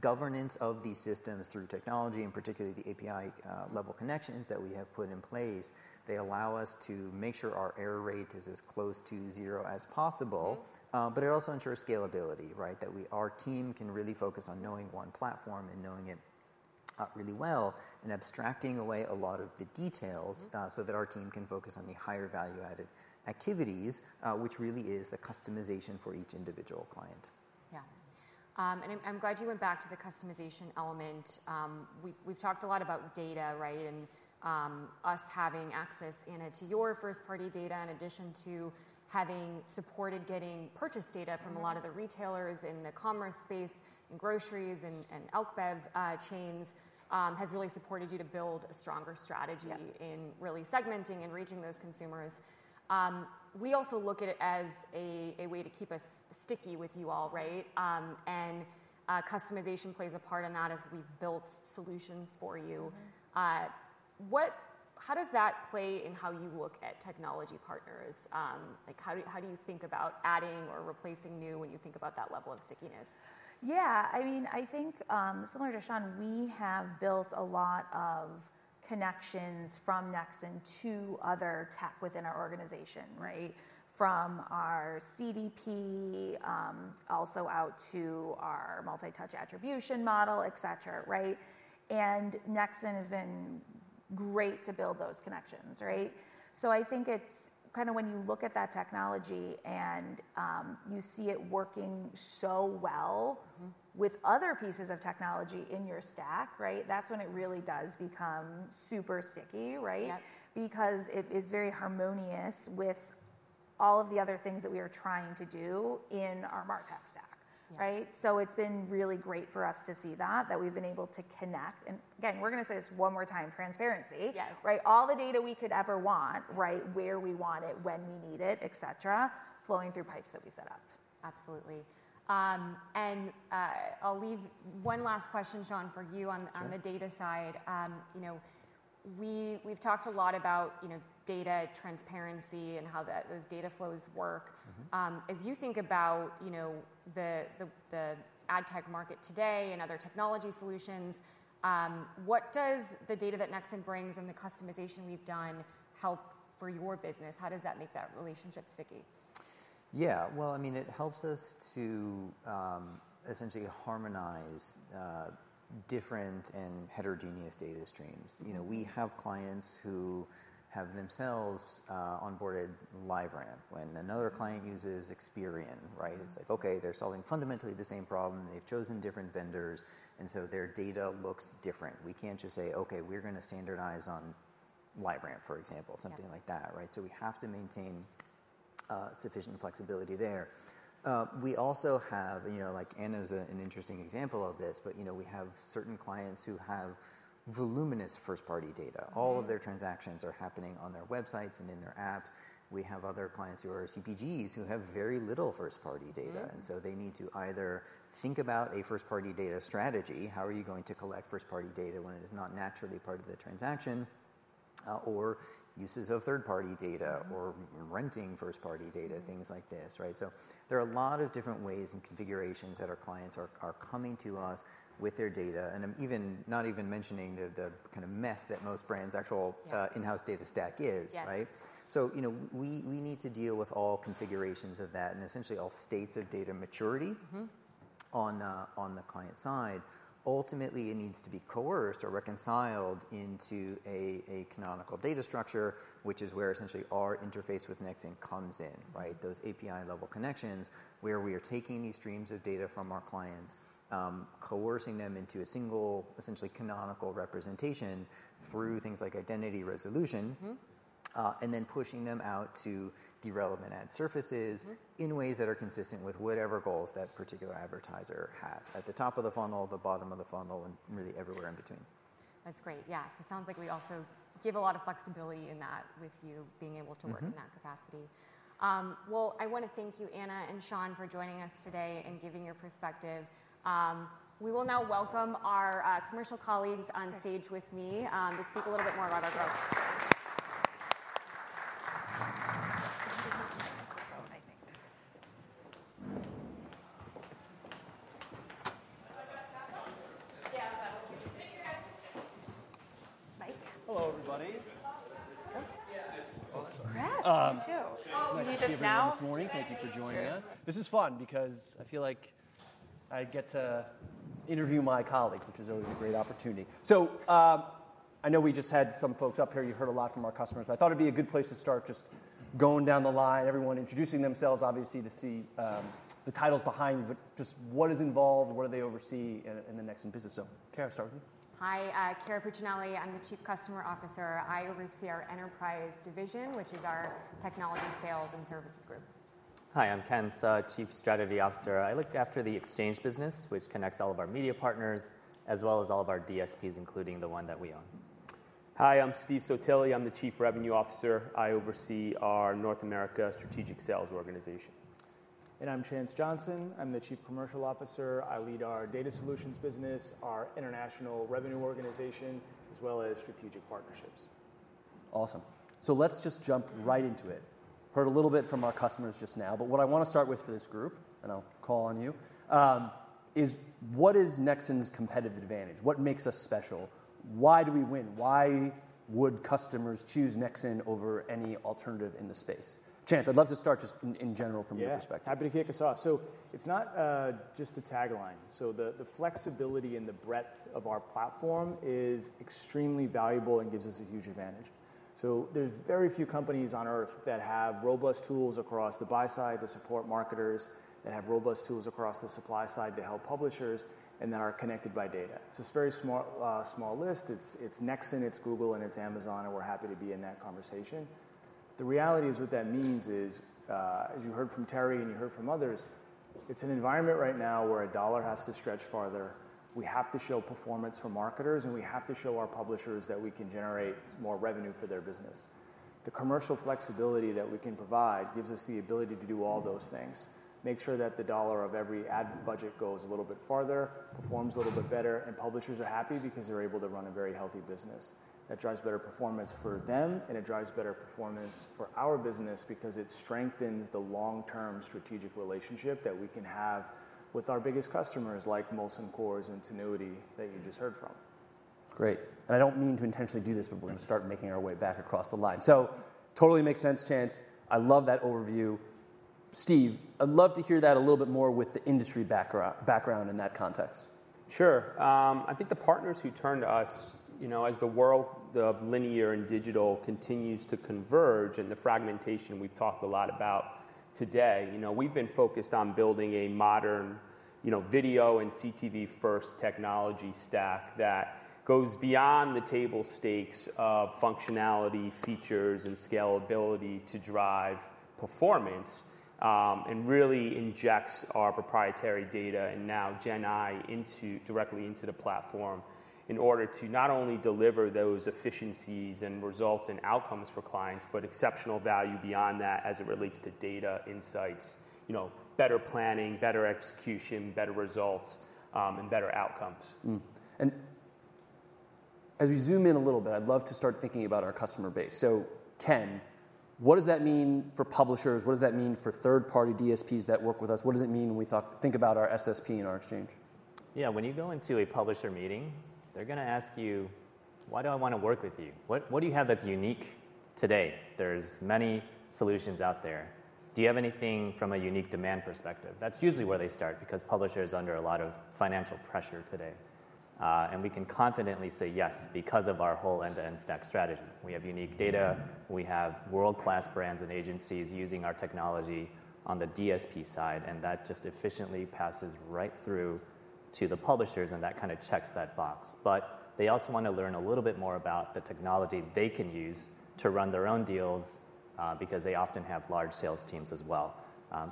governance of these systems through technology, and particularly the API-level connections that we have put in place, allow us to make sure our error rate is as close to zero as possible, but it also ensures scalability, right? That our team can really focus on knowing one platform and knowing it really well and abstracting away a lot of the details so that our team can focus on the higher value-added activities, which really is the customization for each individual client. Yeah. I'm glad you went back to the customization element. We've talked a lot about data, right? Us having access to your first-party data in addition to having supported getting purchase data from a lot of the retailers in the commerce space and groceries and elk bev chains has really supported you to build a stronger strategy in really segmenting and reaching those consumers. We also look at it as a way to keep us sticky with you all, right? Customization plays a part in that as we've built solutions for you. How does that play in how you look at technology partners? How do you think about adding or replacing new when you think about that level of stickiness? Yeah. I mean, I think similar to Sean, we have built a lot of connections from Nexxen to other tech within our organization, right? From our CDP, also out to our multi-touch attribution model, etc., right? Nexxen has been great to build those connections, right? I think it's kind of when you look at that technology and you see it working so well with other pieces of technology in your stack, right? That's when it really does become super sticky, right? Because it is very harmonious with all of the other things that we are trying to do in our market stack, right? It has been really great for us to see that we have been able to connect. Again, we are going to say this one more time, transparency, right? All the data we could ever want, right? Where we want it, when we need it, etc., flowing through pipes that we set up. Absolutely. I will leave one last question, Sean, for you on the data side. We have talked a lot about data transparency and how those data flows work. As you think about the ad tech market today and other technology solutions, what does the data that Nexxen brings and the customization we have done help for your business? How does that make that relationship sticky? Yeah. I mean, it helps us to essentially harmonize different and heterogeneous data streams. We have clients who have themselves onboarded LiveRamp. When another client uses Experian, right? It's like, okay, they're solving fundamentally the same problem. They've chosen different vendors, and so their data looks different. We can't just say, okay, we're going to standardize on LiveRamp, for example, something like that, right? We have to maintain sufficient flexibility there. We also have, like Anna is an interesting example of this, but we have certain clients who have voluminous first-party data. All of their transactions are happening on their websites and in their apps. We have other clients who are CPGs who have very little first-party data. They need to either think about a first-party data strategy. How are you going to collect first-party data when it is not naturally part of the transaction? Or uses of third-party data or renting first-party data, things like this, right? There are a lot of different ways and configurations that our clients are coming to us with their data. I'm not even mentioning the kind of mess that most brands' actual in-house data stack is, right? We need to deal with all configurations of that and essentially all states of data maturity on the client side. Ultimately, it needs to be coerced or reconciled into a canonical data structure, which is where essentially our interface with Nexxen comes in, right? Those API-level connections where we are taking these streams of data from our clients, coercing them into a single essentially canonical representation through things like identity resolution, and then pushing them out to the relevant ad surfaces in ways that are consistent with whatever goals that particular advertiser has at the top of the funnel, the bottom of the funnel, and really everywhere in between. That is great. Yeah. It sounds like we also give a lot of flexibility in that with you being able to work in that capacity. I want to thank you, Anna and Sean, for joining us today and giving your perspective. We will now welcome our commercial colleagues on stage with me to speak a little bit more about our growth. Mike. Hello, everybody. Yeah. Congrats. Me too. Oh, me too. This morning, thank you for joining us. This is fun because I feel like I get to interview my colleagues, which is always a great opportunity. I know we just had some folks up here. You heard a lot from our customers, but I thought it'd be a good place to start just going down the line, everyone introducing themselves, obviously to see the titles behind you, but just what is involved, what do they oversee in the Nexxen business? Cara, start with me. Hi. Kara Puccinelli. I'm the Chief Customer Officer. I oversee our enterprise division, which is our technology sales and services group. Hi. I'm Ken Suh, Chief Strategy Officer. I look after the exchange business, which connects all of our media partners as well as all of our DSPs, including the one that we own. Hi. I'm Steve Sottile. I'm the Chief Revenue Officer. I oversee our North America Strategic Sales Organization. I'm Chance Johnson. I'm the Chief Commercial Officer. I lead our data solutions business, our international revenue organization, as well as strategic partnerships. Awesome. Let's just jump right into it. Heard a little bit from our customers just now, but what I want to start with for this group, and I'll call on you, is what is Nexxen's competitive advantage? What makes us special? Why do we win? Why would customers choose Nexxen over any alternative in the space? Chance, I'd love to start just in general from your perspective. Yeah. Happy to kick us off. It's not just the tagline. The flexibility and the breadth of our platform is extremely valuable and gives us a huge advantage. There are very few companies on Earth that have robust tools across the buy side to support marketers, that have robust tools across the supply side to help publishers, and that are connected by data. It is a very small list. It is Nexxen, it is Google, and it is Amazon, and we are happy to be in that conversation. The reality is what that means is, as you heard from Terry and you heard from others, it is an environment right now where a dollar has to stretch farther. We have to show performance for marketers, and we have to show our publishers that we can generate more revenue for their business. The commercial flexibility that we can provide gives us the ability to do all those things, make sure that the dollar of every ad budget goes a little bit farther, performs a little bit better, and publishers are happy because they're able to run a very healthy business. That drives better performance for them, and it drives better performance for our business because it strengthens the long-term strategic relationship that we can have with our biggest customers like Molson Coors and Tinuiti that you just heard from. Great. I don't mean to intentionally do this, but we're going to start making our way back across the line. Totally makes sense, Chance. I love that overview. Steve, I'd love to hear that a little bit more with the industry background in that context. Sure. I think the partners who turn to us as the world of linear and digital continues to converge and the fragmentation we have talked a lot about today, we have been focused on building a modern video and CTV-first technology stack that goes beyond the table stakes of functionality, features, and scalability to drive performance and really injects our proprietary data and now Gen AI directly into the platform in order to not only deliver those efficiencies and results and outcomes for clients, but exceptional value beyond that as it relates to data insights, better planning, better execution, better results, and better outcomes. As we zoom in a little bit, I would love to start thinking about our customer base. Ken, what does that mean for publishers? What does that mean for third-party DSPs that work with us? What does it mean when we think about our SSP and our exchange? Yeah. When you go into a publisher meeting, they're going to ask you, "Why do I want to work with you? What do you have that's unique today?" There are many solutions out there. Do you have anything from a unique demand perspective? That's usually where they start because publishers are under a lot of financial pressure today. We can confidently say yes because of our whole end-to-end stack strategy. We have unique data. We have world-class brands and agencies using our technology on the DSP side, and that just efficiently passes right through to the publishers, and that kind of checks that box. They also want to learn a little bit more about the technology they can use to run their own deals because they often have large sales teams as well.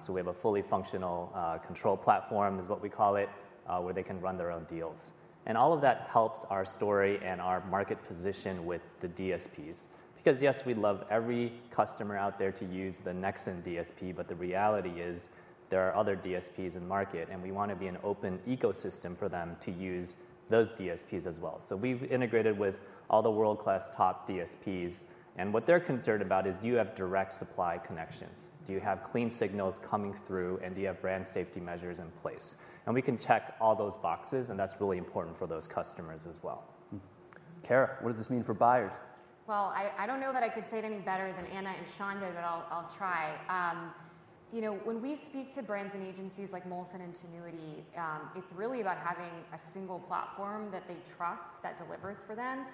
We have a fully functional control platform, is what we call it, where they can run their own deals. All of that helps our story and our market position with the DSPs because, yes, we'd love every customer out there to use the Nexxen DSP, but the reality is there are other DSPs in the market, and we want to be an open ecosystem for them to use those DSPs as well. We have integrated with all the world-class top DSPs, and what they're concerned about is, do you have direct supply connections? Do you have clean signals coming through, and do you have brand safety measures in place? We can check all those boxes, and that's really important for those customers as well. Cara, what does this mean for buyers? I don't know that I could say it any better than Anna and Sean did, but I'll try. When we speak to brands and agencies like Molson and Tinuiti, it's really about having a single platform that they trust that delivers for them,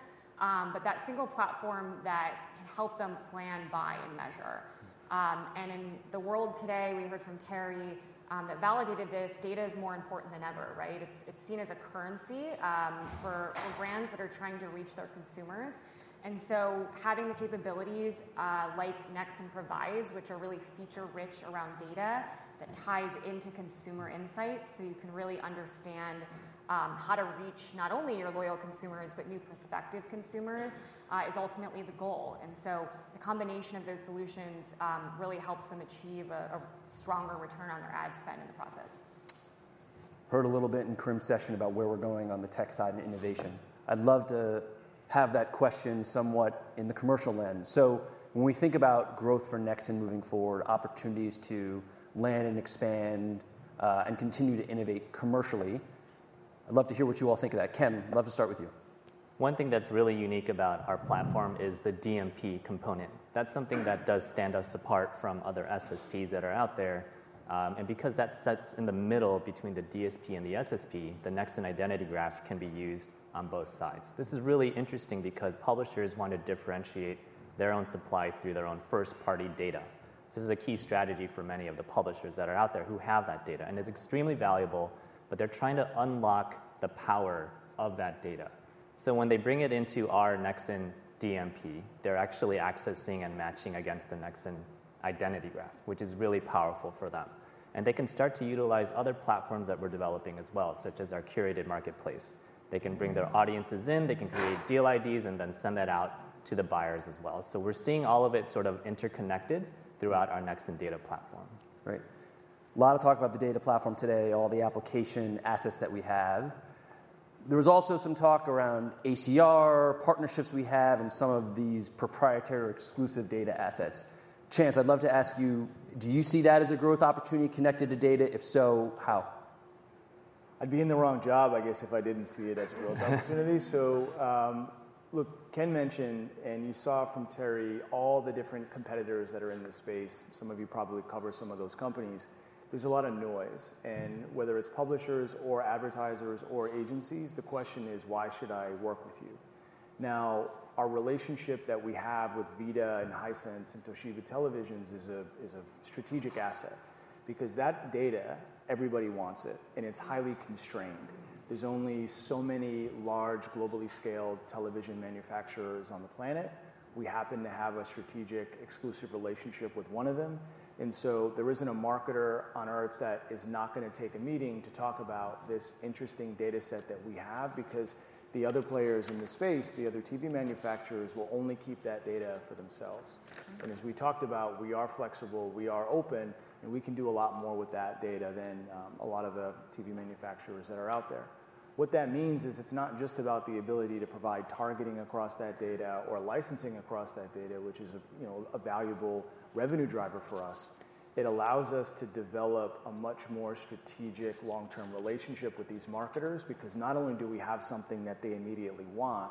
but that single platform that can help them plan, buy, and measure. In the world today, we heard from Terry that validated this data is more important than ever, right? It's seen as a currency for brands that are trying to reach their consumers. Having the capabilities like Nexxen provides, which are really feature-rich around data that ties into consumer insights so you can really understand how to reach not only your loyal consumers, but new prospective consumers, is ultimately the goal. The combination of those solutions really helps them achieve a stronger return on their ad spend in the process. Heard a little bit in Karim's session about where we're going on the tech side and innovation. I'd love to have that question somewhat in the commercial lens. When we think about growth for Nexxen moving forward, opportunities to land and expand and continue to innovate commercially, I'd love to hear what you all think of that. Ken, I'd love to start with you. One thing that's really unique about our platform is the DMP component. That's something that does stand us apart from other SSPs that are out there. Because that sits in the middle between the DSP and the SSP, the Nexxen identity graph can be used on both sides. This is really interesting because publishers want to differentiate their own supply through their own first-party data. This is a key strategy for many of the publishers that are out there who have that data. It is extremely valuable, but they are trying to unlock the power of that data. When they bring it into our Nexxen DMP, they are actually accessing and matching against the Nexxen identity graph, which is really powerful for them. They can start to utilize other platforms that we are developing as well, such as our curated marketplace. They can bring their audiences in. They can create deal IDs and then send that out to the buyers as well. We are seeing all of it sort of interconnected throughout our Nexxen data platform. Right. A lot of talk about the data platform today, all the application assets that we have. There was also some talk around ACR partnerships we have and some of these proprietary exclusive data assets. Chance, I would love to ask you, do you see that as a growth opportunity connected to data? If so, how? I'd be in the wrong job, I guess, if I didn't see it as a growth opportunity. Ken mentioned, and you saw from Terry all the different competitors that are in this space. Some of you probably cover some of those companies. There's a lot of noise. Whether it's publishers or advertisers or agencies, the question is, why should I work with you? Now, our relationship that we have with VIDAA and Hisense and Toshiba Televisions is a strategic asset because that data, everybody wants it, and it's highly constrained. There's only so many large globally scaled television manufacturers on the planet. We happen to have a strategic exclusive relationship with one of them. There isn't a marketer on Earth that is not going to take a meeting to talk about this interesting data set that we have because the other players in the space, the other TV manufacturers, will only keep that data for themselves. As we talked about, we are flexible. We are open, and we can do a lot more with that data than a lot of the TV manufacturers that are out there. What that means is it's not just about the ability to provide targeting across that data or licensing across that data, which is a valuable revenue driver for us. It allows us to develop a much more strategic long-term relationship with these marketers because not only do we have something that they immediately want,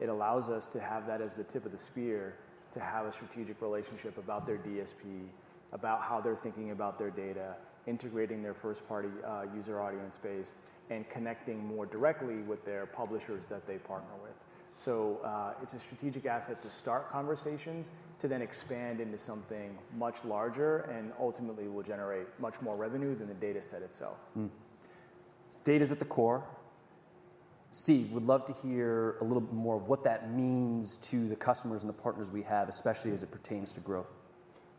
it allows us to have that as the tip of the spear to have a strategic relationship about their DSP, about how they're thinking about their data, integrating their first-party user audience base, and connecting more directly with their publishers that they partner with. It is a strategic asset to start conversations, to then expand into something much larger and ultimately will generate much more revenue than the data set itself. Data is at the core. Steve, would love to hear a little bit more of what that means to the customers and the partners we have, especially as it pertains to growth.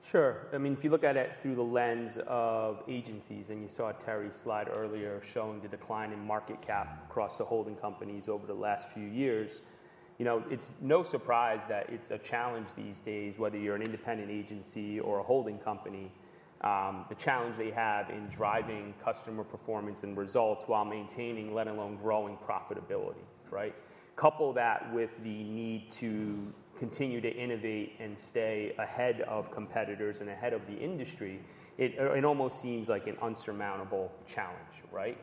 Sure. I mean, if you look at it through the lens of agencies and you saw Terry's slide earlier showing the decline in market cap across the holding companies over the last few years, it's no surprise that it's a challenge these days, whether you're an independent agency or a holding company, the challenge they have in driving customer performance and results while maintaining, let alone growing, profitability, right? Couple that with the need to continue to innovate and stay ahead of competitors and ahead of the industry. It almost seems like an insurmountable challenge, right?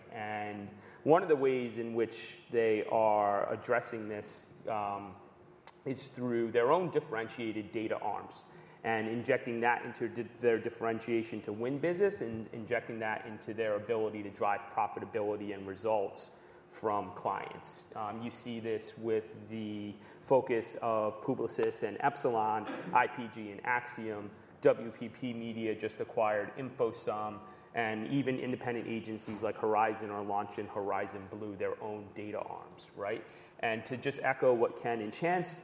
One of the ways in which they are addressing this is through their own differentiated data arms and injecting that into their differentiation to win business and injecting that into their ability to drive profitability and results from clients. You see this with the focus of Publicis and Epsilon, IPG and Acxiom, WPP Media just acquired Infosum, and even independent agencies like Horizon are launching Horizon Blue, their own data arms, right? To just echo what Ken and Chance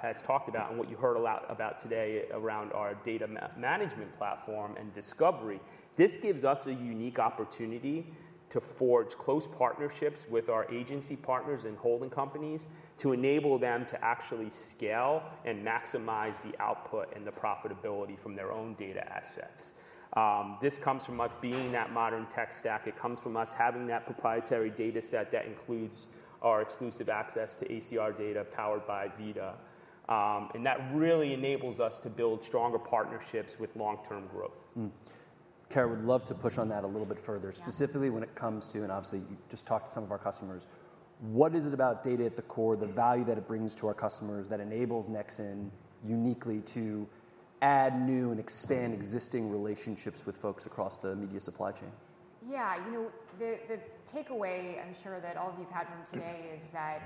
have talked about and what you heard a lot about today around our data management platform and Discovery, this gives us a unique opportunity to forge close partnerships with our agency partners and holding companies to enable them to actually scale and maximize the output and the profitability from their own data assets. This comes from us being that modern tech stack. It comes from us having that proprietary data set that includes our exclusive access to ACR data powered by VIDAA. That really enables us to build stronger partnerships with long-term growth. Kara, would love to push on that a little bit further, specifically when it comes to, and obviously, you just talked to some of our customers. What is it about data at the core, the value that it brings to our customers that enables Nexxen uniquely to add new and expand existing relationships with folks across the media supply chain? Yeah. The takeaway, I'm sure that all of you've had from today is that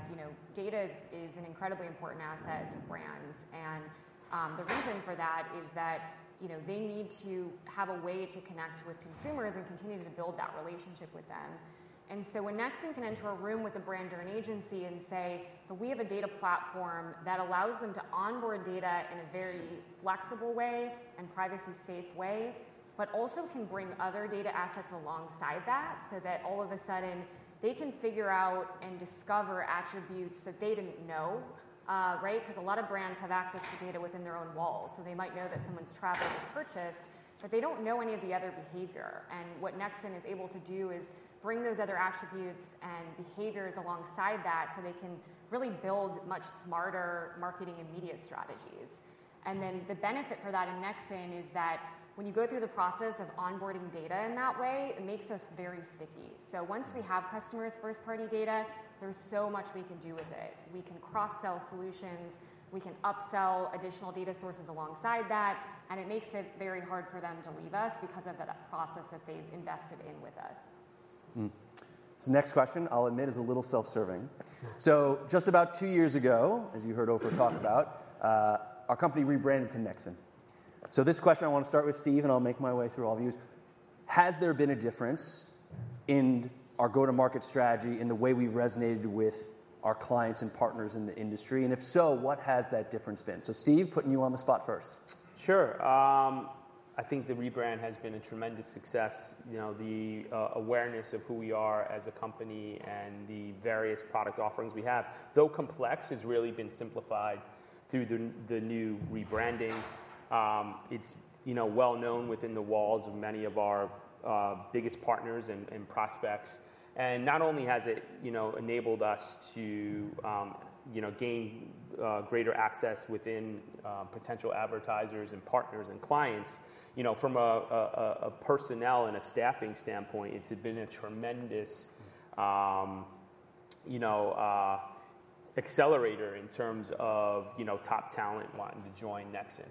data is an incredibly important asset to brands. The reason for that is that they need to have a way to connect with consumers and continue to build that relationship with them. When Nexxen can enter a room with a brand or an agency and say, "But we have a data platform that allows them to onboard data in a very flexible way and privacy-safe way," but also can bring other data assets alongside that so that all of a sudden they can figure out and discover attributes that they did not know, right? A lot of brands have access to data within their own walls. They might know that someone's traveled or purchased, but they do not know any of the other behavior. What Nexxen is able to do is bring those other attributes and behaviors alongside that so they can really build much smarter marketing and media strategies. The benefit for that in Nexxen is that when you go through the process of onboarding data in that way, it makes us very sticky. Once we have customers' first-party data, there's so much we can do with it. We can cross-sell solutions. We can upsell additional data sources alongside that. It makes it very hard for them to leave us because of that process that they've invested in with us. This next question, I'll admit, is a little self-serving. Just about two years ago, as you heard Ofer talk about, our company rebranded to Nexxen. This question I want to start with, Steve, and I'll make my way through all of you. Has there been a difference in our go-to-market strategy in the way we've resonated with our clients and partners in the industry? If so, what has that difference been? Steve, putting you on the spot first. Sure. I think the rebrand has been a tremendous success. The awareness of who we are as a company and the various product offerings we have, though complex, has really been simplified through the new rebranding. It is well-known within the walls of many of our biggest partners and prospects. Not only has it enabled us to gain greater access within potential advertisers and partners and clients, from a personnel and a staffing standpoint, it has been a tremendous accelerator in terms of top talent wanting to join Nexxen.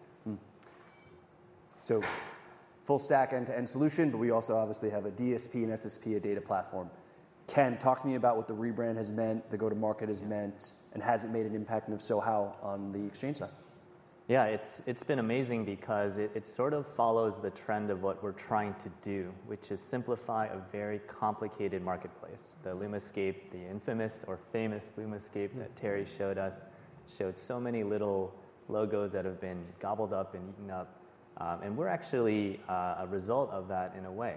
Full stack end-to-end solution, but we also obviously have a DSP and SSP, a data platform. Ken, talk to me about what the rebrand has meant, the go-to-market has meant, and has it made an impact, and if so, how, on the exchange side? Yeah. It has been amazing because it sort of follows the trend of what we are trying to do, which is simplify a very complicated marketplace. The Lumascape, the infamous or famous Lumascape that Terry showed us, showed so many little logos that have been gobbled up and eaten up. We are actually a result of that in a way.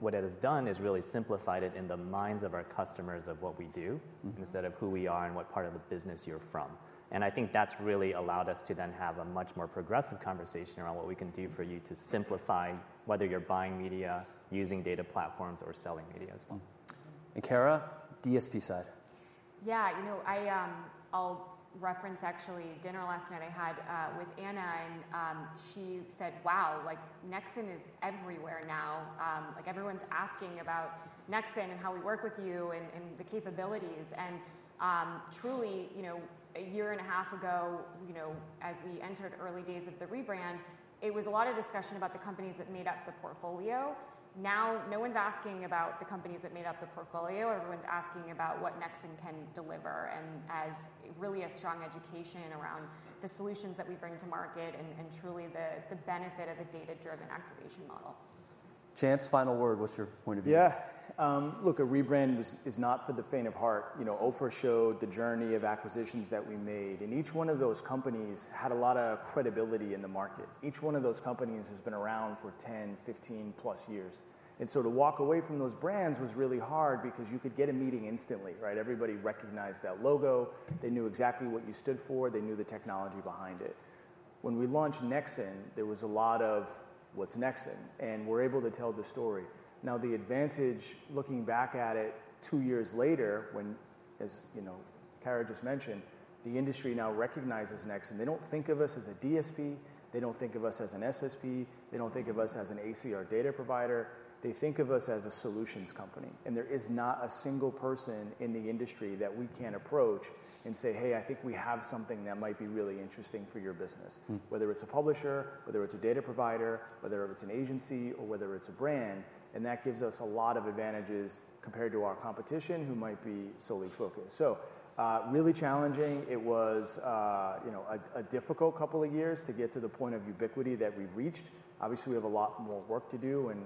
What it has done is really simplified it in the minds of our customers of what we do instead of who we are and what part of the business you are from. I think that has really allowed us to then have a much more progressive conversation around what we can do for you to simplify whether you are buying media, using data platforms, or selling media as well. Cara, DSP side. Yeah. I will reference actually dinner last night I had with Anna, and she said, "Wow, Nexxen is everywhere now. Everyone's asking about Nexxen and how we work with you and the capabilities. Truly, a year and a half ago, as we entered early days of the rebrand, it was a lot of discussion about the companies that made up the portfolio. Now no one's asking about the companies that made up the portfolio. Everyone's asking about what Nexxen can deliver and really a strong education around the solutions that we bring to market and truly the benefit of a data-driven activation model. Chance, final word. What's your point of view? Yeah. Look, a rebrand is not for the faint of heart. Ofer showed the journey of acquisitions that we made. Each one of those companies had a lot of credibility in the market. Each one of those companies has been around for 10, 15-plus years. To walk away from those brands was really hard because you could get a meeting instantly, right? Everybody recognized that logo. They knew exactly what you stood for. They knew the technology behind it. When we launched Nexxen, there was a lot of, "What's Nexxen?" And we're able to tell the story. Now, the advantage, looking back at it two years later, as Kara just mentioned, the industry now recognizes Nexxen. They do not think of us as a DSP. They do not think of us as an SSP. They do not think of us as an ACR data provider. They think of us as a solutions company. There is not a single person in the industry that we can't approach and say, "Hey, I think we have something that might be really interesting for your business," whether it's a publisher, whether it's a data provider, whether it's an agency, or whether it's a brand. That gives us a lot of advantages compared to our competition who might be solely focused. It was a difficult couple of years to get to the point of ubiquity that we've reached. Obviously, we have a lot more work to do and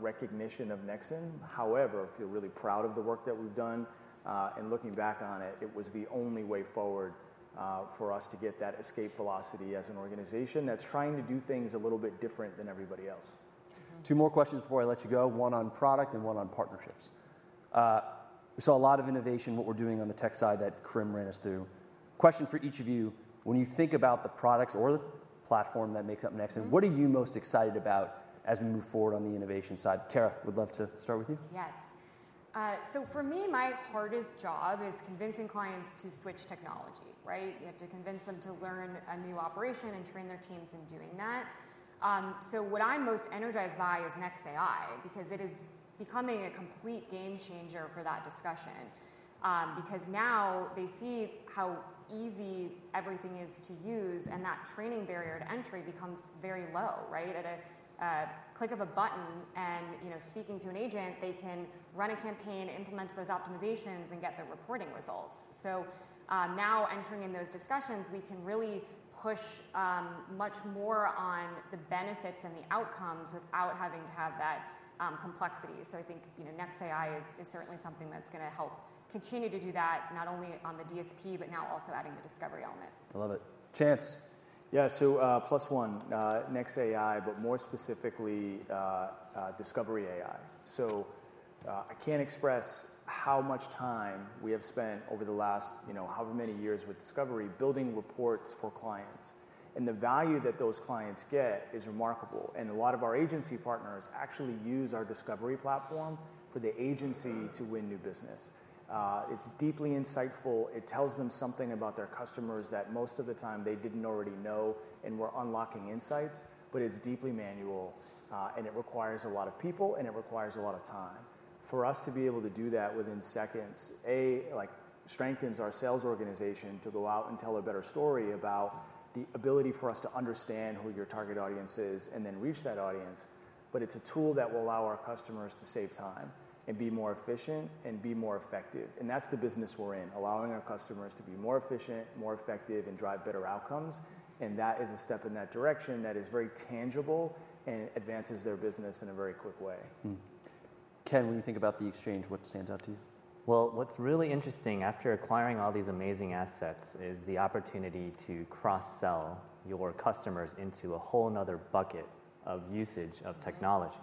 recognition of Nexxen. However, I feel really proud of the work that we've done. Looking back on it, it was the only way forward for us to get that escape velocity as an organization that's trying to do things a little bit different than everybody else. Two more questions before I let you go. One on product and one on partnerships. We saw a lot of innovation what we're doing on the tech side that Karim ran us through. Question for each of you. When you think about the products or the platform that makes up Nexxen, what are you most excited about as we move forward on the innovation side? Kara, would love to start with you. Yes. So for me, my hardest job is convincing clients to switch technology, right? You have to convince them to learn a new operation and train their teams in doing that. What I'm most energized by is NexAI because it is becoming a complete game changer for that discussion because now they see how easy everything is to use, and that training barrier to entry becomes very low, right? At a click of a button and speaking to an agent, they can run a campaign, implement those optimizations, and get the reporting results. Now entering in those discussions, we can really push much more on the benefits and the outcomes without having to have that complexity. I think NexAI is certainly something that's going to help continue to do that not only on the DSP, but now also adding the Discovery element. I love it. Chance. Yeah. Plus one, NexAI, but more specifically Discovery AI. I can't express how much time we have spent over the last however many years with Discovery building reports for clients. The value that those clients get is remarkable. A lot of our agency partners actually use our Discovery platform for the agency to win new business. It's deeply insightful. It tells them something about their customers that most of the time they did not already know and were unlocking insights, but it is deeply manual. It requires a lot of people, and it requires a lot of time. For us to be able to do that within seconds, A, strengthens our sales organization to go out and tell a better story about the ability for us to understand who your target audience is and then reach that audience. It is a tool that will allow our customers to save time and be more efficient and be more effective. That is the business we are in, allowing our customers to be more efficient, more effective, and drive better outcomes. That is a step in that direction that is very tangible and advances their business in a very quick way. Ken, when you think about the exchange, what stands out to you? What's really interesting after acquiring all these amazing assets is the opportunity to cross-sell your customers into a whole nother bucket of usage of technology.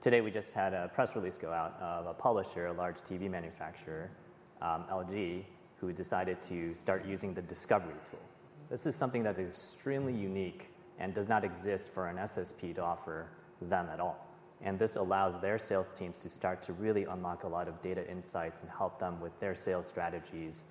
Today we just had a press release go out of a publisher, a large TV manufacturer, LG, who decided to start using the Discovery tool. This is something that's extremely unique and does not exist for an SSP to offer them at all. This allows their sales teams to start to really unlock a lot of data insights and help them with their sales strategies.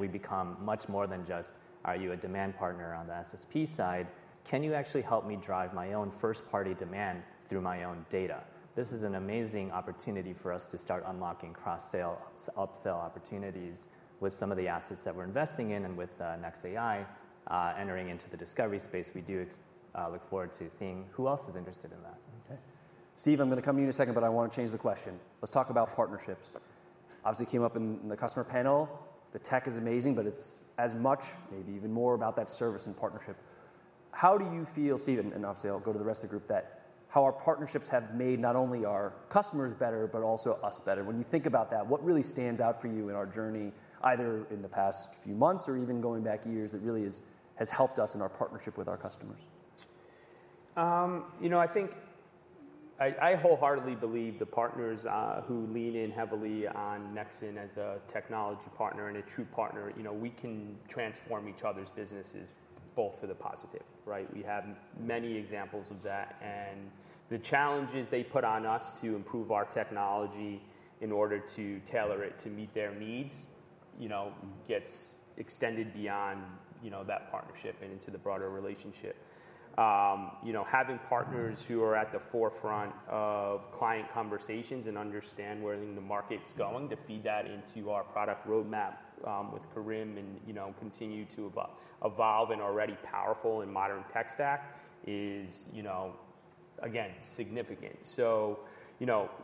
We become much more than just, "Are you a demand partner on the SSP side? Can you actually help me drive my own first-party demand through my own data? This is an amazing opportunity for us to start unlocking cross-sale upsell opportunities with some of the assets that we're investing in and with NexAI entering into the Discovery space. We do look forward to seeing who else is interested in that. Okay. Steve, I'm going to come to you in a second, but I want to change the question. Let's talk about partnerships. Obviously, it came up in the customer panel. The tech is amazing, but it's as much, maybe even more about that service and partnership. How do you feel, Steve, and obviously I'll go to the rest of the group, that how our partnerships have made not only our customers better, but also us better? When you think about that, what really stands out for you in our journey, either in the past few months or even going back years, that really has helped us in our partnership with our customers? I think I wholeheartedly believe the partners who lean in heavily on Nexxen as a technology partner and a true partner, we can transform each other's businesses both for the positive, right? We have many examples of that. The challenges they put on us to improve our technology in order to tailor it to meet their needs gets extended beyond that partnership and into the broader relationship. Having partners who are at the forefront of client conversations and understand where the market's going to feed that into our product roadmap with Karim and continue to evolve an already powerful and modern tech stack is, again, significant.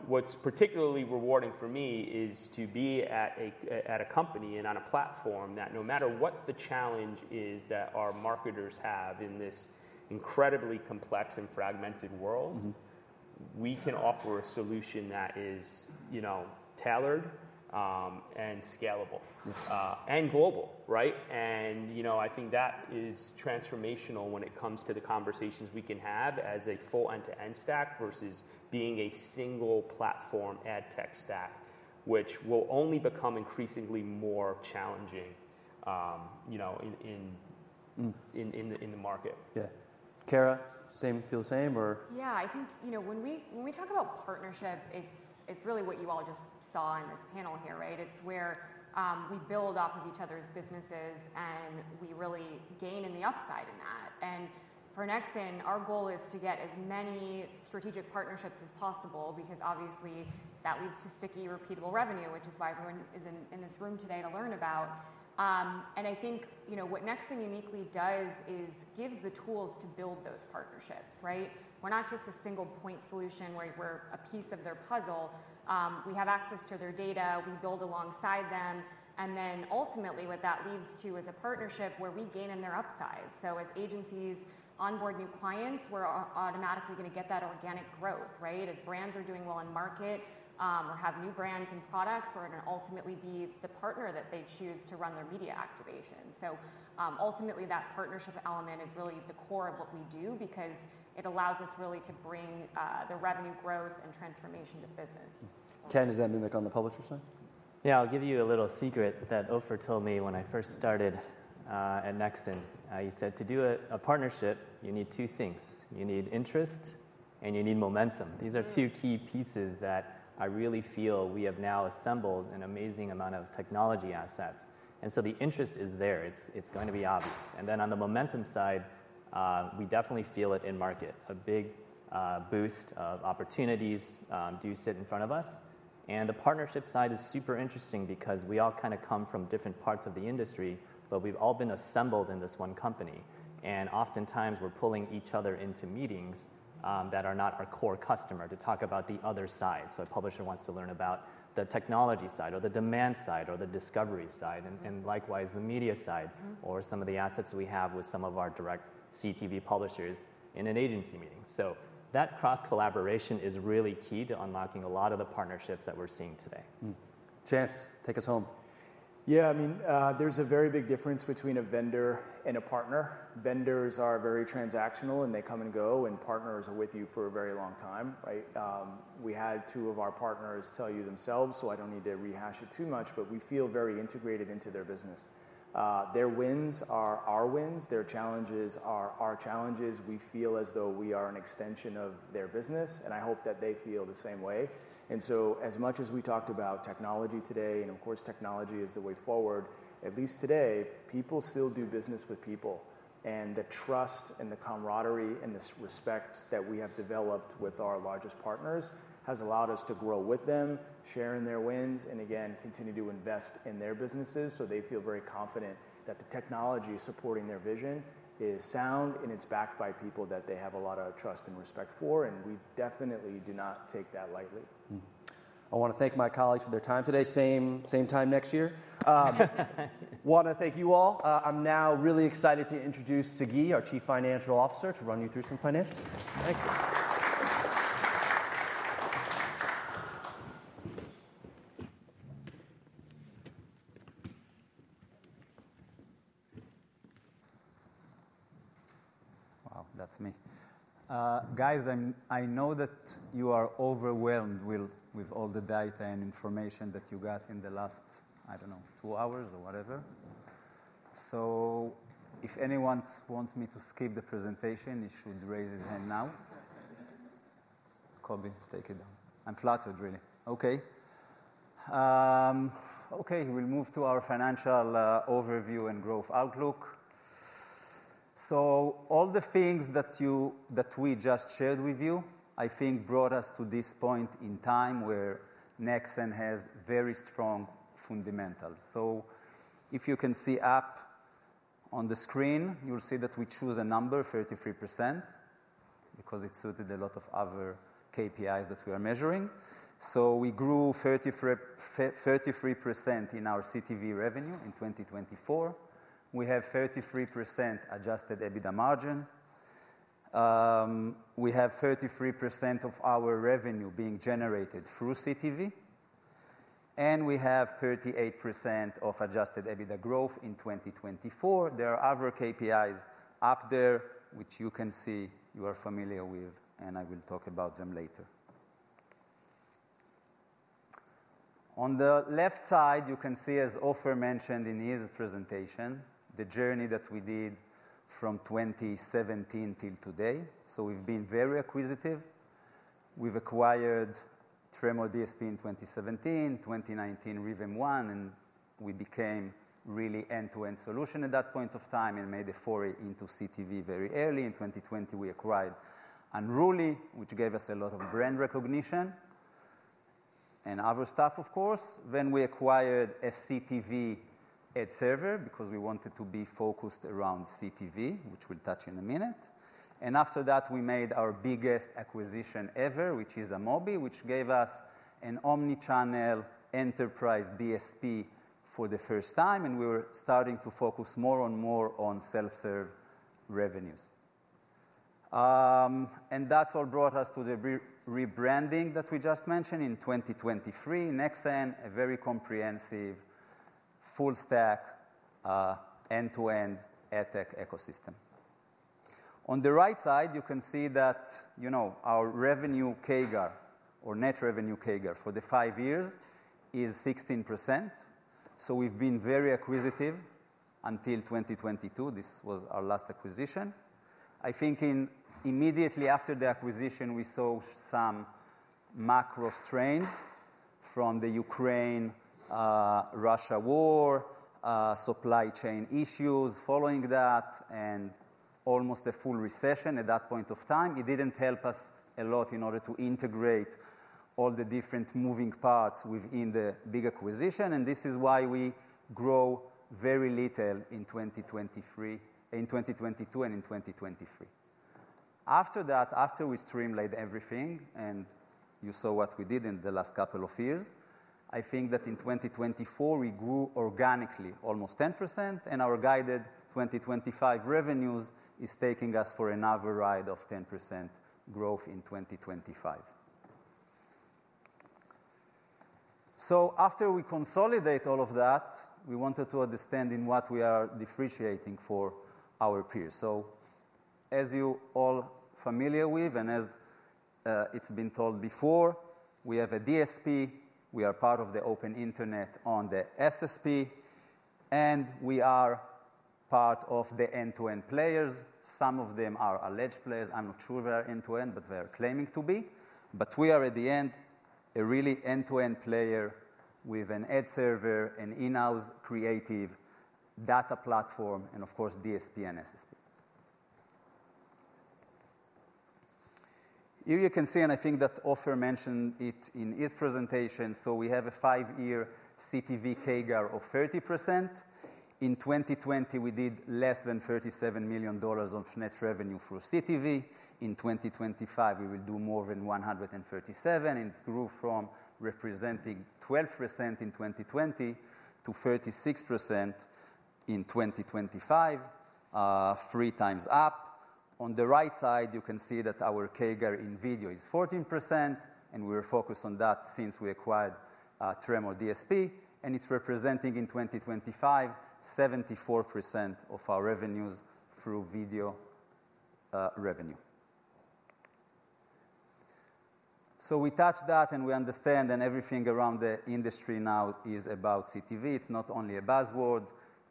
What is particularly rewarding for me is to be at a company and on a platform that no matter what the challenge is that our marketers have in this incredibly complex and fragmented world, we can offer a solution that is tailored and scalable and global, right? I think that is transformational when it comes to the conversations we can have as a full end-to-end stack versus being a single platform ad tech stack, which will only become increasingly more challenging in the market. Yeah. Kara, feel the same, or? Yeah. I think when we talk about partnership, it is really what you all just saw in this panel here, right? It is where we build off of each other's businesses, and we really gain in the upside in that. For Nexxen, our goal is to get as many strategic partnerships as possible because obviously that leads to sticky, repeatable revenue, which is why everyone is in this room today to learn about. I think what Nexxen uniquely does is gives the tools to build those partnerships, right? We're not just a single-point solution where we're a piece of their puzzle. We have access to their data. We build alongside them. Ultimately, what that leads to is a partnership where we gain in their upside. As agencies onboard new clients, we're automatically going to get that organic growth, right? As brands are doing well in market or have new brands and products, we're going to ultimately be the partner that they choose to run their media activation. Ultimately, that partnership element is really the core of what we do because it allows us really to bring the revenue growth and transformation to the business. Ken, is that mimic on the publisher side? Yeah. I'll give you a little secret that Ofer told me when I first started at Nexxen. He said, "To do a partnership, you need two things. You need interest, and you need momentum." These are two key pieces that I really feel we have now assembled an amazing amount of technology assets. The interest is there. It's going to be obvious. On the momentum side, we definitely feel it in market. A big boost of opportunities do sit in front of us. The partnership side is super interesting because we all kind of come from different parts of the industry, but we've all been assembled in this one company. Oftentimes, we're pulling each other into meetings that are not our core customer to talk about the other side. A publisher wants to learn about the technology side or the demand side or the Discovery side and likewise the media side or some of the assets we have with some of our direct CTV publishers in an agency meeting. That cross-collaboration is really key to unlocking a lot of the partnerships that we're seeing today. Chance, take us home. Yeah. I mean, there's a very big difference between a vendor and a partner. Vendors are very transactional, and they come and go, and partners are with you for a very long time, right? We had two of our partners tell you themselves, so I do not need to rehash it too much, but we feel very integrated into their business. Their wins are our wins. Their challenges are our challenges. We feel as though we are an extension of their business, and I hope that they feel the same way. As much as we talked about technology today, and of course, technology is the way forward, at least today, people still do business with people. The trust and the camaraderie and the respect that we have developed with our largest partners has allowed us to grow with them, share in their wins, and again, continue to invest in their businesses so they feel very confident that the technology supporting their vision is sound and it is backed by people that they have a lot of trust and respect for. We definitely do not take that lightly. I want to thank my colleagues for their time today. Same time next year. Want to thank you all. I'm now really excited to introduce Sagi, our Chief Financial Officer, to run you through some financials. Thank you. Wow, that's me. Guys, I know that you are overwhelmed with all the data and information that you got in the last, I do not know, two hours or whatever. If anyone wants me to skip the presentation, he should raise his hand now. Coby, take it down. I'm flattered, really. Okay. Okay. We will move to our financial overview and growth outlook. All the things that we just shared with you, I think, brought us to this point in time where Nexxen has very strong fundamentals. If you can see up on the screen, you'll see that we choose a number, 33%, because it suited a lot of other KPIs that we are measuring. We grew 33% in our CTV revenue in 2024. We have 33% adjusted EBITDA margin. We have 33% of our revenue being generated through CTV. We have 38% of adjusted EBITDA growth in 2024. There are other KPIs up there, which you can see you are familiar with, and I will talk about them later. On the left side, you can see, as Ofer mentioned in his presentation, the journey that we did from 2017 till today. We've been very acquisitive. We acquired Tremor DSP in 2017, 2019 RhythmOne, and we became really end-to-end solution at that point of time and made a foray into CTV very early. In 2020, we acquired Unruly, which gave us a lot of brand recognition and other stuff, of course. We acquired a CTV ad server because we wanted to be focused around CTV, which we'll touch in a minute. After that, we made our biggest acquisition ever, which is Amobee, which gave us an omnichannel enterprise DSP for the first time, and we were starting to focus more and more on self-serve revenues. That is what brought us to the rebranding that we just mentioned in 2023. Nexxen, a very comprehensive, full-stack end-to-end ad tech ecosystem. On the right side, you can see that our revenue CAGR, or net revenue CAGR for the five years, is 16%. We have been very acquisitive until 2022. This was our last acquisition. I think immediately after the acquisition, we saw some macro strains from the Ukraine-Russia war, supply chain issues following that, and almost a full recession at that point of time. It did not help us a lot in order to integrate all the different moving parts within the big acquisition. This is why we grew very little in 2022 and in 2023. After that, after we streamlined everything, and you saw what we did in the last couple of years, I think that in 2024, we grew organically almost 10%, and our guided 2025 revenues is taking us for another ride of 10% growth in 2025. After we consolidate all of that, we wanted to understand in what we are differentiating for our peers. As you are all familiar with, and as it has been told before, we have a DSP. We are part of the open internet on the SSP, and we are part of the end-to-end players. Some of them are alleged players. I'm not sure they are end-to-end, but they are claiming to be. We are, at the end, a really end-to-end player with an ad server, an in-house creative data platform, and of course, DSP and SSP. Here you can see, and I think that Ofer mentioned it in his presentation, we have a five-year CTV CAGR of 30%. In 2020, we did less than $37 million of net revenue for CTV. In 2025, we will do more than $137 million, and it grew from representing 12% in 2020 to 36% in 2025, three times up. On the right side, you can see that our CAGR in video is 14%, and we were focused on that since we acquired Tremor DSP, and it's representing in 2025 74% of our revenues through video revenue. We touched that, and we understand that everything around the industry now is about CTV. It's not only a buzzword.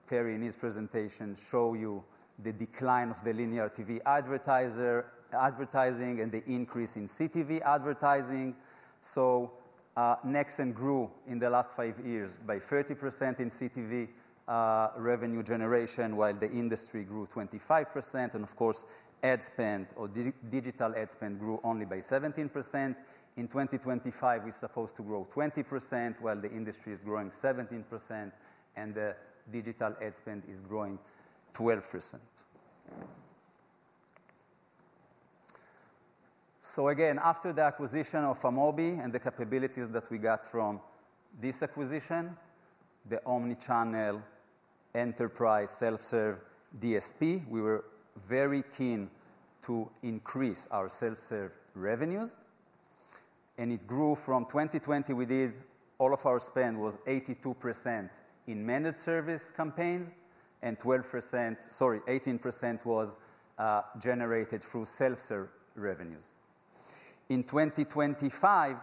Terry, in his presentation, showed you the decline of the linear TV advertising and the increase in CTV advertising. Nexxen grew in the last five years by 30% in CTV revenue generation, while the industry grew 25%. Of course, ad spend or digital ad spend grew only by 17%. In 2025, we're supposed to grow 20%, while the industry is growing 17%, and the digital ad spend is growing 12%. Again, after the acquisition of Amobee and the capabilities that we got from this acquisition, the omnichannel enterprise self-serve DSP, we were very keen to increase our self-serve revenues. It grew from 2020. All of our spend was 82% in managed service campaigns, and 18% was generated through self-serve revenues. In 2025,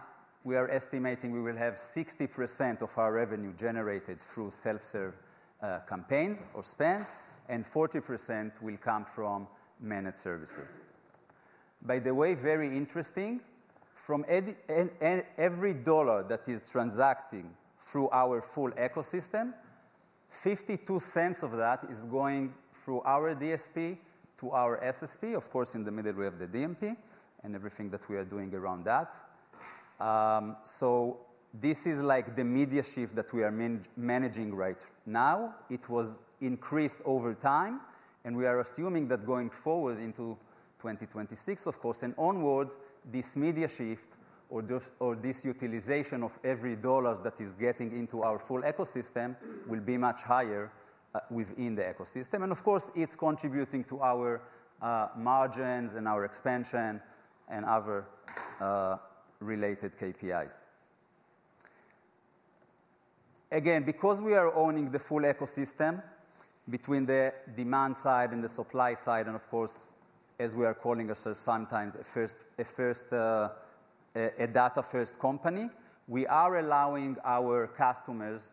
we are estimating we will have 60% of our revenue generated through self-serve campaigns or spend, and 40% will come from managed services. By the way, very interesting, from every dollar that is transacting through our full ecosystem, 52 cents of that is going through our DSP to our SSP. Of course, in the middle, we have the DMP and everything that we are doing around that. This is like the media shift that we are managing right now. It was increased over time, and we are assuming that going forward into 2026, of course, and onwards, this media shift or this utilization of every dollar that is getting into our full ecosystem will be much higher within the ecosystem. It is contributing to our margins and our expansion and other related KPIs. Again, because we are owning the full ecosystem between the demand side and the supply side, and, of course, as we are calling ourselves sometimes a data-first company, we are allowing our customers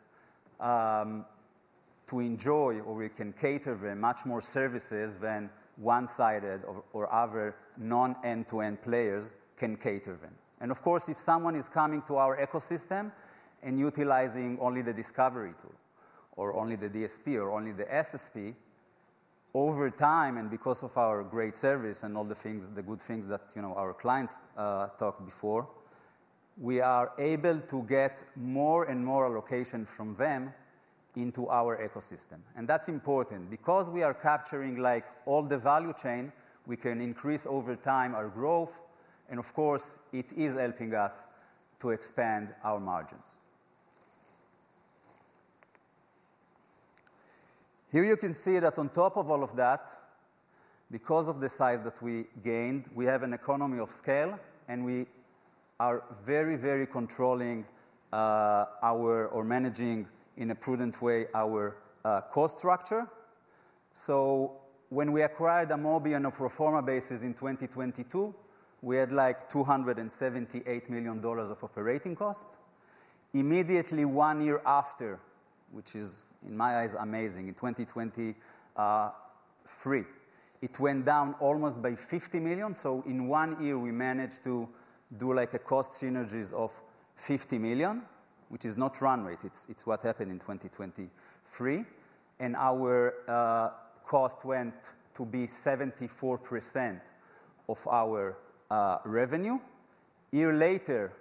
to enjoy, or we can cater to them, much more services than one-sided or other non-end-to-end players can cater to them. Of course, if someone is coming to our ecosystem and utilizing only the Discovery tool or only the DSP or only the SSP, over time and because of our great service and all the good things that our clients talked before, we are able to get more and more allocation from them into our ecosystem. That is important because we are capturing all the value chain. We can increase over time our growth, and of course, it is helping us to expand our margins. Here you can see that on top of all of that, because of the size that we gained, we have an economy of scale, and we are very, very controlling or managing in a prudent way our cost structure. When we acquired Amobee on a pro forma basis in 2022, we had like $278 million of operating cost. Immediately one year after, which is in my eyes amazing, in 2023, it went down almost by $50 million. So in one year, we managed to do like a cost synergies of $50 million, which is not run rate. It's what happened in 2023. And our cost went to be 74% of our revenue. A year later,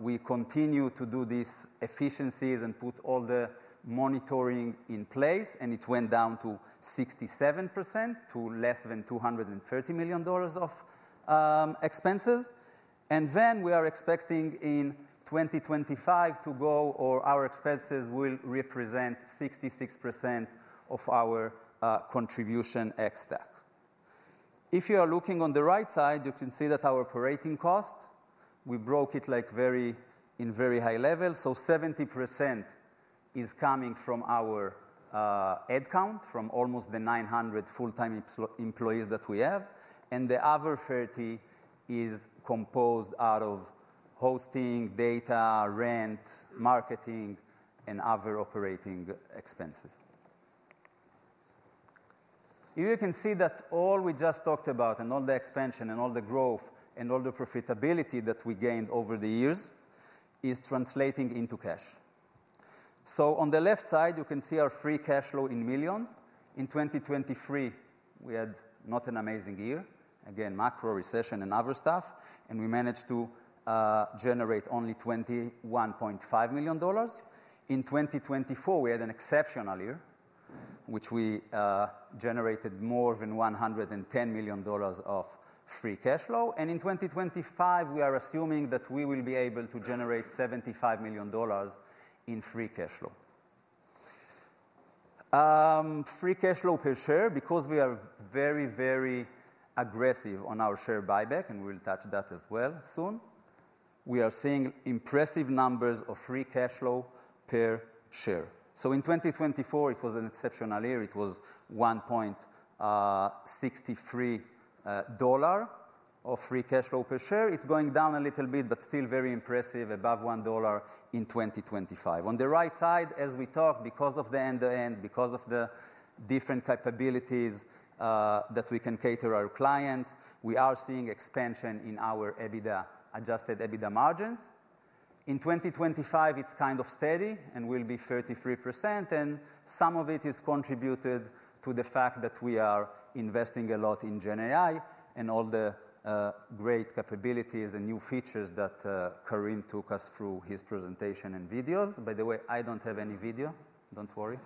we continue to do these efficiencies and put all the monitoring in place, and it went down to 67% to less than $230 million of expenses. And then we are expecting in 2025 to go, or our expenses will represent 66% of our contribution ex-tech. If you are looking on the right side, you can see that our operating cost, we broke it like very in very high level. So 70% is coming from our headcount, from almost the 900 full-time employees that we have. The other 30 is composed out of hosting, data, rent, marketing, and other operating expenses. Here you can see that all we just talked about and all the expansion and all the growth and all the profitability that we gained over the years is translating into cash. On the left side, you can see our free cash flow in millions. In 2023, we had not an amazing year. Again, macro recession and other stuff, and we managed to generate only $21.5 million. In 2024, we had an exceptional year, which we generated more than $110 million of free cash flow. In 2025, we are assuming that we will be able to generate $75 million in free cash flow. Free cash flow per share, because we are very, very aggressive on our share buyback, and we'll touch that as well soon, we are seeing impressive numbers of free cash flow per share. In 2024, it was an exceptional year. It was $1.63 of free cash flow per share. It's going down a little bit, but still very impressive, above $1 in 2025. On the right side, as we talk, because of the end-to-end, because of the different capabilities that we can cater our clients, we are seeing expansion in our adjusted EBITDA margins. In 2025, it's kind of steady and will be 33%, and some of it is contributed to the fact that we are investing a lot in GenAI and all the great capabilities and new features that Karim took us through his presentation and videos. By the way, I don't have any video. Don't worry.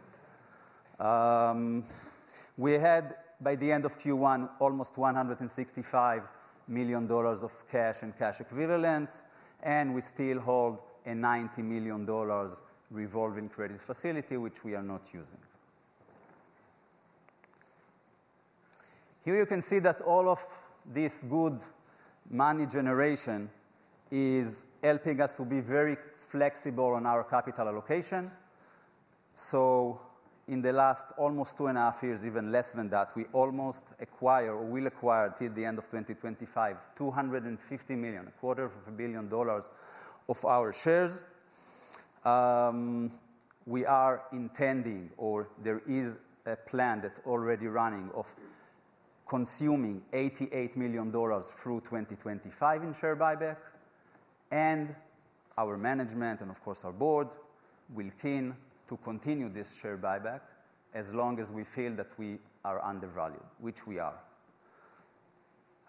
We had, by the end of Q1, almost $165 million of cash and cash equivalents, and we still hold a $90 million revolving credit facility, which we are not using. Here you can see that all of this good money generation is helping us to be very flexible on our capital allocation. In the last almost two and a half years, even less than that, we almost acquire, or will acquire until the end of 2025, $250 million, a quarter of a billion dollars of our shares. We are intending, or there is a plan that's already running of consuming $88 million through 2025 in share buyback. Our management and, of course, our board will keen to continue this share buyback as long as we feel that we are undervalued, which we are.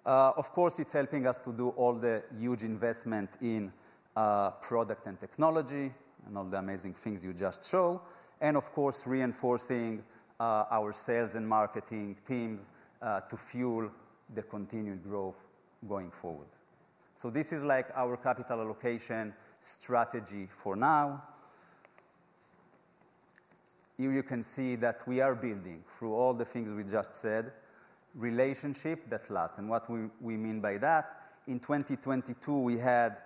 Of course, it's helping us to do all the huge investment in product and technology and all the amazing things you just showed, and of course, reinforcing our sales and marketing teams to fuel the continued growth going forward. This is like our capital allocation strategy for now. Here you can see that we are building, through all the things we just said, a relationship that lasts. What we mean by that, in 2022, we had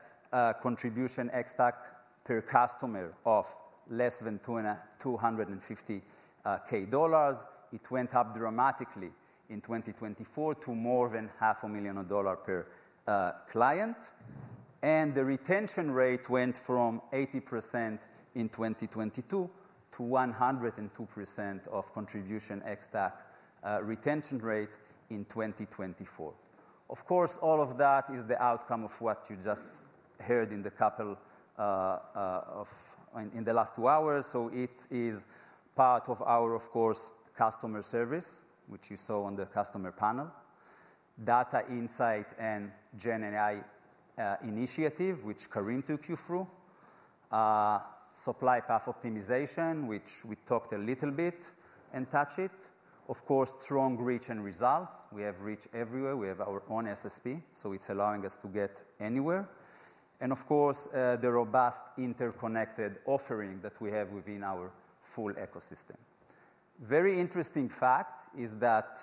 contribution ex-tech per customer of less than $250,000. It went up dramatically in 2024 to more than $500,000 per client. The retention rate went from 80% in 2022 to 102% of contribution ex-tech retention rate in 2024. Of course, all of that is the outcome of what you just heard in the last two hours. It is part of our, of course, customer service, which you saw on the customer panel, data insight and GenAI initiative, which Karim took you through, supply path optimization, which we talked a little bit and touched it. Of course, strong reach and results. We have reach everywhere. We have our own SSP, so it is allowing us to get anywhere. Of course, the robust interconnected offering that we have within our full ecosystem. Very interesting fact is that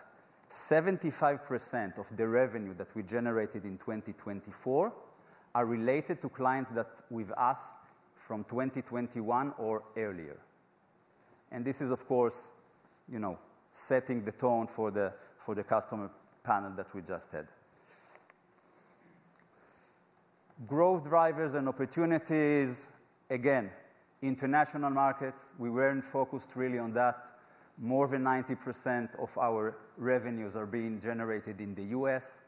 75% of the revenue that we generated in 2024 are related to clients that we have asked from 2021 or earlier. This is, of course, setting the tone for the customer panel that we just had. Growth drivers and opportunities, again, international markets. We were not focused really on that. More than 90% of our revenues are being generated in the U.S.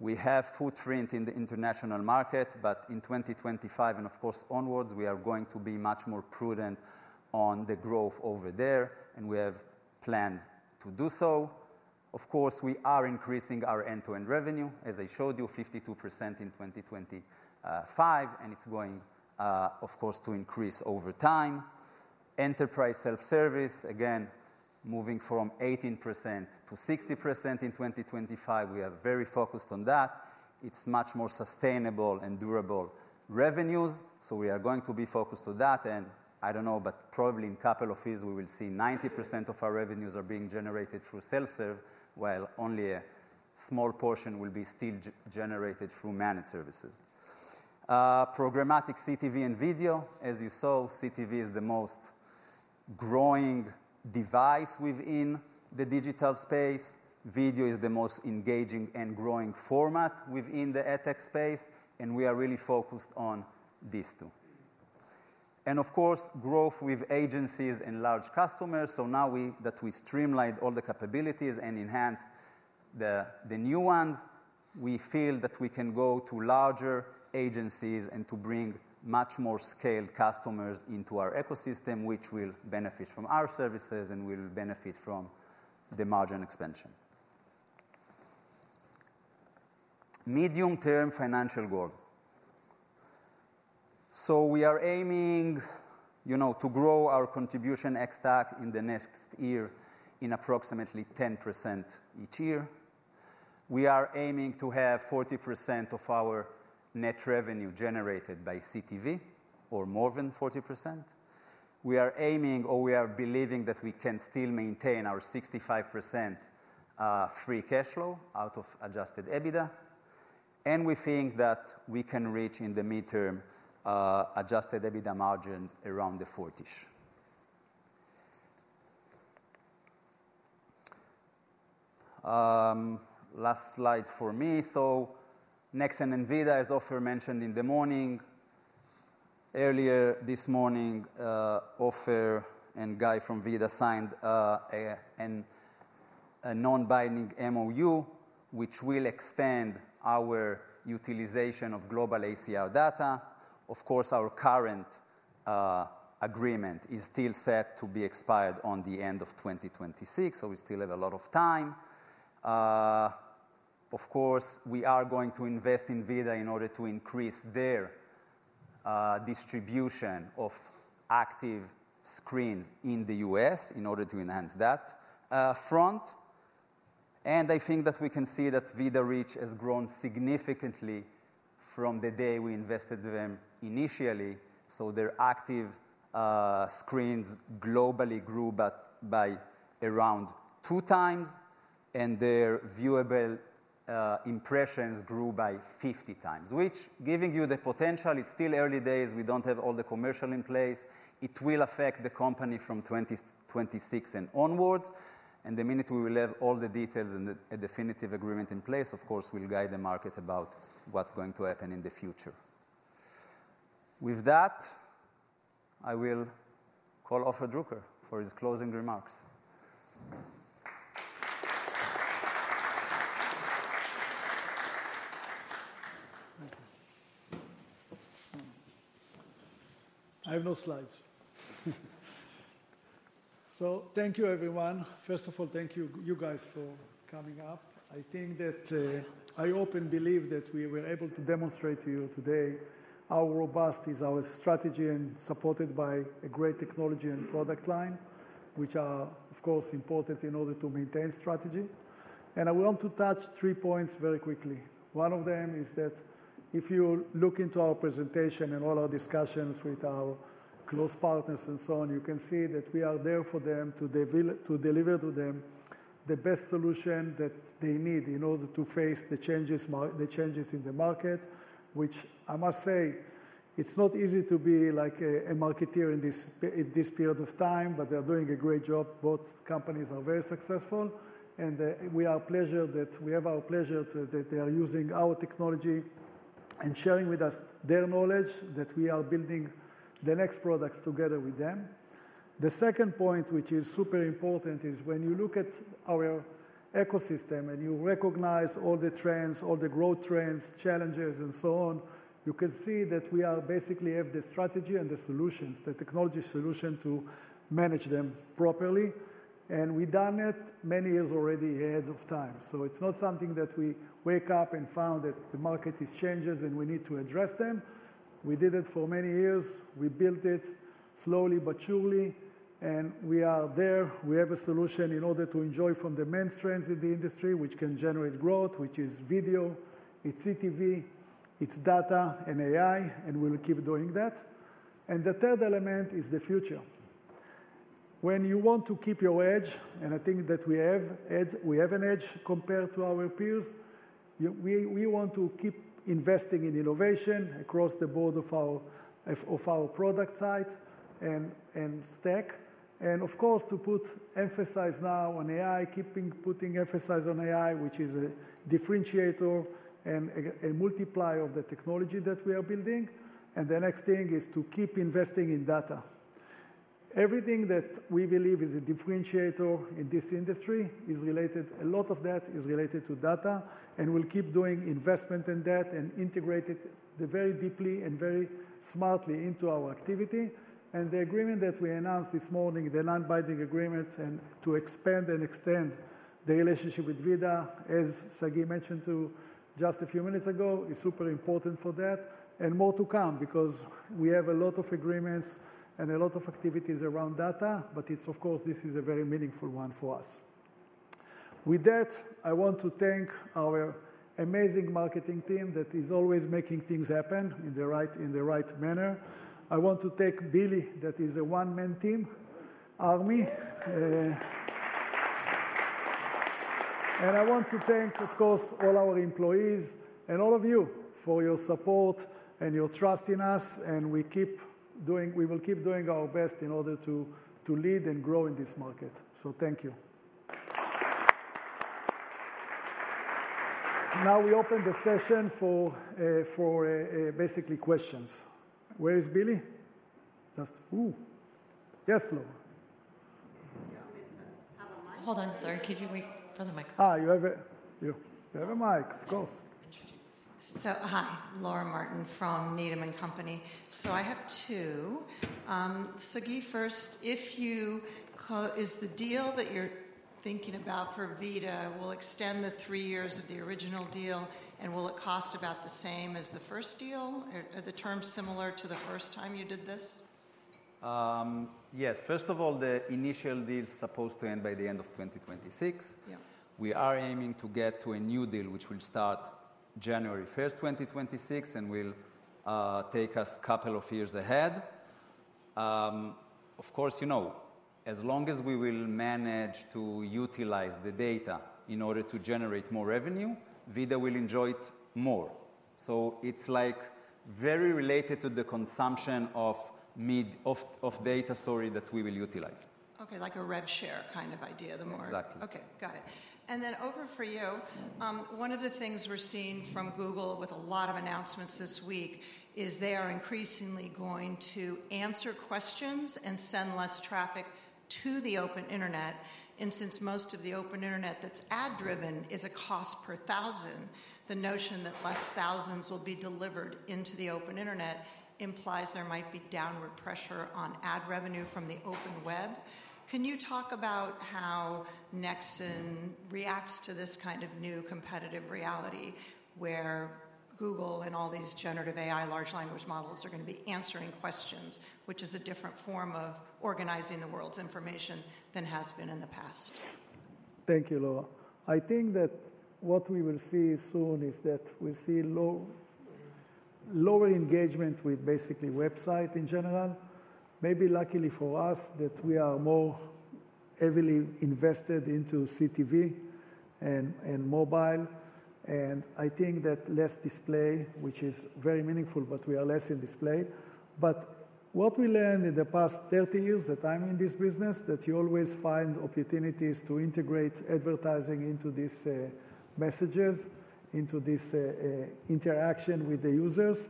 We have a footprint in the international market, but in 2025 and, of course, onwards, we are going to be much more prudent on the growth over there, and we have plans to do so. Of course, we are increasing our end-to-end revenue, as I showed you, 52% in 2025, and it is going, of course, to increase over time. Enterprise self-service, again, moving from 18%-60% in 2025. We are very focused on that. It is much more sustainable and durable revenues, so we are going to be focused on that. I do not know, but probably in a couple of years, we will see 90% of our revenues are being generated through self-serve, while only a small portion will be still generated through managed services. Programmatic CTV and video. As you saw, CTV is the most growing device within the digital space. Video is the most engaging and growing format within the ad tech space, and we are really focused on these two. Of course, growth with agencies and large customers. Now that we streamlined all the capabilities and enhanced the new ones, we feel that we can go to larger agencies and bring much more scaled customers into our ecosystem, which will benefit from our services and will benefit from the margin expansion. Medium-term financial goals. We are aiming to grow our contribution ex-tech in the next year in approximately 10% each year. We are aiming to have 40% of our net revenue generated by CTV or more than 40%. We are aiming, or we are believing that we can still maintain our 65% free cash flow out of adjusted EBITDA. We think that we can reach in the midterm adjusted EBITDA margins around the 40s. Last slide for me. Nexxen and VIDAA, as Ofer mentioned in the morning. Earlier this morning, Ofer and Guy from VIDAA signed a non-binding MOU, which will extend our utilization of global ACR data. Of course, our current agreement is still set to expire at the end of 2026, so we still have a lot of time. We are going to invest in VIDAA in order to increase their distribution of active screens in the U.S. in order to enhance that front. I think that we can see that VIDAA Reach has grown significantly from the day we invested in them initially. Their active screens globally grew by around two times, and their viewable impressions grew by 50 times, which, giving you the potential, it's still early days. We do not have all the commercial in place. It will affect the company from 2026 and onwards. The minute we will have all the details and a definitive agreement in place, of course, we'll guide the market about what's going to happen in the future. With that, I will call Ofer Druker for his closing remarks. I have no slides. Thank you, everyone. First of all, thank you, you guys, for coming up. I think that I open believe that we were able to demonstrate to you today how robust is our strategy and supported by a great technology and product line, which are, of course, important in order to maintain strategy. I want to touch three points very quickly. One of them is that if you look into our presentation and all our discussions with our close partners and so on, you can see that we are there for them to deliver to them the best solution that they need in order to face the changes in the market, which I must say, it's not easy to be like a marketeer in this period of time, but they're doing a great job. Both companies are very successful, and we are pleased that they are using our technology and sharing with us their knowledge that we are building the next products together with them. The second point, which is super important, is when you look at our ecosystem and you recognize all the trends, all the growth trends, challenges, and so on, you can see that we basically have the strategy and the solutions, the technology solution to manage them properly. We have done it many years already ahead of time. It is not something that we wake up and found that the market is changes and we need to address them. We did it for many years. We built it slowly but surely, and we are there. We have a solution in order to enjoy from the main strengths in the industry, which can generate growth, which is video. It is CTV, it is data, and AI, and we will keep doing that. The third element is the future. When you want to keep your edge, and I think that we have an edge compared to our peers, we want to keep investing in innovation across the board of our product side and stack. Of course, to put emphasis now on AI, keeping putting emphasis on AI, which is a differentiator and a multiplier of the technology that we are building. The next thing is to keep investing in data. Everything that we believe is a differentiator in this industry is related; a lot of that is related to data, and we'll keep doing investment in that and integrate it very deeply and very smartly into our activity. The agreement that we announced this morning, the non-binding agreements, and to expand and extend the relationship with VIDAA, as Sagi mentioned too just a few minutes ago, is super important for that. More to come because we have a lot of agreements and a lot of activities around data, but it's, of course, this is a very meaningful one for us. With that, I want to thank our amazing marketing team that is always making things happen in the right manner. I want to thank Billy, that is a one-man team, Army. I want to thank, of course, all our employees and all of you for your support and your trust in us, and we will keep doing our best in order to lead and grow in this market. Thank you. Now we open the session for basically questions. Where is Billy? Just, ooh. Yes, Laura. Hold on, sorry. Could you wait for the microphone? You have a mic. Of course. Hi, Laura Martin from Needham and Company. I have two. Sagi, first, is the deal that you're thinking about for VIDAA will extend the three years of the original deal, and will it cost about the same as the first deal? Are the terms similar to the first time you did this? Yes. First of all, the initial deal is supposed to end by the end of 2026. We are aiming to get to a new deal, which will start January 1, 2026, and will take us a couple of years ahead. Of course, you know, as long as we will manage to utilize the data in order to generate more revenue, VIDAA will enjoy it more. It is very related to the consumption of data, sorry, that we will utilize. Okay, like a rev share kind of idea, the more. Exactly. Okay, got it. Over for you. One of the things we're seeing from Google with a lot of announcements this week is they are increasingly going to answer questions and send less traffic to the open internet. Since most of the open internet that's ad-driven is a cost per thousand, the notion that less thousands will be delivered into the open internet implies there might be downward pressure on ad revenue from the open web. Can you talk about how Nexxen reacts to this kind of new competitive reality where Google and all these generative AI large language models are going to be answering questions, which is a different form of organizing the world's information than has been in the past? Thank you, Laura. I think that what we will see soon is that we'll see lower engagement with basically website in general. Maybe luckily for us that we are more heavily invested into CTV and mobile. I think that less display, which is very meaningful, but we are less in display. What we learned in the past 30 years that I'm in this business, that you always find opportunities to integrate advertising into these messages, into this interaction with the users.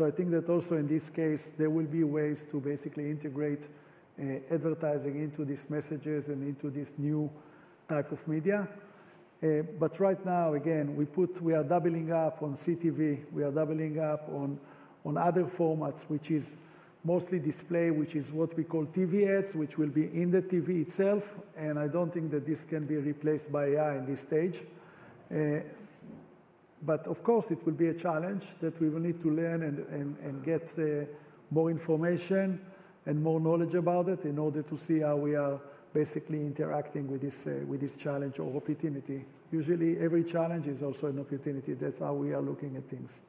I think that also in this case, there will be ways to basically integrate advertising into these messages and into this new type of media. Right now, again, we are doubling up on CTV. We are doubling up on other formats, which is mostly display, which is what we call TV ads, which will be in the TV itself. I do not think that this can be replaced by AI in this stage. Of course, it will be a challenge that we will need to learn and get more information and more knowledge about it in order to see how we are basically interacting with this challenge or opportunity. Usually, every challenge is also an opportunity. That is how we are looking at things.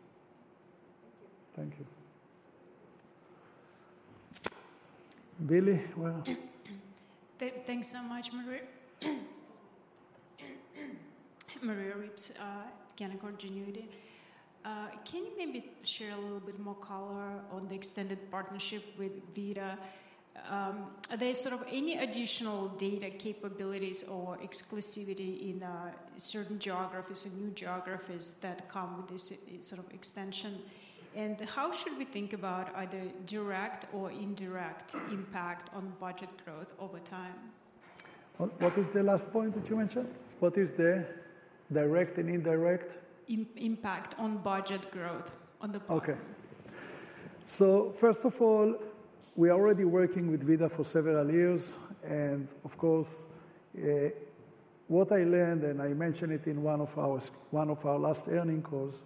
Thank you. Thank you. Billy, what? Thanks so muc Maria Ripps, Canaccord Genuity. Can you maybe share a little bit more color on the extended partnership with VIDAA? Are there sort of any additional data capabilities or exclusivity in certain geographies or new geographies that come with this sort of extension? How should we think about either direct or indirect impact on budget growth over time? What is the last point that you mentioned? What is the direct and indirect? Impact on budget growth on the plan. Okay. First of all, we are already working with VIDAA for several years. Of course, what I learned, and I mentioned it in one of our last earnings calls,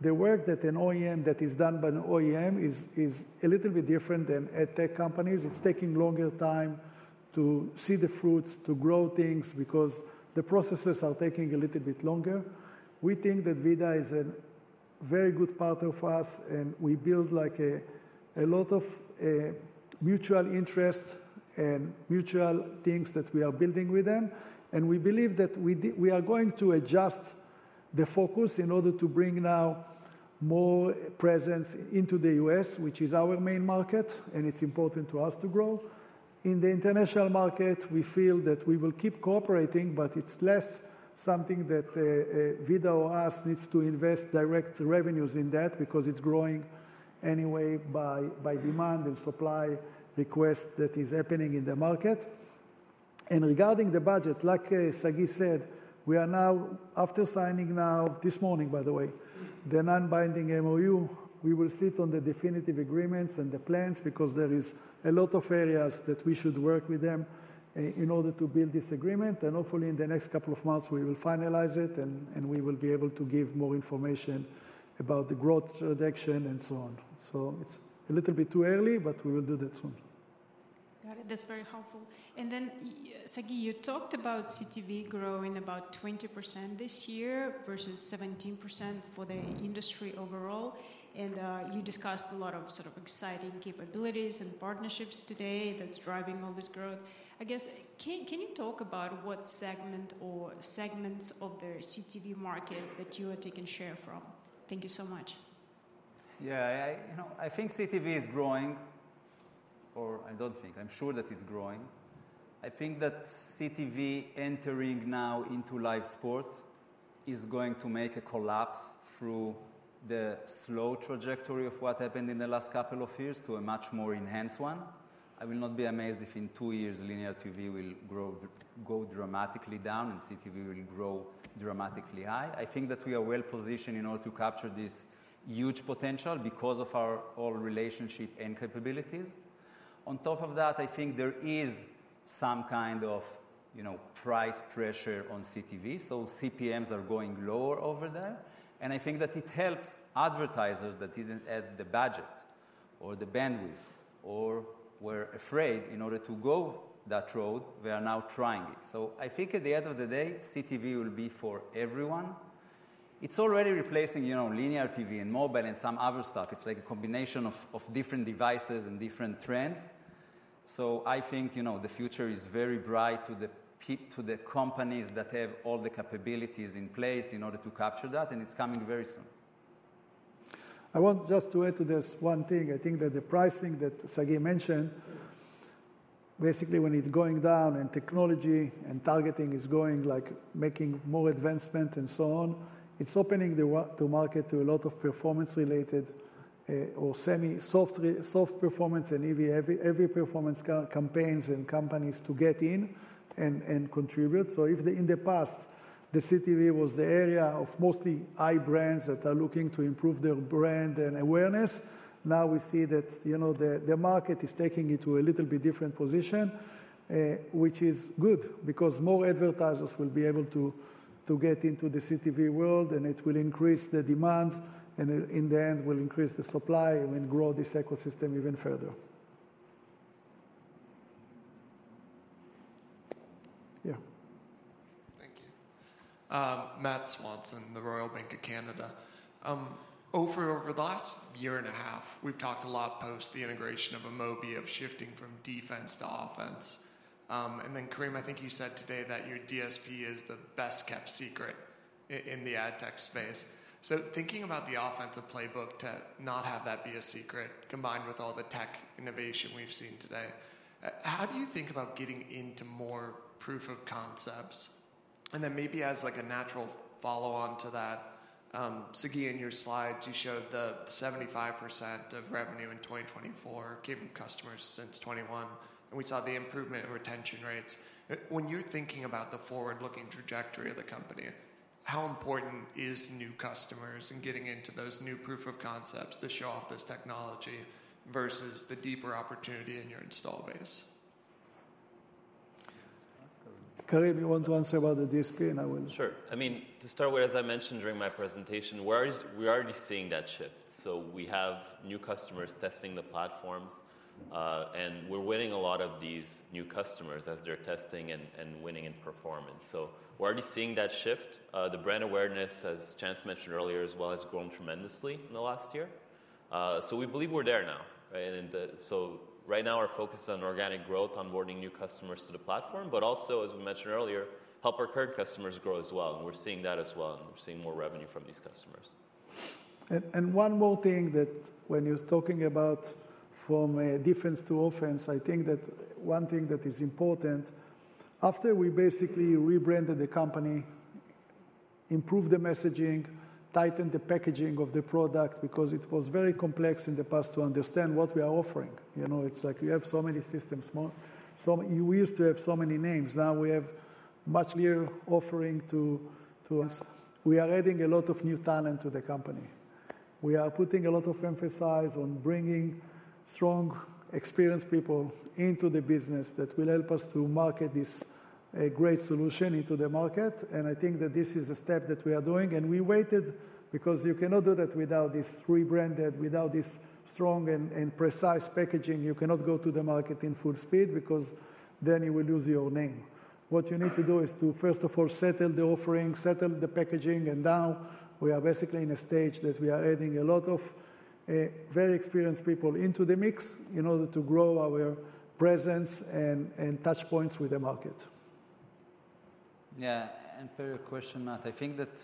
the work that is done by an OEM is a little bit different than ad tech companies. It is taking longer to see the fruits, to grow things, because the processes are taking a little bit longer. We think that VIDAA is a very good partner for us, and we build a lot of mutual interests and mutual things that we are building with them. We believe that we are going to adjust the focus in order to bring now more presence into the U.S., which is our main market, and it is important to us to grow. In the international market, we feel that we will keep cooperating, but it's less something that VIDAA or us needs to invest direct revenues in because it's growing anyway by demand and supply request that is happening in the market. Regarding the budget, like Sagi said, we are now, after signing now, this morning, by the way, the non-binding MOU, we will sit on the definitive agreements and the plans because there are a lot of areas that we should work with them in order to build this agreement. Hopefully, in the next couple of months, we will finalize it, and we will be able to give more information about the growth reduction and so on. It's a little bit too early, but we will do that soon. Got it. That's very helpful. Sagi, you talked about CTV growing about 20% this year versus 17% for the industry overall. You discussed a lot of sort of exciting capabilities and partnerships today that's driving all this growth. I guess, can you talk about what segment or segments of the CTV market that you are taking share from? Thank you so much. Yeah, I think CTV is growing, or I do not think. I am sure that it is growing. I think that CTV entering now into live sport is going to make a collapse through the slow trajectory of what happened in the last couple of years to a much more enhanced one. I will not be amazed if in two years, linear TV will go dramatically down and CTV will grow dramatically high. I think that we are well positioned in order to capture this huge potential because of our old relationship and capabilities. On top of that, I think there is some kind of price pressure on CTV. So CPMs are going lower over there. I think that it helps advertisers that did not add the budget or the bandwidth or were afraid in order to go that road. They are now trying it. I think at the end of the day, CTV will be for everyone. It's already replacing linear TV and mobile and some other stuff. It's like a combination of different devices and different trends. I think the future is very bright to the companies that have all the capabilities in place in order to capture that, and it's coming very soon. I want just to add to this one thing. I think that the pricing that Sagi mentioned, basically when it's going down and technology and targeting is going like making more advancement and so on, it's opening the market to a lot of performance-related or semi-soft performance and heavy performance campaigns and companies to get in and contribute. If in the past, the CTV was the area of mostly big brands that are looking to improve their brand and awareness, now we see that the market is taking it to a little bit different position, which is good because more advertisers will be able to get into the CTV world, and it will increase the demand, and in the end, will increase the supply and grow this ecosystem even further. Yeah. Thank you. Matt Swanson, the Royal Bank of Canada. Over the last year and a half, we've talked a lot post the integration of Amobee of shifting from defense to offense. Karim, I think you said today that your DSP is the best kept secret in the ad tech space. Thinking about the offense of playbook to not have that be a secret combined with all the tech innovation we've seen today, how do you think about getting into more proof of concepts? Maybe as a natural follow-on to that, Sagi, in your slides, you showed that 75% of revenue in 2024 came from customers since 2021, and we saw the improvement in retention rates. When you're thinking about the forward-looking trajectory of the company, how important is new customers and getting into those new proof of concepts to show off this technology versus the deeper opportunity in your install base? Karim, you want to answer about the DSP and I will. Sure. I mean, to start with, as I mentioned during my presentation, we're already seeing that shift. We have new customers testing the platforms, and we're winning a lot of these new customers as they're testing and winning in performance. We're already seeing that shift. The brand awareness, as Chance mentioned earlier as well, has grown tremendously in the last year. We believe we're there now. Right now, our focus is on organic growth, onboarding new customers to the platform, but also, as we mentioned earlier, help our current customers grow as well. We're seeing that as well, and we're seeing more revenue from these customers. One more thing that when you're talking about from a defense to offense, I think that one thing that is important, after we basically rebranded the company, improved the messaging, tightened the packaging of the product because it was very complex in the past to understand what we are offering. It's like we have so many systems. We used to have so many names. Now we have much clearer offering too. We are adding a lot of new talent to the company. We are putting a lot of emphasis on bringing strong, experienced people into the business that will help us to market this great solution into the market. I think that this is a step that we are doing. We waited because you cannot do that without this rebranded, without this strong and precise packaging. You cannot go to the market in full speed because then you will lose your name. What you need to do is to, first of all, settle the offering, settle the packaging. Now we are basically in a stage that we are adding a lot of very experienced people into the mix in order to grow our presence and touch points with the market. Yeah, and for your question, Matt, I think that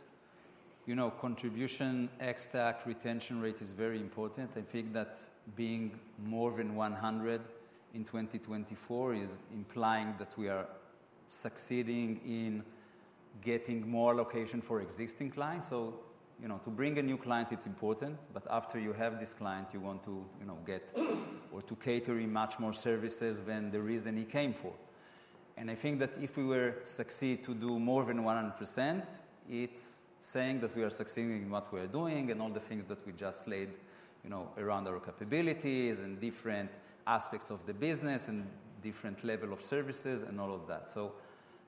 contribution, ex-tech retention rate is very important. I think that being more than 100% in 2024 is implying that we are succeeding in getting more location for existing clients. To bring a new client, it's important, but after you have this client, you want to get or to cater in much more services than the reason he came for. I think that if we were to succeed to do more than 100%, it's saying that we are succeeding in what we are doing and all the things that we just laid around our capabilities and different aspects of the business and different level of services and all of that.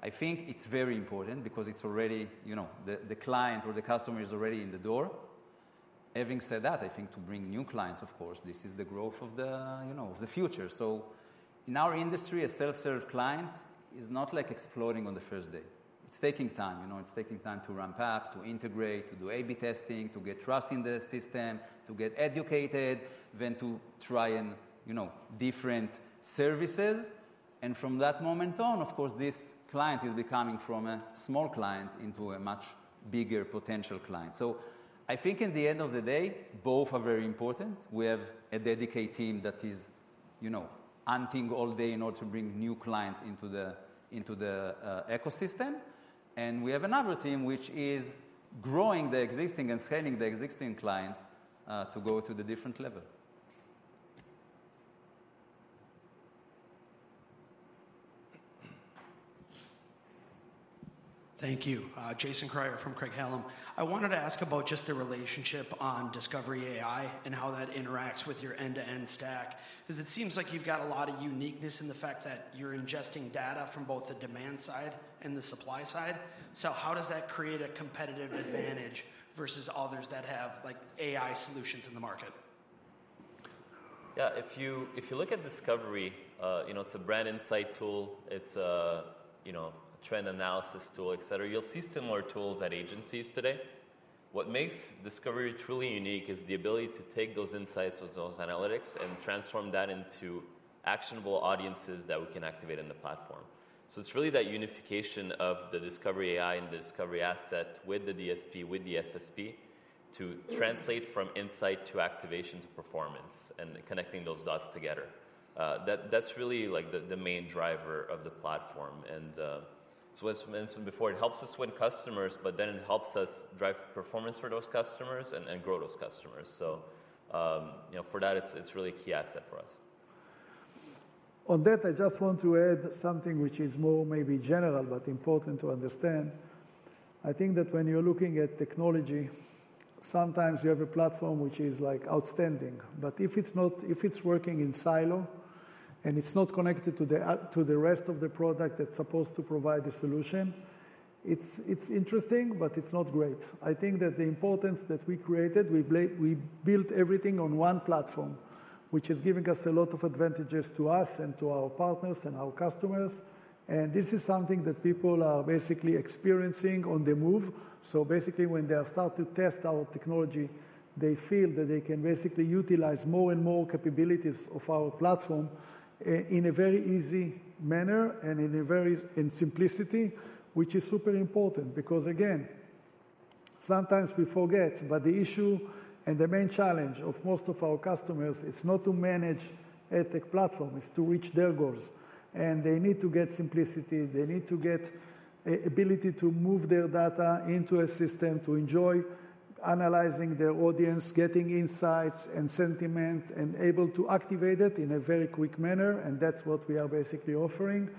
I think it's very important because the client or the customer is already in the door. Having said that, I think to bring new clients, of course, this is the growth of the future. In our industry, a self-serve client is not like exploding on the first day. It is taking time. It is taking time to ramp up, to integrate, to do A/B testing, to get trust in the system, to get educated, then to try in different services. From that moment on, of course, this client is becoming from a small client into a much bigger potential client. I think in the end of the day, both are very important. We have a dedicated team that is hunting all day in order to bring new clients into the ecosystem. We have another team, which is growing the existing and scaling the existing clients to go to the different level. Thank you. Jason Cryer from Craig-Hallum. I wanted to ask about just the relationship on Discovery AI and how that interacts with your end-to-end stack because it seems like you've got a lot of uniqueness in the fact that you're ingesting data from both the demand side and the supply side. So how does that create a competitive advantage versus others that have AI solutions in the market? Yeah, if you look at Discovery, it's a brand insight tool. It's a trend analysis tool, et cetera. You'll see similar tools at agencies today. What makes Discovery truly unique is the ability to take those insights or those analytics and transform that into actionable audiences that we can activate in the platform. It's really that unification of the Discovery AI and the Discovery asset with the DSP, with the SSP to translate from insight to activation to performance and connecting those dots together. That's really the main driver of the platform. As was mentioned before, it helps us win customers, but then it helps us drive performance for those customers and grow those customers. For that, it's a really key asset for us. On that, I just want to add something which is more maybe general but important to understand. I think that when you're looking at technology, sometimes you have a platform which is outstanding. If it's working in silo and it's not connected to the rest of the product that's supposed to provide the solution, it's interesting, but it's not great. I think that the importance that we created, we built everything on one platform, which is giving us a lot of advantages to us and to our partners and our customers. This is something that people are basically experiencing on the move. Basically, when they start to test our technology, they feel that they can basically utilize more and more capabilities of our platform in a very easy manner and in simplicity, which is super important because, again, sometimes we forget, but the issue and the main challenge of most of our customers is not to manage ad tech platform, it's to reach their goals. They need to get simplicity. They need to get the ability to move their data into a system to enjoy analyzing their audience, getting insights and sentiment, and able to activate it in a very quick manner. That's what we are basically offering.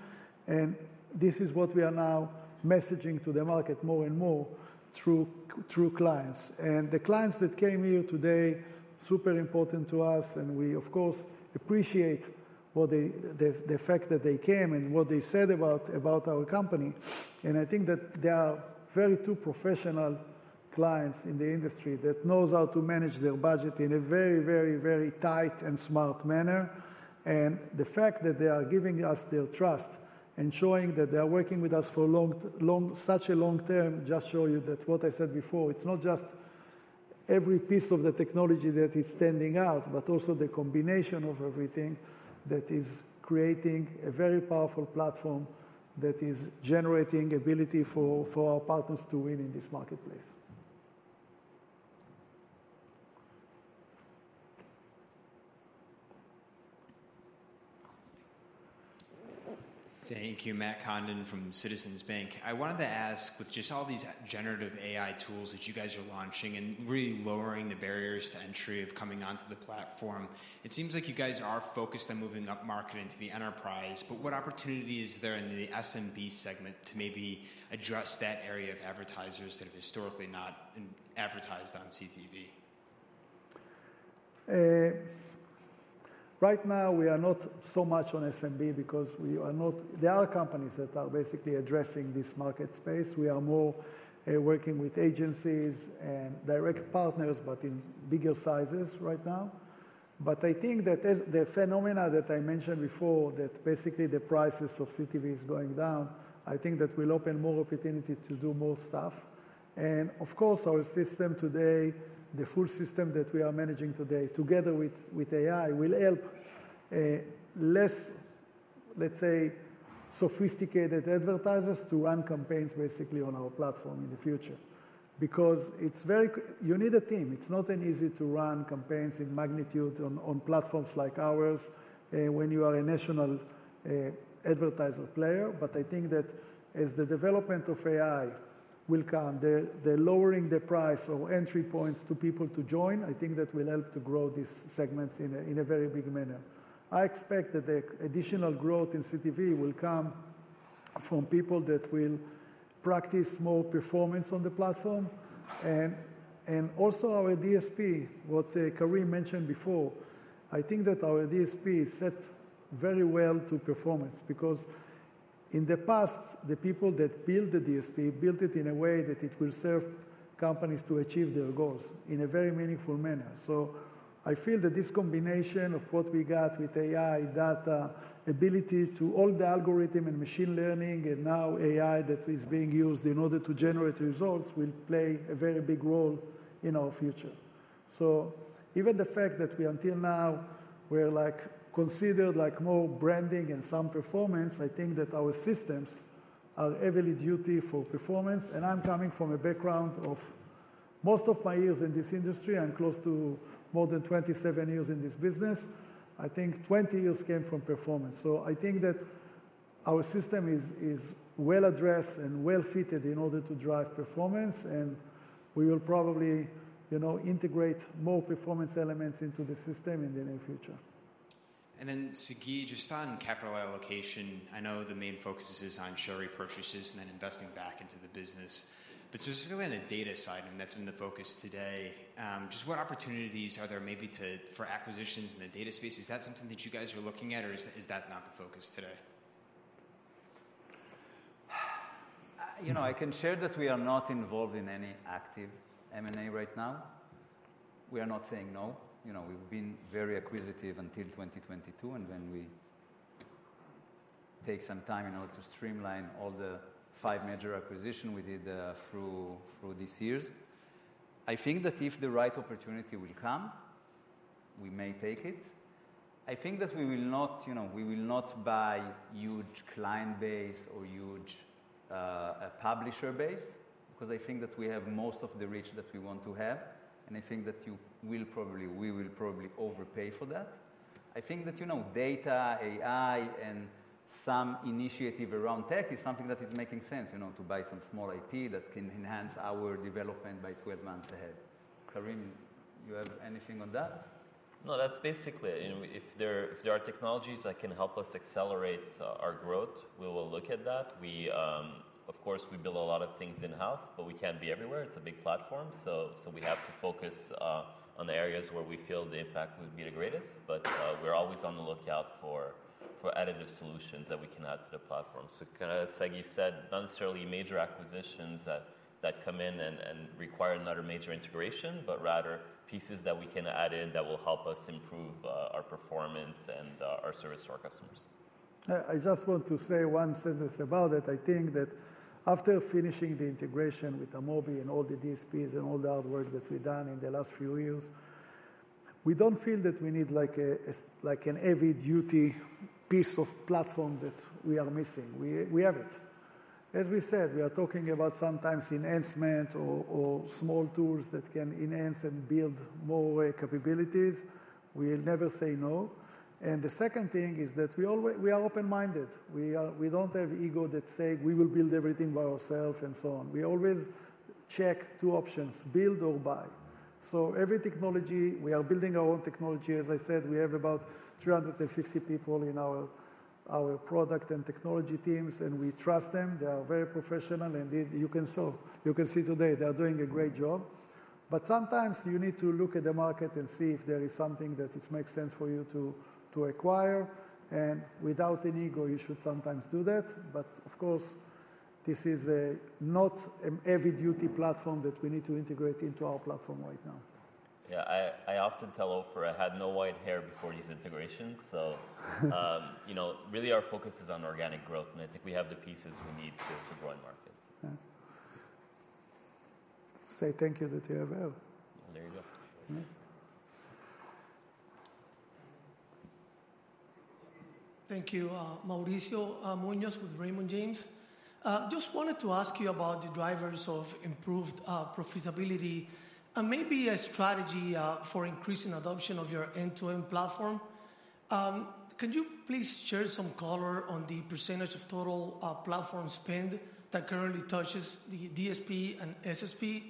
This is what we are now messaging to the market more and more through clients. The clients that came here today, super important to us, and we, of course, appreciate the fact that they came and what they said about our company. I think that there are very two professional clients in the industry that know how to manage their budget in a very, very, very tight and smart manner. The fact that they are giving us their trust and showing that they are working with us for such a long term just shows you that what I said before, it's not just every piece of the technology that is standing out, but also the combination of everything that is creating a very powerful platform that is generating ability for our partners to win in this marketplace. Thank you, Matt Condon from Citizens Bank. I wanted to ask, with just all these generative AI tools that you guys are launching and really lowering the barriers to entry of coming onto the platform, it seems like you guys are focused on moving up market into the enterprise. What opportunity is there in the SMB segment to maybe address that area of advertisers that have historically not advertised on CTV? Right now, we are not so much on SMB because there are companies that are basically addressing this market space. We are more working with agencies and direct partners, but in bigger sizes right now. I think that the phenomena that I mentioned before that basically the prices of CTV is going down, I think that will open more opportunities to do more stuff. Of course, our system today, the full system that we are managing today together with AI will help less, let's say, sophisticated advertisers to run campaigns basically on our platform in the future because you need a team. It's not easy to run campaigns in magnitude on platforms like ours when you are a national advertiser player. I think that as the development of AI will come, they're lowering the price or entry points to people to join. I think that will help to grow this segment in a very big manner. I expect that the additional growth in CTV will come from people that will practice more performance on the platform. Also our DSP, what Karim mentioned before, I think that our DSP is set very well to performance because in the past, the people that built the DSP built it in a way that it will serve companies to achieve their goals in a very meaningful manner. I feel that this combination of what we got with AI, data, ability to all the algorithm and machine learning, and now AI that is being used in order to generate results will play a very big role in our future. Even the fact that until now, we're considered more branding and some performance, I think that our systems are heavily duty for performance. I'm coming from a background of most of my years in this industry. I'm close to more than 27 years in this business. I think 20 years came from performance. I think that our system is well addressed and well fitted in order to drive performance. We will probably integrate more performance elements into the system in the near future. Sagi, just on capital allocation, I know the main focus is on share repurchases and then investing back into the business. Specifically on the data side, and that's been the focus today, just what opportunities are there maybe for acquisitions in the data space? Is that something that you guys are looking at, or is that not the focus today? I can share that we are not involved in any active M&A right now. We are not saying no. We've been very acquisitive until 2022. We take some time in order to streamline all the five major acquisitions we did through these years. I think that if the right opportunity will come, we may take it. I think that we will not buy huge client base or huge publisher base because I think that we have most of the reach that we want to have. I think that we will probably overpay for that. I think that data, AI, and some initiative around tech is something that is making sense to buy some small IP that can enhance our development by 12 months ahead. Karim, you have anything on that? No, that's basically it. If there are technologies that can help us accelerate our growth, we will look at that. Of course, we build a lot of things in-house, but we can't be everywhere. It's a big platform. We have to focus on the areas where we feel the impact will be the greatest. We're always on the lookout for additive solutions that we can add to the platform. Kind of like Sagi said, not necessarily major acquisitions that come in and require another major integration, but rather pieces that we can add in that will help us improve our performance and our service to our customers. I just want to say one sentence about it. I think that after finishing the integration with Amobee and all the DSPs and all the other work that we've done in the last few years, we don't feel that we need a heavy-duty piece of platform that we are missing. We have it. As we said, we are talking about sometimes enhancements or small tools that can enhance and build more capabilities. We'll never say no. The second thing is that we are open-minded. We don't have egos that say, "We will build everything by ourselves," and so on. We always check two options: build or buy. Every technology, we are building our own technology. As I said, we have about 350 people in our product and technology teams, and we trust them. They are very professional. You can see today they are doing a great job. Sometimes you need to look at the market and see if there is something that makes sense for you to acquire. Without an ego, you should sometimes do that. Of course, this is not a heavy-duty platform that we need to integrate into our platform right now. Yeah, I often tell Ofer, "I had no white hair before these integrations." Really, our focus is on organic growth. I think we have the pieces we need to grow the market. Say thank you that you have air. There you go. Thank you, Mauricio Muñoz with Raymond James. Just wanted to ask you about the drivers of improved profitability and maybe a strategy for increasing adoption of your end-to-end platform. Can you please share some color on the percentage of total platform spend that currently touches the DSP and SSP?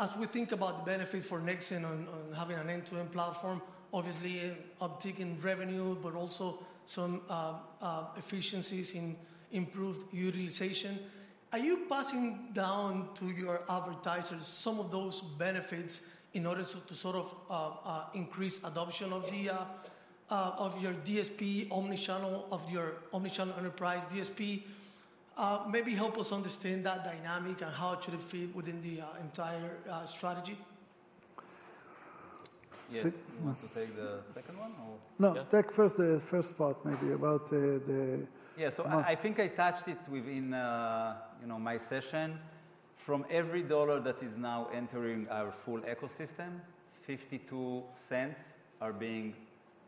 As we think about the benefits for Nexxen on having an end-to-end platform, obviously uptick in revenue, but also some efficiencies in improved utilization. Are you passing down to your advertisers some of those benefits in order to sort of increase adoption of your DSP, omnichannel enterprise DSP? Maybe help us understand that dynamic and how it should fit within the entire strategy. Do you want to take the second one? No, take first the first part maybe about the. Yeah, so I think I touched it within my session. From every dollar that is now entering our full ecosystem, 52% are being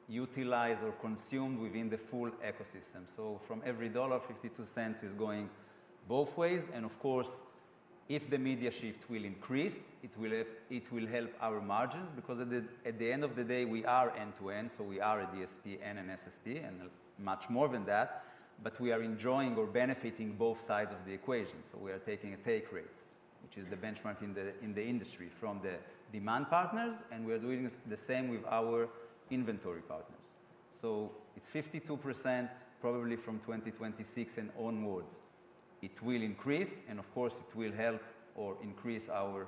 utilized or consumed within the full ecosystem. From every dollar, 52% is going both ways. Of course, if the media shift will increase, it will help our margins because at the end of the day, we are end-to-end. We are a DSP and an SSP and much more than that. We are enjoying or benefiting both sides of the equation. We are taking a take rate, which is the benchmark in the industry from the demand partners. We are doing the same with our inventory partners. It is 52%. Probably from 2026 and onwards, it will increase. Of course, it will help or increase our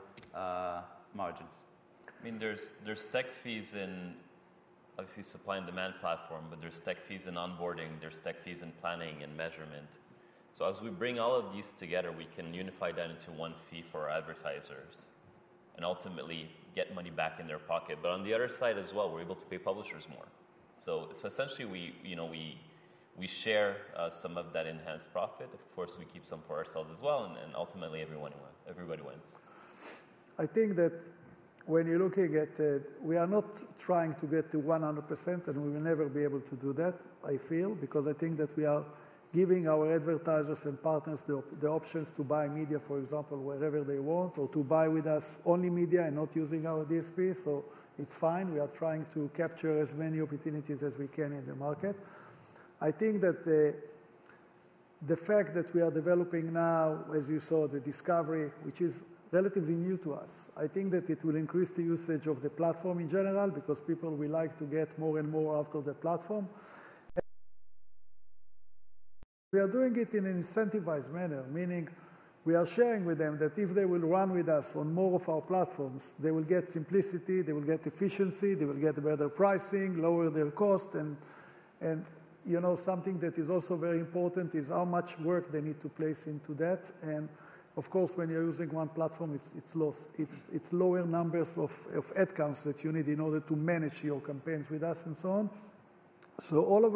margins. I mean, there's tech fees in, obviously, supply and demand platform, but there's tech fees in onboarding. There's tech fees in planning and measurement. As we bring all of these together, we can unify that into one fee for our advertisers and ultimately get money back in their pocket. On the other side as well, we're able to pay publishers more. Essentially, we share some of that enhanced profit. Of course, we keep some for ourselves as well. Ultimately, everybody wins. I think that when you're looking at it, we are not trying to get to 100%. And we will never be able to do that, I feel, because I think that we are giving our advertisers and partners the options to buy media, for example, wherever they want, or to buy with us only media and not using our DSP. So it's fine. We are trying to capture as many opportunities as we can in the market. I think that the fact that we are developing now, as you saw, the Discovery, which is relatively new to us, I think that it will increase the usage of the platform in general because people will like to get more and more out of the platform. We are doing it in an incentivized manner, meaning we are sharing with them that if they will run with us on more of our platforms, they will get simplicity, they will get efficiency, they will get better pricing, lower their cost. Something that is also very important is how much work they need to place into that. Of course, when you're using one platform, it's lower numbers of ad counts that you need in order to manage your campaigns with us and so on. All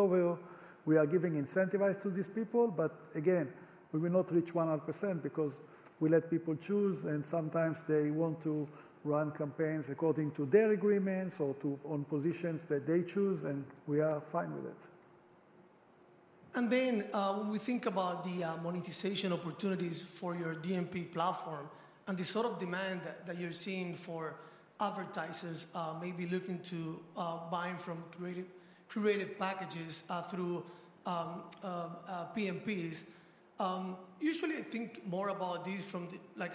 over, we are giving incentivized to these people. Again, we will not reach 100% because we let people choose. Sometimes they want to run campaigns according to their agreements or on positions that they choose. We are fine with it. When we think about the monetization opportunities for your DMP platform and the sort of demand that you're seeing for advertisers maybe looking to buy from creative packages through PMPs, usually I think more about these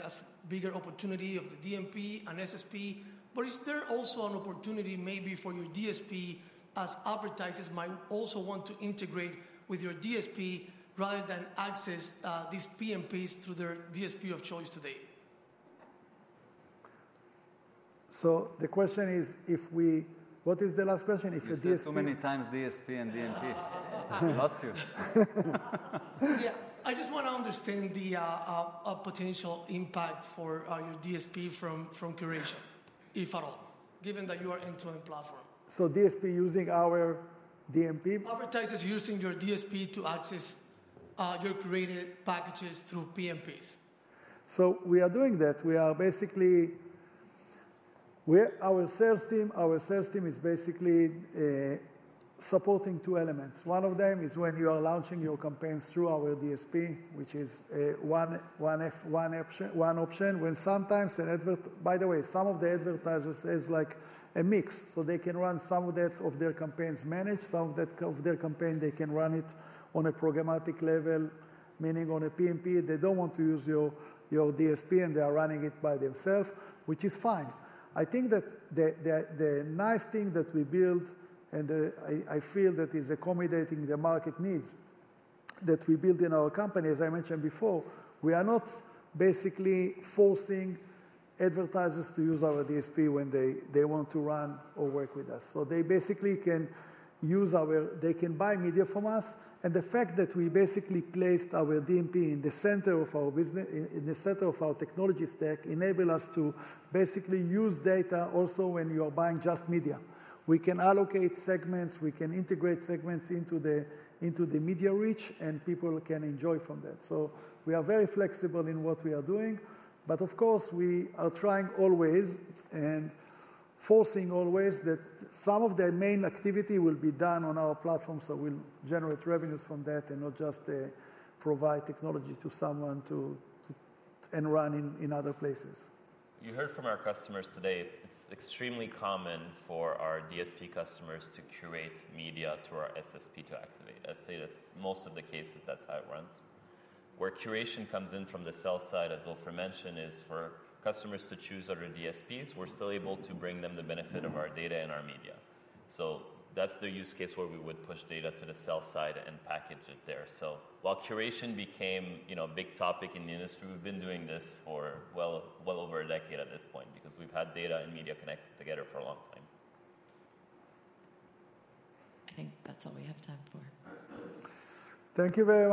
as a bigger opportunity of the DMP and SSP. Is there also an opportunity maybe for your DSP as advertisers might also want to integrate with your DSP rather than access these PMPs through their DSP of choice today? So the question is, what is the last question? You said so many times DSP and DMP. I lost you. Yeah, I just want to understand the potential impact for your DSP from curation, if at all, given that you are an end-to-end platform. DSP using our DMP? Advertisers using your DSP to access your created packages through PMPs? We are doing that. Our sales team is basically supporting two elements. One of them is when you are launching your campaigns through our DSP, which is one option. When sometimes an advertiser, by the way, some of the advertisers is like a mix. They can run some of their campaigns managed. Some of their campaigns, they can run it on a programmatic level, meaning on a PMP. They do not want to use your DSP, and they are running it by themselves, which is fine. I think that the nice thing that we build, and I feel that is accommodating the market needs that we build in our company, as I mentioned before, we are not basically forcing advertisers to use our DSP when they want to run or work with us. They basically can use our—they can buy media from us. The fact that we basically placed our DMP in the center of our business, in the center of our technology stack, enables us to basically use data also when you are buying just media. We can allocate segments. We can integrate segments into the media reach, and people can enjoy from that. We are very flexible in what we are doing. Of course, we are trying always and forcing always that some of the main activity will be done on our platform. We will generate revenues from that and not just provide technology to someone and run in other places. You heard from our customers today. It's extremely common for our DSP customers to curate media through our SSP to activate. I'd say that's most of the cases. That's how it runs. Where curation comes in from the sell side, as Ofer mentioned, is for customers to choose other DSPs. We're still able to bring them the benefit of our data and our media. That's the use case where we would push data to the sell side and package it there. While curation became a big topic in the industry, we've been doing this for well over a decade at this point because we've had data and media connected together for a long time. I think that's all we have time for. Thank you, very.